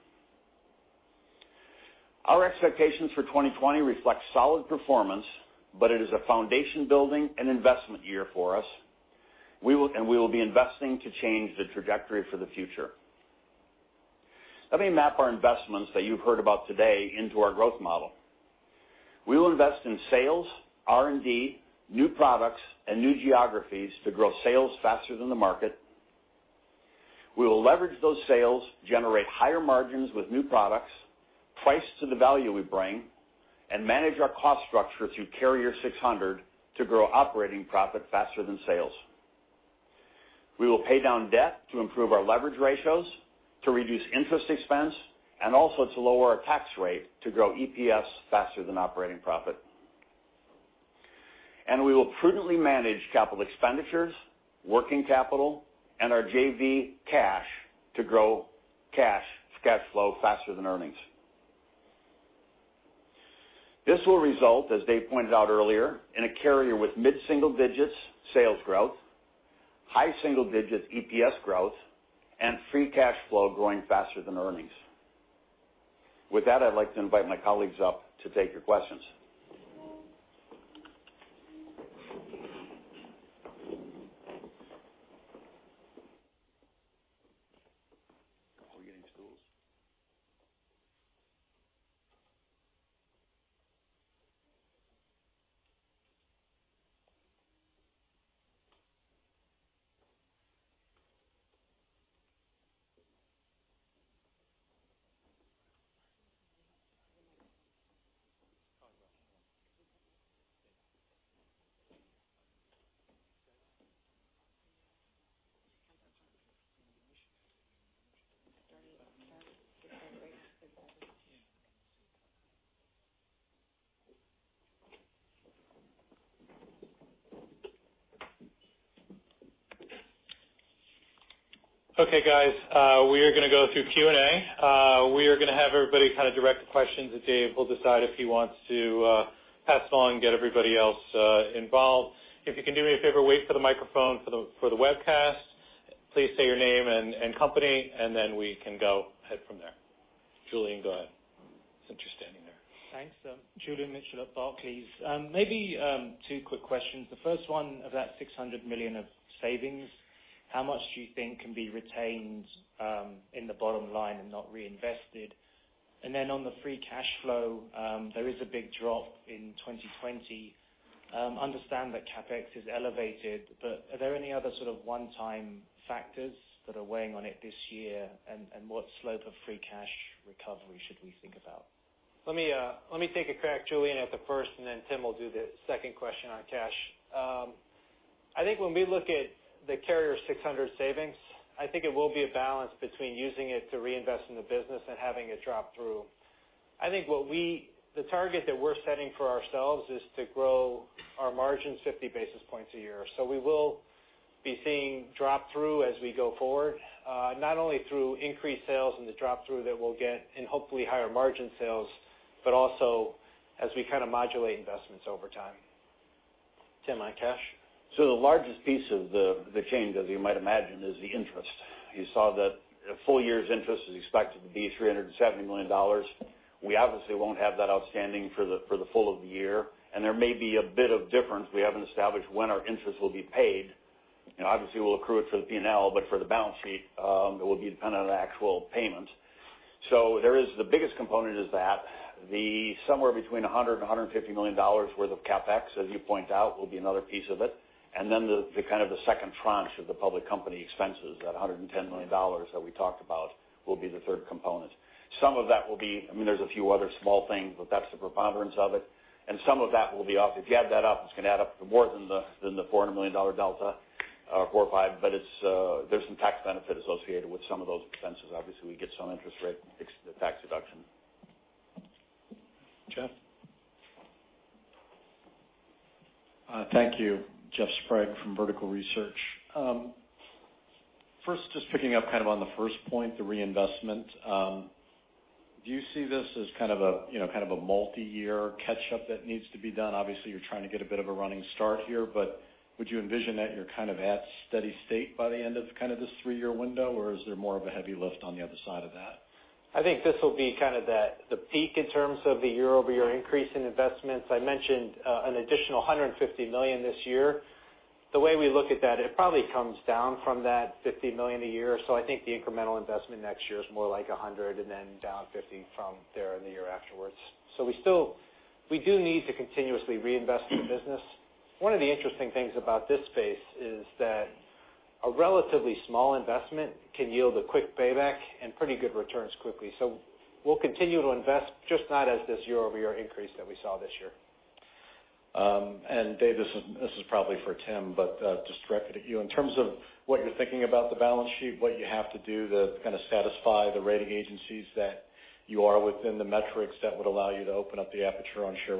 Our expectations for 2020 reflect solid performance, but it is a foundation-building and investment year for us, and we will be investing to change the trajectory for the future. Let me map our investments that you've heard about today into our growth model. We will invest in sales, R&D, new products, and new geographies to grow sales faster than the market. We will leverage those sales, generate higher margins with new products, priced to the value we bring, and manage our cost structure through Carrier 600 to grow operating profit faster than sales. We will pay down debt to improve our leverage ratios, to reduce interest expense, and also to lower our tax rate to grow EPS faster than operating profit. We will prudently manage capital expenditures, working capital, and our JV cash to grow cash flow faster than earnings. This will result, as Dave pointed out earlier, in a Carrier with mid-single digits sales growth, high single-digit EPS growth, and free cash flow growing faster than earnings. With that, I'd like to invite my colleagues up to take your questions. Are we getting to those? Okay, guys. We are going to go through Q&A. We are going to have everybody kind of direct the questions to Dave, who'll decide if he wants to pass on, get everybody else involved. If you can do me a favor, wait for the microphone for the webcast. Please say your name and company, then we can go ahead from there. Julian, go ahead since you're standing there. Thanks. Julian Mitchell at Barclays. Maybe two quick questions. The first one, of that $600 million of savings, how much do you think can be retained in the bottom line and not reinvested? Then on the free cash flow, there is a big drop in 2020. Understand that CapEx is elevated, but are there any other sort of one-time factors that are weighing on it this year? What slope of free cash recovery should we think about? Let me take a crack, Julian, at the first, and then Tim will do the second question on cash. I think when we look at the Carrier 600 savings, I think it will be a balance between using it to reinvest in the business and having it drop through. I think the target that we're setting for ourselves is to grow our margins 50 basis points a year. We will be seeing drop through as we go forward, not only through increased sales and the drop through that we'll get and hopefully higher margin sales, but also as we kind of modulate investments over time. Tim, on cash? The largest piece of the change, as you might imagine, is the interest. You saw that a full year's interest is expected to be $370 million. We obviously won't have that outstanding for the full of the year, and there may be a bit of difference. We haven't established when our interest will be paid. Obviously, we'll accrue it for the P&L, but for the balance sheet, it will be dependent on the actual payment. The biggest component is that. The somewhere between $100 million-$150 million worth of CapEx, as you point out, will be another piece of it. Then the kind of the second tranche of the public company expenses, that $110 million that we talked about, will be the third component. There's a few other small things, but that's the preponderance of it, and some of that will be off. If you add that up, it's going to add up to more than the $400 million delta, or $5 million, but there's some tax benefit associated with some of those expenses. Obviously, we get some interest rate, the tax deduction. Jeff? Thank you. Jeff Sprague from Vertical Research. Just picking up kind of on the first point, the reinvestment. Do you see this as kind of a multi-year catch-up that needs to be done? Obviously, you're trying to get a bit of a running start here, but would you envision that you're kind of at steady state by the end of kind of this three-year window, or is there more of a heavy lift on the other side of that? I think this will be kind of the peak in terms of the year-over-year increase in investments. I mentioned an additional $150 million this year. The way we look at that, it probably comes down from that $50 million a year. I think the incremental investment next year is more like $100 and then down $50 from there in the year afterwards. We do need to continuously reinvest in the business. One of the interesting things about this space is that a relatively small investment can yield a quick payback and pretty good returns quickly. We'll continue to invest, just not as this year-over-year increase that we saw this year. Dave, this is probably for Tim, but just directed at you. In terms of what you're thinking about the balance sheet, what you have to do to kind of satisfy the rating agencies that you are within the metrics that would allow you to open up the aperture on share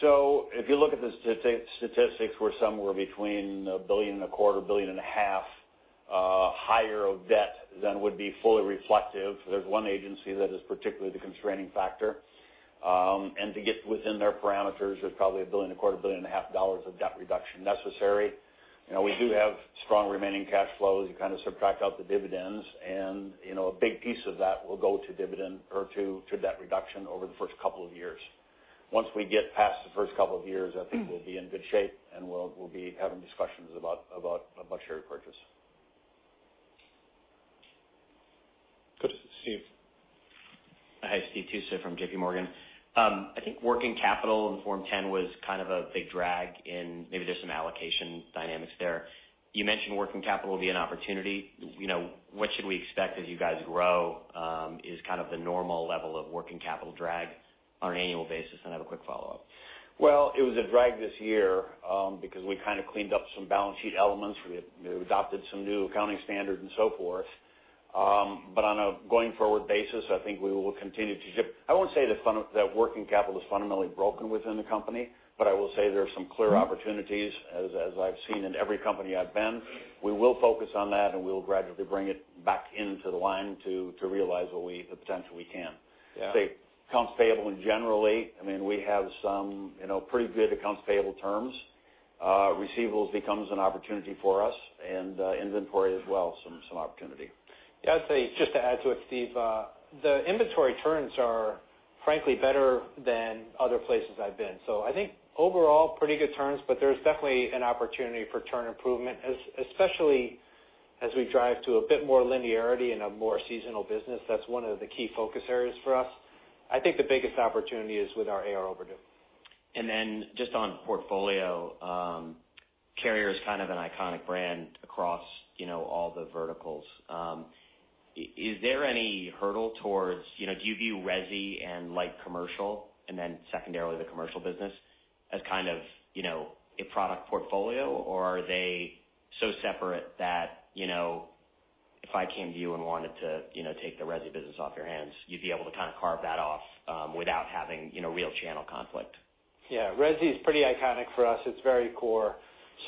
repurchase? If you look at the statistics, we're somewhere between $1.25 billion, $1.5 billion higher of debt than would be fully reflective. There's one agency that is particularly the constraining factor. To get within their parameters, there's probably $1.5 billion of debt reduction necessary. We do have strong remaining cash flows. You subtract out the dividends, a big piece of that will go to dividend or to debt reduction over the first couple of years. Once we get past the first couple of years, I think we'll be in good shape, we'll be having discussions about share purchase. Good. Steve. Hi, Steve Tusa from JPMorgan. I think working capital in Form 10 was kind of a big drag in maybe there's some allocation dynamics there. You mentioned working capital will be an opportunity. What should we expect as you guys grow, is kind of the normal level of working capital drag on an annual basis? I have a quick follow-up. Well, it was a drag this year, because we kind of cleaned up some balance sheet elements. We adopted some new accounting standards and so forth. On a going-forward basis, I won't say that working capital is fundamentally broken within the company, but I will say there are some clear opportunities, as I've seen in every company I've been. We will focus on that, and we will gradually bring it back into the line to realize the potential we can. Yeah. Accounts payable, and generally, we have some pretty good accounts payable terms. Receivables becomes an opportunity for us and inventory as well, some opportunity. Yeah, I'd say, just to add to it, Steve, the inventory turns are frankly better than other places I've been. I think overall, pretty good turns, but there's definitely an opportunity for turn improvement, especially as we drive to a bit more linearity and a more seasonal business. That's one of the key focus areas for us. I think the biggest opportunity is with our AR overdue. Just on portfolio, Carrier's kind of an iconic brand across all the verticals. Do you view resi and light commercial, and then secondarily, the commercial business, as kind of a product portfolio? Are they so separate that if I came to you and wanted to take the resi business off your hands, you'd be able to kind of carve that off without having real channel conflict? Resi is pretty iconic for us. It's very core.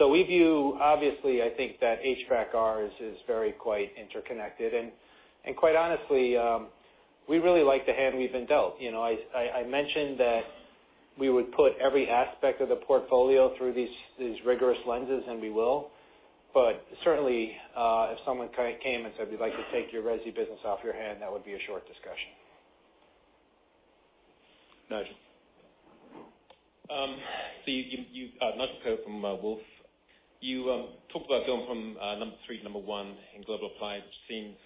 We view, obviously, I think that HVAC/R is very quite interconnected. Quite honestly, we really like the hand we've been dealt. I mentioned that we would put every aspect of the portfolio through these rigorous lenses, and we will. Certainly, if someone came and said, we'd like to take your resi business off your hand, that would be a short discussion. Nigel. Steve, Nigel Coe from Wolfe. You talked about going from number three to number one in global applied, which seems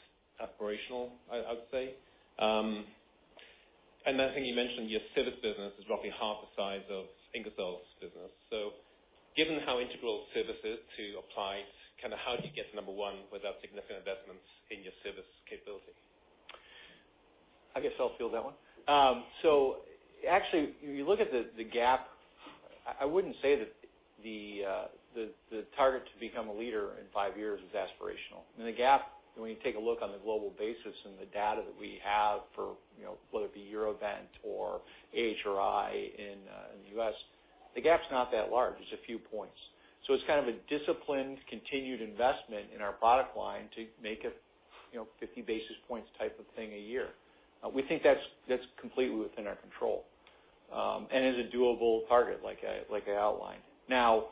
aspirational, I would say. I think you mentioned your service business is roughly half the size of Ingersoll's business. Given how integral service is to applied, how do you get to number one without significant investments in your service capability? I guess I'll field that one. Actually, you look at the gap, I wouldn't say that the target to become a leader in five years is aspirational. The gap, when you take a look on the global basis and the data that we have for whether it be Eurovent or AHRI in the U.S., the gap's not that large. It's a few points. It's kind of a disciplined, continued investment in our product line to make it 50 basis points type of thing a year. We think that's completely within our control, and is a doable target like I outlined. Now,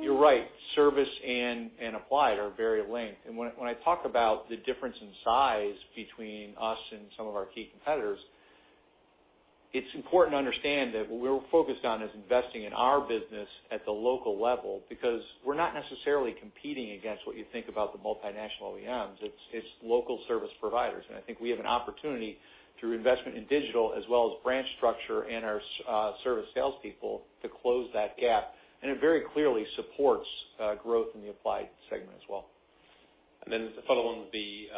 you're right, service and applied are very linked. When I talk about the difference in size between us and some of our key competitors, it's important to understand that what we're focused on is investing in our business at the local level, because we're not necessarily competing against what you think about the multinational OEMs. It's local service providers. I think we have an opportunity through investment in digital as well as branch structure and our service salespeople to close that gap. It very clearly supports growth in the applied segment as well. Just to follow on the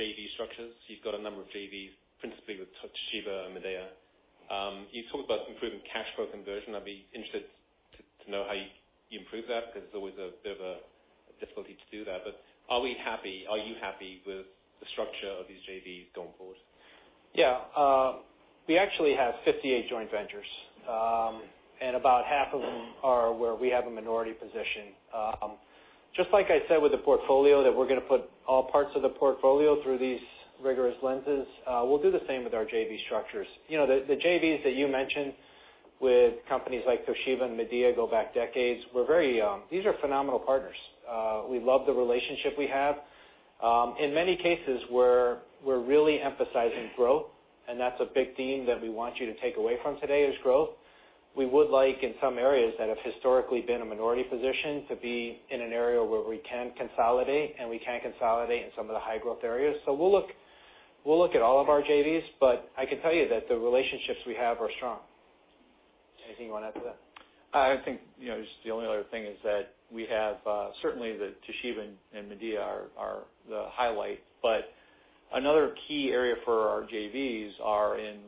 JV structures. You've got a number of JVs, principally with Toshiba and Midea. You talked about improving cash flow conversion. I'd be interested to know how you improve that, because there's always a bit of a difficulty to do that. Are we happy? Are you happy with the structure of these JVs going forward? Yeah. We actually have 58 joint ventures. About half of them are where we have a minority position. Just like I said with the portfolio, that we're going to put all parts of the portfolio through these rigorous lenses, we'll do the same with our JV structures. The JVs that you mentioned with companies like Toshiba and Midea go back decades. These are phenomenal partners. We love the relationship we have. In many cases, we're really emphasizing growth, and that's a big theme that we want you to take away from today, is growth. We would like, in some areas that have historically been a minority position, to be in an area where we can consolidate, and we can consolidate in some of the high-growth areas. We'll look at all of our JVs, but I can tell you that the relationships we have are strong. Anything you want to add to that? I think just the only other thing is that we have certainly the Toshiba and Midea are the highlight. Another key area for our JVs are in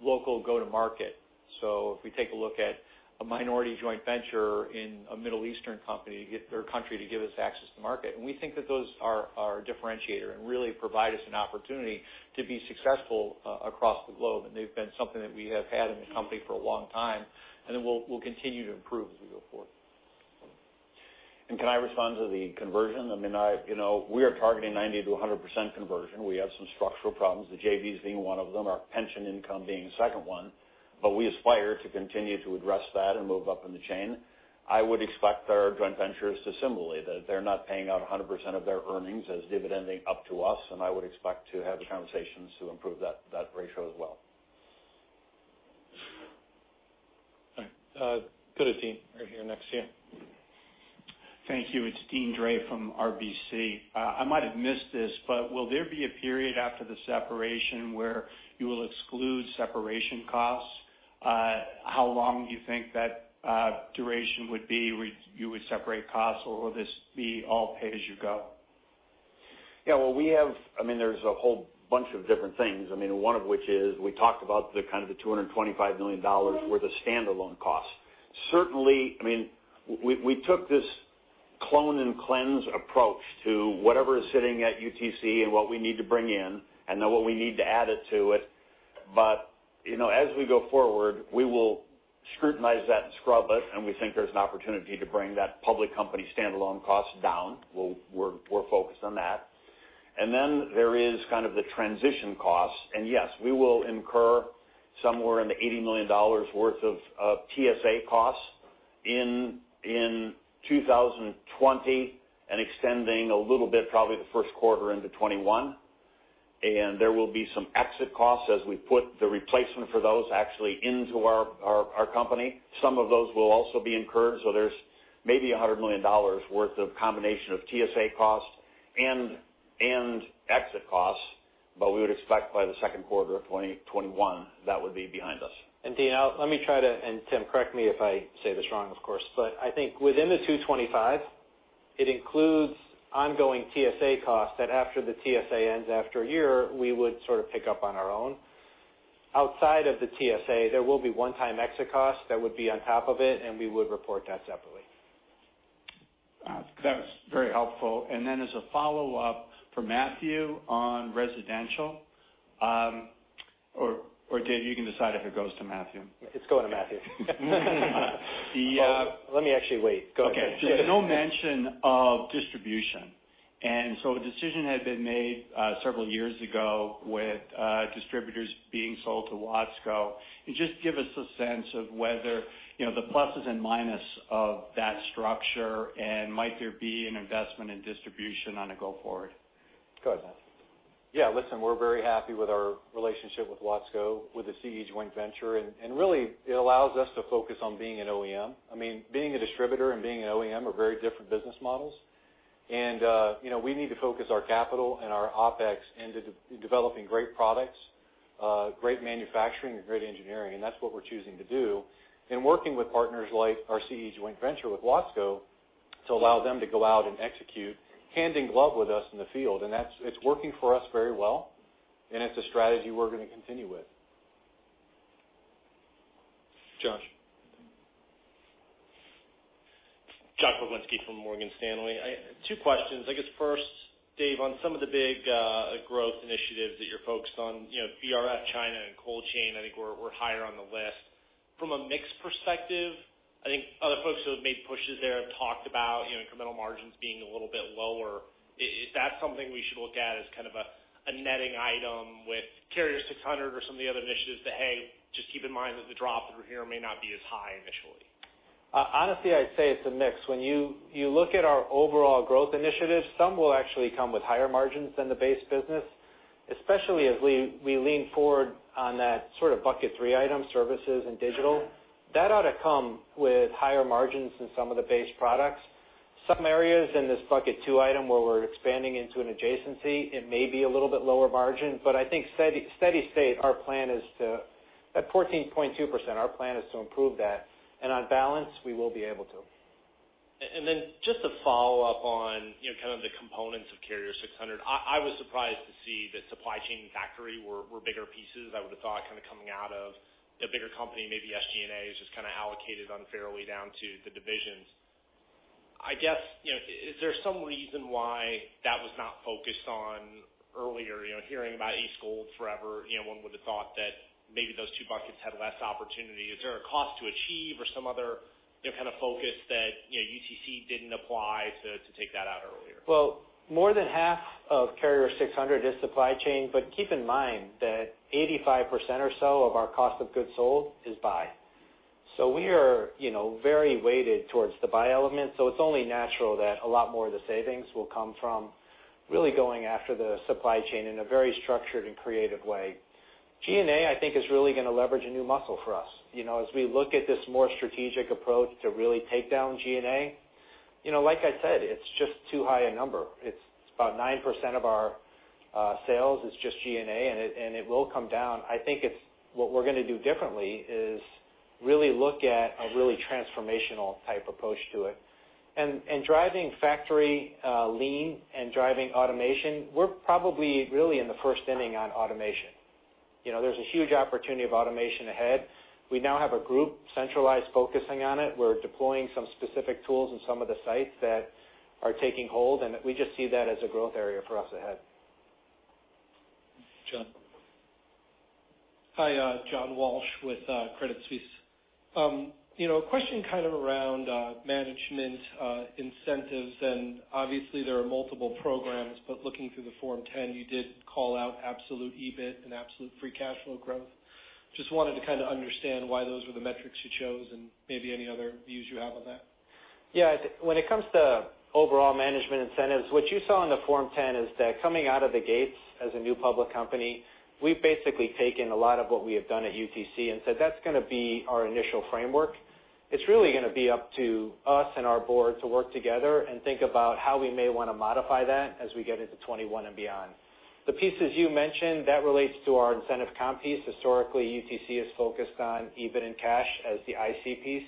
local go-to-market. If we take a look at a minority joint venture in a Middle Eastern company to get their country to give us access to market. We think that those are our differentiator and really provide us an opportunity to be successful across the globe. They've been something that we have had in the company for a long time, and that we'll continue to improve as we go forward. Can I respond to the conversion? I mean, we are targeting 90%-100% conversion. We have some structural problems, the JVs being one of them, our pension income being the second one. We aspire to continue to address that and move up in the chain. I would expect our joint ventures to similarly, that they're not paying out 100% of their earnings as dividend up to us, and I would expect to have conversations to improve that ratio as well. All right. Go to Deane, right here next to you. Thank you. It's Deane Dray from RBC. I might have missed this, but will there be a period after the separation where you will exclude separation costs? How long do you think that duration would be where you would separate costs, or will this be all pay-as-you-go? Yeah. Well, there's a whole bunch of different things. I mean, one of which is we talked about the kind of $225 million worth of standalone costs. Certainly, we took this clone and cleanse approach to whatever is sitting at UTC and what we need to bring in and then what we need to add it to it. As we go forward, we will scrutinize that and scrub it, and we think there's an opportunity to bring that public company standalone cost down. We're focused on that. There is kind of the transition costs. Yes, we will incur somewhere in the $80 million worth of TSA costs in 2020 and extending a little bit, probably the first quarter into 2021. There will be some exit costs as we put the replacement for those actually into our company. Some of those will also be incurred, so there's maybe $100 million worth of combination of TSA costs and exit costs. We would expect by the second quarter of 2021, that would be behind us. Deane, let me try to, and Tim, correct me if I say this wrong, of course, but I think within the $225, it includes ongoing TSA costs that after the TSA ends after a year, we would sort of pick up on our own. Outside of the TSA, there will be one-time exit costs that would be on top of it. We would report that separately. That's very helpful. As a follow-up for Matthew on residential, or Dave, you can decide if it goes to Matthew. It's going to Matthew. The. Let me actually wait. Go ahead. Okay. There's no mention of distribution, and so a decision had been made several years ago with distributors being sold to Watsco. Just give us a sense of whether the pluses and minus of that structure, and might there be an investment in distribution on a go forward? Go ahead, Matt. Yeah, listen, we're very happy with our relationship with Watsco, with the CE joint venture, and really, it allows us to focus on being an OEM. I mean, being a distributor and being an OEM are very different business models. We need to focus our capital and our OPEX into developing great products, great manufacturing, and great engineering, and that's what we're choosing to do. Working with partners like our CE joint venture with Watsco to allow them to go out and execute hand in glove with us in the field. It's working for us very well, and it's a strategy we're going to continue with. Josh. Josh Pokrzywinski from Morgan Stanley. I have two questions. I guess first, Dave, on some of the big growth initiatives that you're focused on, VRF China and cold chain, I think were higher on the list. From a mix perspective, I think other folks who have made pushes there have talked about incremental margins being a little bit lower. Is that something we should look at as kind of a netting item with Carrier 600 or some of the other initiatives that, hey, just keep in mind that the drop through here may not be as high initially? Honestly, I'd say it's a mix. When you look at our overall growth initiatives, some will actually come with higher margins than the base business, especially as we lean forward on that sort of bucket 3 item, services and digital. That ought to come with higher margins than some of the base products. Some areas in this bucket 2 item where we're expanding into an adjacency, it may be a little bit lower margin, but I think steady state, our plan is to, at 14.2%, our plan is to improve that. On balance, we will be able to. Just to follow up on kind of the components of Carrier 600. I was surprised to see that supply chain and factory were bigger pieces. I would have thought kind of coming out of the bigger company, maybe SG&A is just kind of allocated unfairly down to the divisions. I guess, is there some reason why that was not focused on earlier? Hearing about ACE Gold forever, one would have thought that maybe those two buckets had less opportunity. Is there a cost to achieve or some other kind of focus that UTC didn't apply to take that out earlier? More than half of Carrier 600 is supply chain, but keep in mind that 85% or so of our cost of goods sold is buy. We are very weighted towards the buy element, so it's only natural that a lot more of the savings will come from really going after the supply chain in a very structured and creative way. G&A, I think, is really going to leverage a new muscle for us. As we look at this more strategic approach to really take down G&A, like I said, it's just too high a number. It's about 9% of our sales is just G&A, and it will come down. I think what we're going to do differently is really look at a really transformational type approach to it. Driving factory lean and driving automation, we're probably really in the first inning on automation. There's a huge opportunity of automation ahead. We now have a group centralized focusing on it. We're deploying some specific tools in some of the sites that are taking hold, and we just see that as a growth area for us ahead. John. Hi, John Walsh with Credit Suisse. A question around management incentives, obviously there are multiple programs, but looking through the Form 10, you did call out absolute EBIT and absolute free cash flow growth. Just wanted to understand why those were the metrics you chose and maybe any other views you have on that. When it comes to overall management incentives, what you saw in the Form 10 is that coming out of the gates as a new public company, we've basically taken a lot of what we have done at UTC and said, that's going to be our initial framework. It's really going to be up to us and our board to work together and think about how we may want to modify that as we get into 2021 and beyond. The pieces you mentioned, that relates to our incentive comp piece. Historically, UTC is focused on EBIT and cash as the IC piece.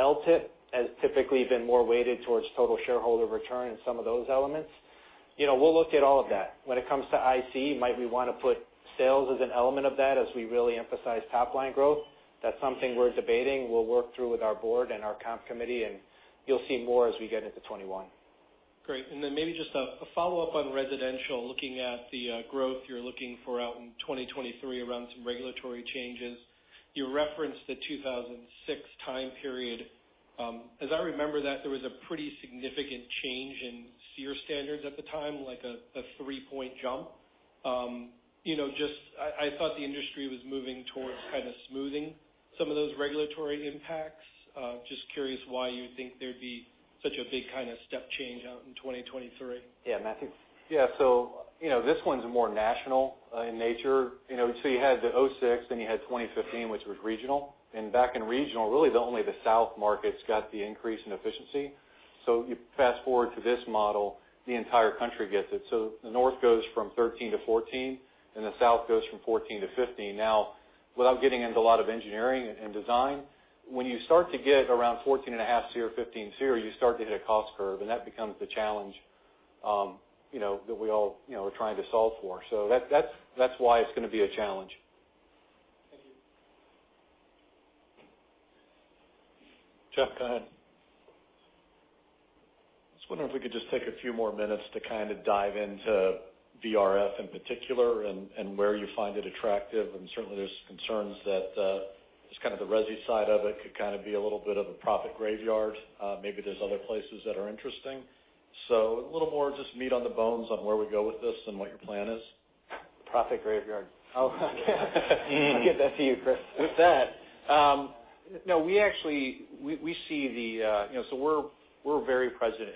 LTIP has typically been more weighted towards total shareholder return and some of those elements. We'll look at all of that. When it comes to IC, might we want to put sales as an element of that as we really emphasize top-line growth? That's something we're debating. We'll work through with our board and our comp committee, and you'll see more as we get into 2021. Great. Maybe just a follow-up on residential, looking at the growth you're looking for out in 2023 around some regulatory changes. You referenced the 2006 time period. As I remember that, there was a pretty significant change in SEER standards at the time, like a three-point jump. I thought the industry was moving towards smoothing some of those regulatory impacts. Just curious why you think there'd be such a big step change out in 2023. Yeah. Matthew? Yeah. This one's more national in nature. You had the 2006, then you had 2015, which was regional. Back in regional, really only the South markets got the increase in efficiency. You fast-forward to this model, the entire country gets it. The North goes from 13 SEER-14 SEER, and the South goes from 14 SEER-15 SEER. Now, without getting into a lot of engineering and design, when you start to get around 14.5 SEER, 15 SEER, you start to hit a cost curve, and that becomes the challenge that we all are trying to solve for. That's why it's going to be a challenge. Thank you. Jeff, go ahead. I was wondering if we could just take a few more minutes to dive into VRF in particular and where you find it attractive, certainly there's concerns that just the resi side of it could be a little bit of a profit graveyard. Maybe there's other places that are interesting. A little more just meat on the bones on where we go with this and what your plan is. Profit graveyard. I'll give that to you, Chris. We're very present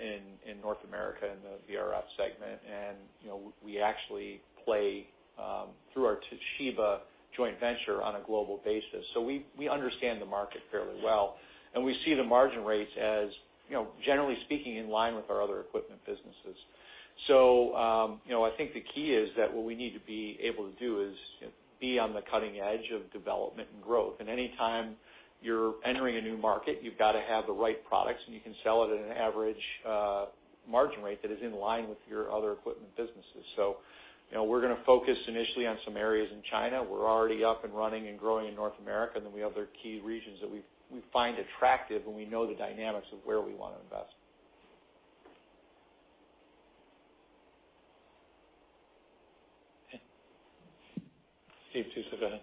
in North America in the VRF segment, and we actually play through our Toshiba joint venture on a global basis. We understand the market fairly well, and we see the margin rates as, generally speaking, in line with our other equipment businesses. I think the key is that what we need to be able to do is be on the cutting edge of development and growth, and any time you're entering a new market, you've got to have the right products, and you can sell it at an average margin rate that is in line with your other equipment businesses. We're going to focus initially on some areas in China. We're already up and running and growing in North America, we have other key regions that we find attractive, and we know the dynamics of where we want to invest. Okay. Steve Tusa, go ahead.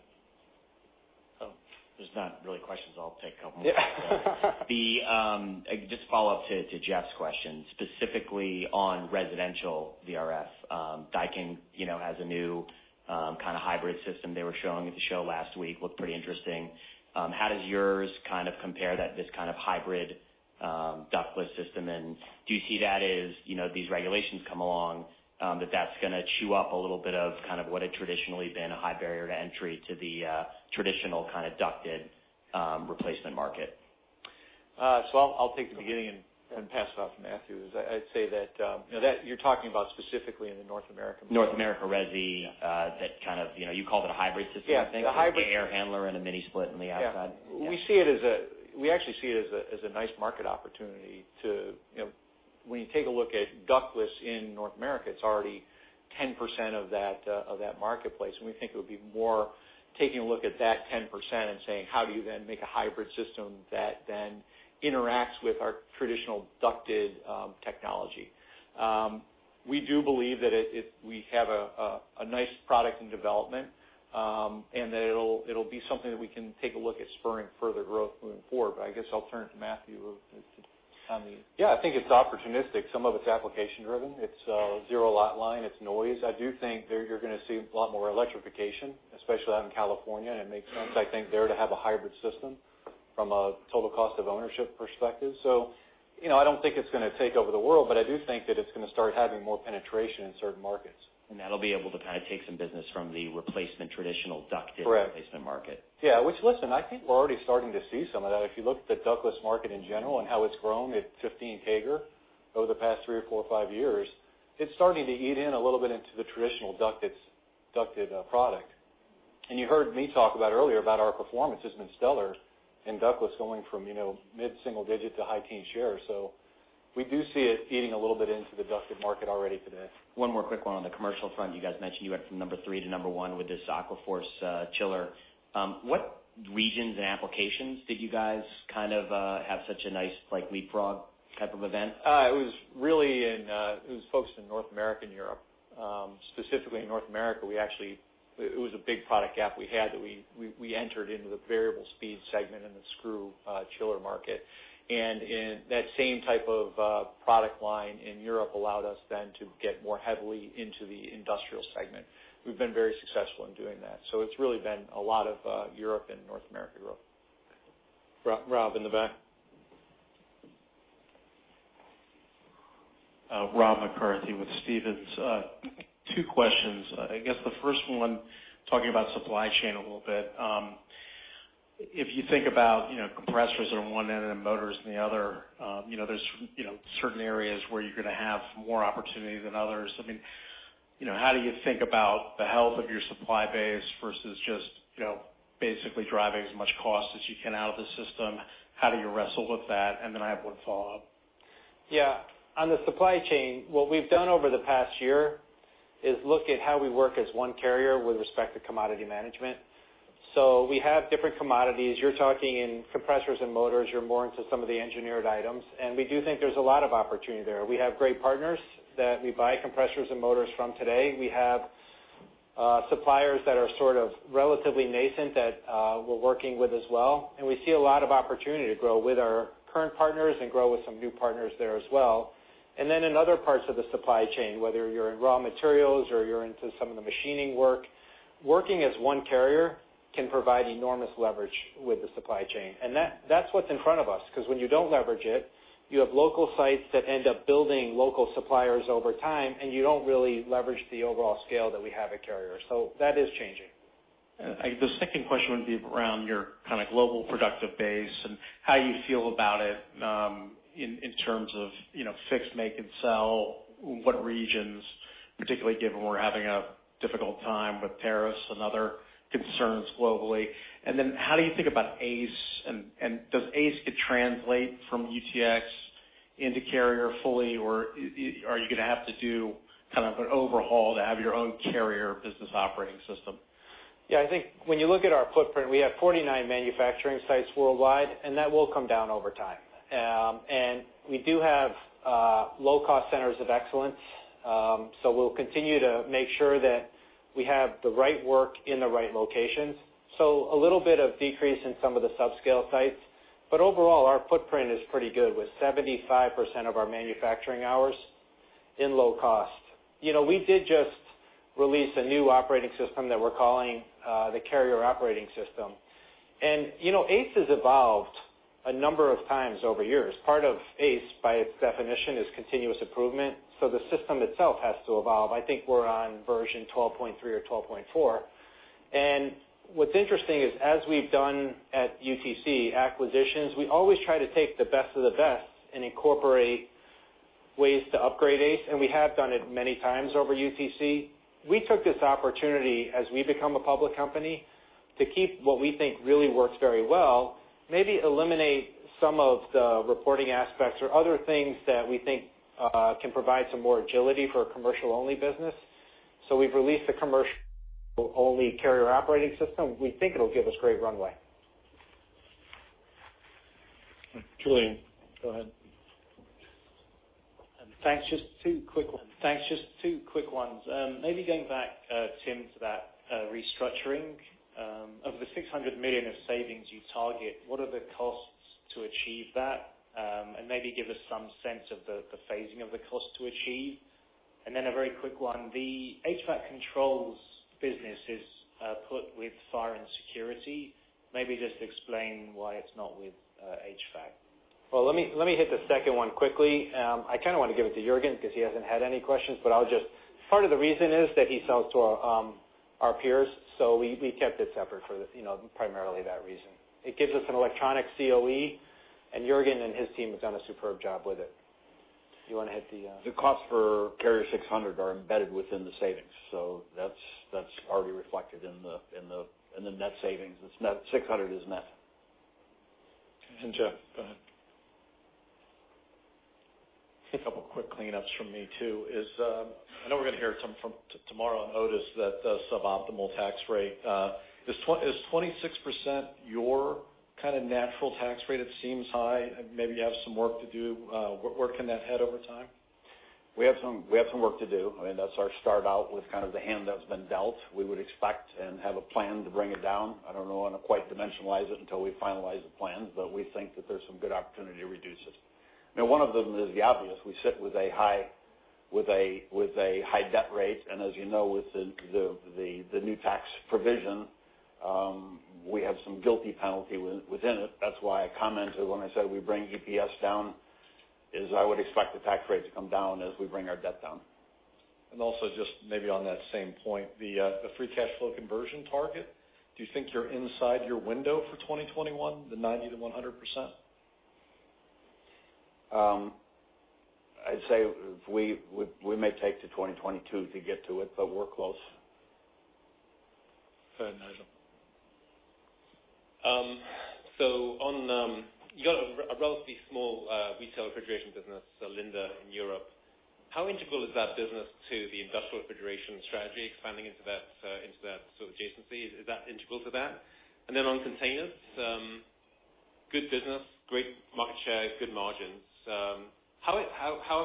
There's not really questions. I'll take a couple minutes, just a follow-up to Jeff's question, specifically on residential VRF. Daikin has a new kind of hybrid system they were showing at the show last week. Looked pretty interesting. How does yours compare to this kind of hybrid ductless system, and do you see that as these regulations come along, that that's going to chew up a little bit of what had traditionally been a high barrier to entry to the traditional kind of ducted replacement market? I'll take the beginning and pass it off to Matthew, is I'd say that you're talking about specifically in the North America market. North America resi, that kind of, you called it a hybrid system I think. Yeah. With the air handler and the mini split on the outside. Yeah. We actually see it as a nice market opportunity to, when you take a look at ductless in North America, it's already 10% of that marketplace, and we think it would be more taking a look at that 10% and saying, how do you then make a hybrid system that then interacts with our traditional ducted technology? We do believe that we have a nice product in development, and that it'll be something that we can take a look at spurring further growth moving forward. I guess I'll turn it to Matthew. Yeah, I think it's opportunistic. Some of it's application driven. It's zero lot line. It's noise. I do think there you're going to see a lot more electrification, especially out in California, and it makes sense, I think, there to have a hybrid system from a total cost of ownership perspective. I don't think it's going to take over the world, but I do think that it's going to start having more penetration in certain markets. That'll be able to take some business from the replacement traditional ducted. Correct. Replacement market. Yeah. Which, listen, I think we're already starting to see some of that. If you look at the ductless market in general and how it's grown at 15 CAGR over the past three or four or five years, it's starting to eat in a little bit into the traditional ducted product. You heard me talk about earlier about our performance has been stellar in ductless going from mid-single digit to high teen shares. We do see it eating a little bit into the ducted market already today. One more quick one on the commercial front. You guys mentioned you went from number three to number one with this AquaForce chiller. What regions and applications did you guys have such a nice leapfrog type of event? It was focused in North America and Europe. Specifically in North America, it was a big product gap we had that we entered into the variable speed segment in the screw chiller market. That same type of product line in Europe allowed us then to get more heavily into the industrial segment. We've been very successful in doing that. It's really been a lot of Europe and North America growth. Rob in the back. Rob McCarthy with Stephens. Two questions. I guess the first one, talking about supply chain a little bit. If you think about compressors on one end and motors on the other, there's certain areas where you're going to have more opportunity than others. How do you think about the health of your supply base versus just basically driving as much cost as you can out of the system? How do you wrestle with that? I have one follow-up. Yeah. On the supply chain, what we've done over the past year is look at how we work as one Carrier with respect to commodity management. We have different commodities. You're talking in compressors and motors. You're more into some of the engineered items, and we do think there's a lot of opportunity there. We have great partners that we buy compressors and motors from today. We have suppliers that are sort of relatively nascent that we're working with as well, and we see a lot of opportunity to grow with our current partners and grow with some new partners there as well. In other parts of the supply chain, whether you're in raw materials or you're into some of the machining work, working as one Carrier can provide enormous leverage with the supply chain, and that's what's in front of us. When you don't leverage it, you have local sites that end up building local suppliers over time, and you don't really leverage the overall scale that we have at Carrier. That is changing. The second question would be around your kind of global productive base and how you feel about it in terms of fix, make, and sell. What regions, particularly given we're having a difficult time with tariffs and other concerns globally. How do you think about ACE and does ACE get translate from UTX into Carrier fully, or are you going to have to do kind of an overhaul to have your own Carrier Operating System? Yeah, I think when you look at our footprint, we have 49 manufacturing sites worldwide, and that will come down over time. We do have low-cost Centers of Excellence. We'll continue to make sure that we have the right work in the right locations. A little bit of decrease in some of the subscale sites. Overall, our footprint is pretty good with 75% of our manufacturing hours in low cost. We did just release a new operating system that we're calling the Carrier Operating System. ACE has evolved a number of times over years. Part of ACE, by its definition, is continuous improvement, so the system itself has to evolve. I think we're on version 12.3 or 12.4. What's interesting is, as we've done at UTC acquisitions, we always try to take the best of the best and incorporate ways to upgrade ACE, and we have done it many times over UTC. We took this opportunity as we become a public company to keep what we think really works very well, maybe eliminate some of the reporting aspects or other things that we think can provide some more agility for a commercial-only business. We've released the commercial-only Carrier Operating System. We think it'll give us great runway. Julian, go ahead. Thanks. Just two quick ones. Maybe going back, Tim, to that restructuring. Of the $600 million of savings you target, what are the costs to achieve that? Maybe give us some sense of the phasing of the cost to achieve. Then a very quick one, the HVAC controls business is put with Fire & Security. Maybe just explain why it's not with HVAC. Well, let me hit the second one quickly. I kind of want to give it to Jurgen because he hasn't had any questions. Part of the reason is that he sells to our peers, so we kept it separate for primarily that reason. It gives us an electronic COE, and Juergen and his team have done a superb job with it. The cost for Carrier 600 are embedded within the savings, so that's already reflected in the net savings. 600 is net. Jeff, go ahead. A couple quick cleanups from me too. I know we're going to hear tomorrow on Otis that the suboptimal tax rate. Is 26% your kind of natural tax rate? It seems high. Maybe you have some work to do. Where can that head over time? We have some work to do. That's our start out with kind of the hand that's been dealt. We would expect and have a plan to bring it down. I don't know, I don't want to quite dimensionalize it until we finalize the plans, but we think that there's some good opportunity to reduce it. One of them is the obvious. We sit with a high debt rate, and as you know, with the new tax provision, we have some guilty penalty within it. That's why I commented when I said we bring EPS down, is I would expect the tax rate to come down as we bring our debt down. Also just maybe on that same point, the free cash flow conversion target, do you think you're inside your window for 2021, the 90%-100%? I'd say we may take to 2022 to get to it, but we're close. Go ahead, Nigel. You got a relatively small retail refrigeration business, Linde, in Europe. How integral is that business to the industrial refrigeration strategy expanding into that sort of adjacency? Is that integral to that? On containers, good business, great market share, good margins. How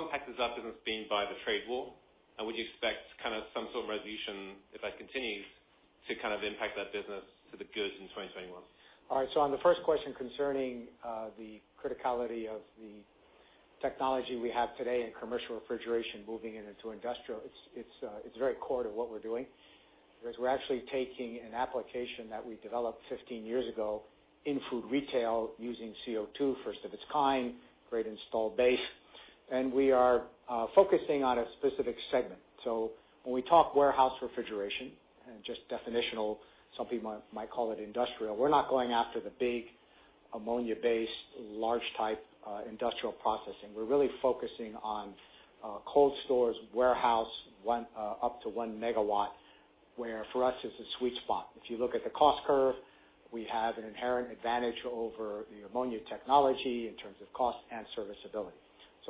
impacted has that business been by the trade war? Would you expect kind of some sort of resolution if that continues to kind of impact that business for the good in 2021? All right, on the first question concerning the criticality of the technology we have today in commercial refrigeration moving into industrial, it's very core to what we're doing. Because we're actually taking an application that we developed 15 years ago in food retail using CO₂, first of its kind, great installed base, and we are focusing on a specific segment. When we talk warehouse refrigeration and just definitional, some people might call it industrial. We're not going after the big ammonia-based large type industrial processing. We're really focusing on cold stores, warehouse up to 1 MW, where for us is a sweet spot. If you look at the cost curve, we have an inherent advantage over the ammonia technology in terms of cost and serviceability.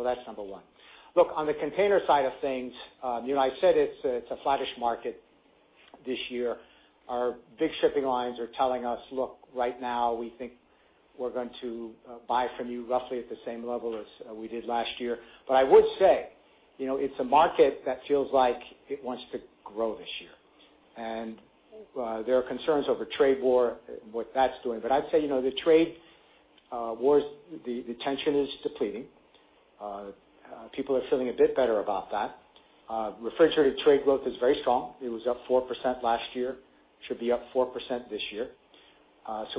That's number one. Look, on the container side of things, I said it's a flattish market this year. Our big shipping lines are telling us, look, right now we think we're going to buy from you roughly at the same level as we did last year. I would say it's a market that feels like it wants to grow this year. There are concerns over trade war, what that's doing. I'd say, the trade wars, the tension is depleting. People are feeling a bit better about that. Refrigerated trade growth is very strong. It was up 4% last year. Should be up 4% this year.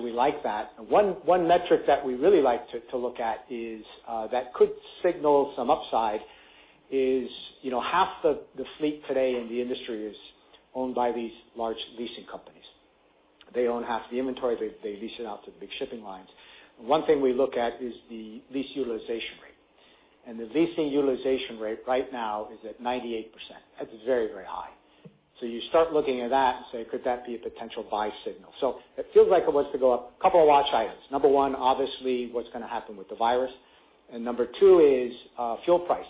We like that. One metric that we really like to look at that could signal some upside is half the fleet today in the industry is owned by these large leasing companies. They own half the inventory. They lease it out to the big shipping lines. One thing we look at is the lease utilization rate. The leasing utilization rate right now is at 98%. That's very, very high. You start looking at that and say, could that be a potential buy signal? It feels like it wants to go up. Couple of watch items. Number one, obviously, what's going to happen with the coronavirus. Number two is fuel prices.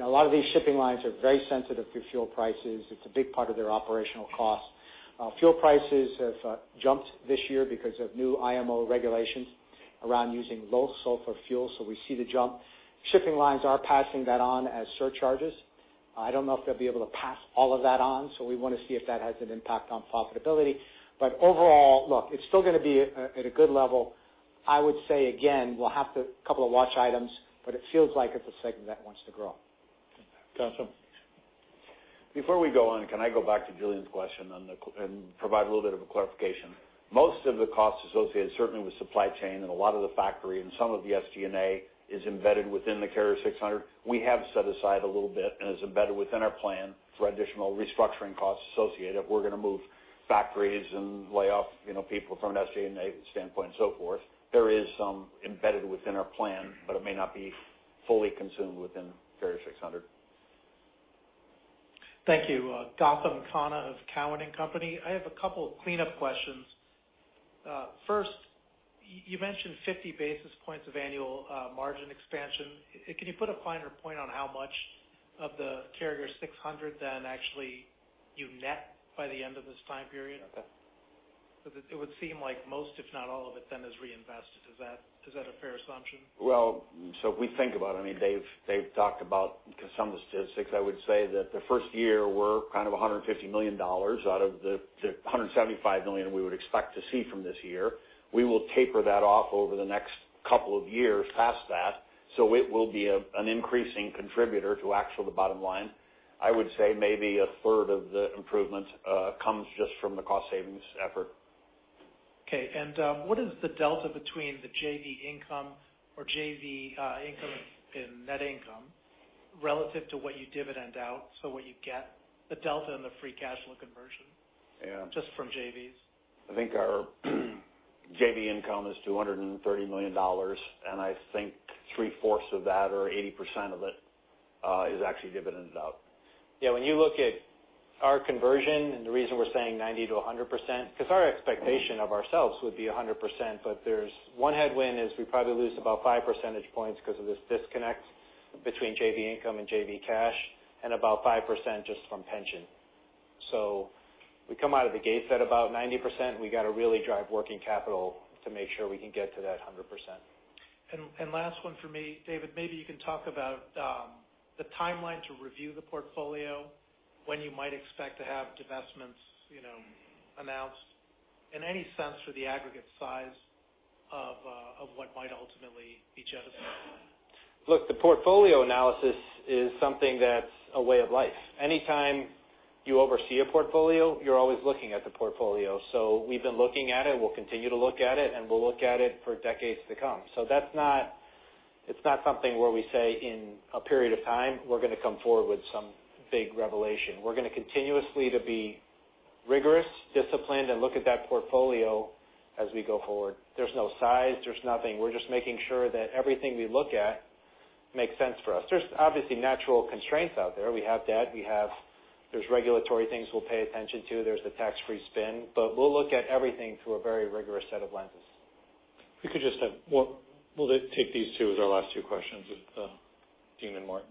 A lot of these shipping lines are very sensitive to fuel prices. It's a big part of their operational cost. Fuel prices have jumped this year because of new IMO regulations around using low sulfur fuel, we see the jump. Shipping lines are passing that on as surcharges. I don't know if they'll be able to pass all of that on, we want to see if that has an impact on profitability. Overall, look, it's still going to be at a good level. I would say again, we'll have a couple of watch items, but it feels like it's a segment that wants to grow. Gautam. Before we go on, can I go back to Julian's question and provide a little bit of a clarification? Most of the costs associated, certainly with supply chain and a lot of the factory and some of the SG&A is embedded within the Carrier 600. We have set aside a little bit. It's embedded within our plan for additional restructuring costs associated. We're going to move factories and lay off people from an SG&A standpoint and so forth. There is some embedded within our plan, it may not be fully consumed within Carrier 600. Thank you. Gautam Khanna of Cowen and Company. I have a couple cleanup questions. First, you mentioned 50 basis points of annual margin expansion. Can you put a finer point on how much of the Carrier 600 then actually you net by the end of this time period? Okay. It would seem like most, if not all of it then is reinvested. Is that a fair assumption? If we think about it, they've talked about some of the statistics. I would say that the first year we're $150 million out of the $175 million we would expect to see from this year. We will taper that off over the next couple of years past that, it will be an increasing contributor to actual bottom line. I would say maybe a third of the improvements comes just from the cost savings effort. Okay. What is the delta between the JV income in net income relative to what you dividend out, so what you get, the delta and the free cash flow conversion? Yeah. Just from JVs. I think our JV income is $230 million, and I think three-fourths of that or 80% of it is actually dividended out. Yeah, when you look at our conversion, and the reason we're saying 90%-100%, because our expectation of ourselves would be 100%, but there's one headwind is we probably lose about 5 percentage points because of this disconnect between JV income and JV cash, and about 5% just from pension. We come out of the gates at about 90%, we got to really drive working capital to make sure we can get to that 100%. Last one for me. David, maybe you can talk about the timeline to review the portfolio, when you might expect to have divestments announced, and any sense for the aggregate size of what might ultimately be divested. Look, the portfolio analysis is something that's a way of life. Anytime you oversee a portfolio, you're always looking at the portfolio. We've been looking at it, we'll continue to look at it, and we'll look at it for decades to come. It's not something where we say in a period of time we're going to come forward with some big revelation. We're going to continuously to be rigorous, disciplined, and look at that portfolio as we go forward. There's no size, there's nothing. We're just making sure that everything we look at. Makes sense for us. There's obviously natural constraints out there. We have debt. There's regulatory things we'll pay attention to. There's the tax-free spin. We'll look at everything through a very rigorous set of lenses. We'll take these two as our last two questions. Deane and Martin.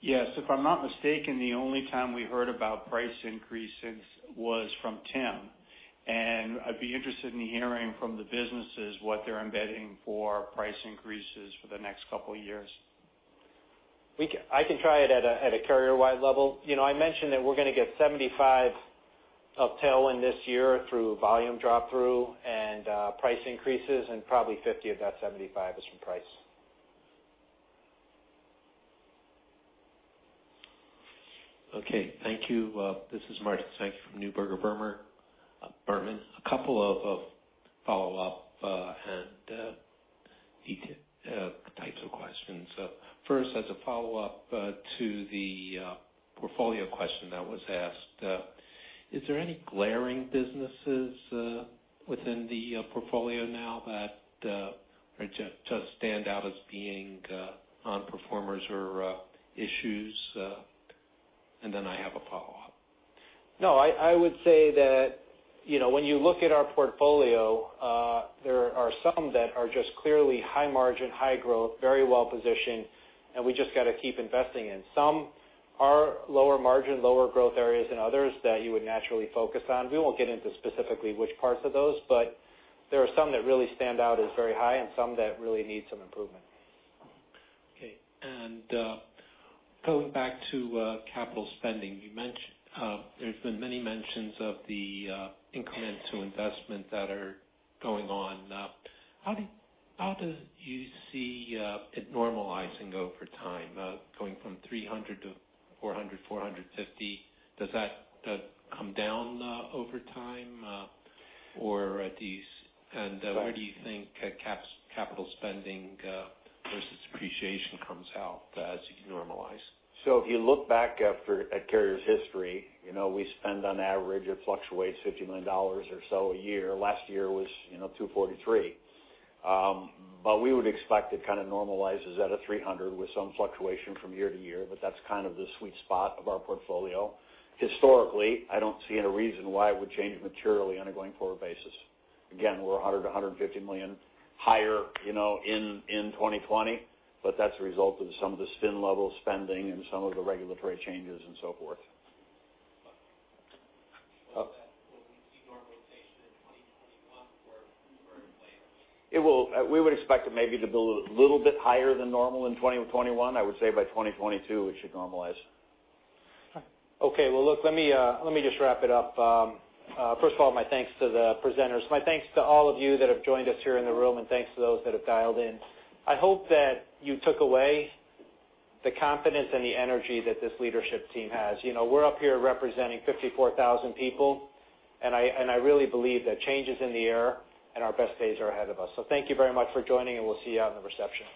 Yes. If I'm not mistaken, the only time we heard about price increases was from Tim. I'd be interested in hearing from the businesses what they're embedding for price increases for the next couple of years. I can try it at a Carrier-wide level. I mentioned that we're going to get $75 million of tailwind this year through volume drop-through and price increases, probably $50 million of that $75 million is from price. Okay. Thank you. This is Martin Sankey from Neuberger Berman. A couple of follow-up and related types of questions. First, as a follow-up to the portfolio question that was asked, is there any glaring businesses within the portfolio now that just stand out as being non-performers or issues? I have a follow-up. No, I would say that when you look at our portfolio, there are some that are just clearly high margin, high growth, very well-positioned, and we just got to keep investing in. Some are lower margin, lower growth areas than others that you would naturally focus on. We won't get into specifically which parts of those, but there are some that really stand out as very high and some that really need some improvement. Okay. Going back to capital spending, there's been many mentions of the increments to investment that are going on. How do you see it normalizing over time, going from $300 to $400, $450? Does that come down over time? Where do you think capital spending versus depreciation comes out as you normalize? If you look back at Carrier's history, we spend on average, it fluctuates $50 million or so a year. Last year was $243 million. We would expect it kind of normalizes at $300 million with some fluctuation from year to year, but that's kind of the sweet spot of our portfolio. Historically, I don't see any reason why it would change materially on a going forward basis. Again, we're $100 million-$150 million higher in 2020, but that's a result of some of the spin-level spending and some of the regulatory changes and so forth. Will we see normalization in 2021 or later? We would expect it maybe to be a little bit higher than normal in 2021. I would say by 2022 it should normalize. Okay. Well, look, let me just wrap it up. First of all, my thanks to the presenters. My thanks to all of you that have joined us here in the room, and thanks to those that have dialed in. I hope that you took away the confidence and the energy that this leadership team has. We're up here representing 54,000 people, and I really believe that change is in the air and our best days are ahead of us. Thank you very much for joining, and we'll see you out in the reception.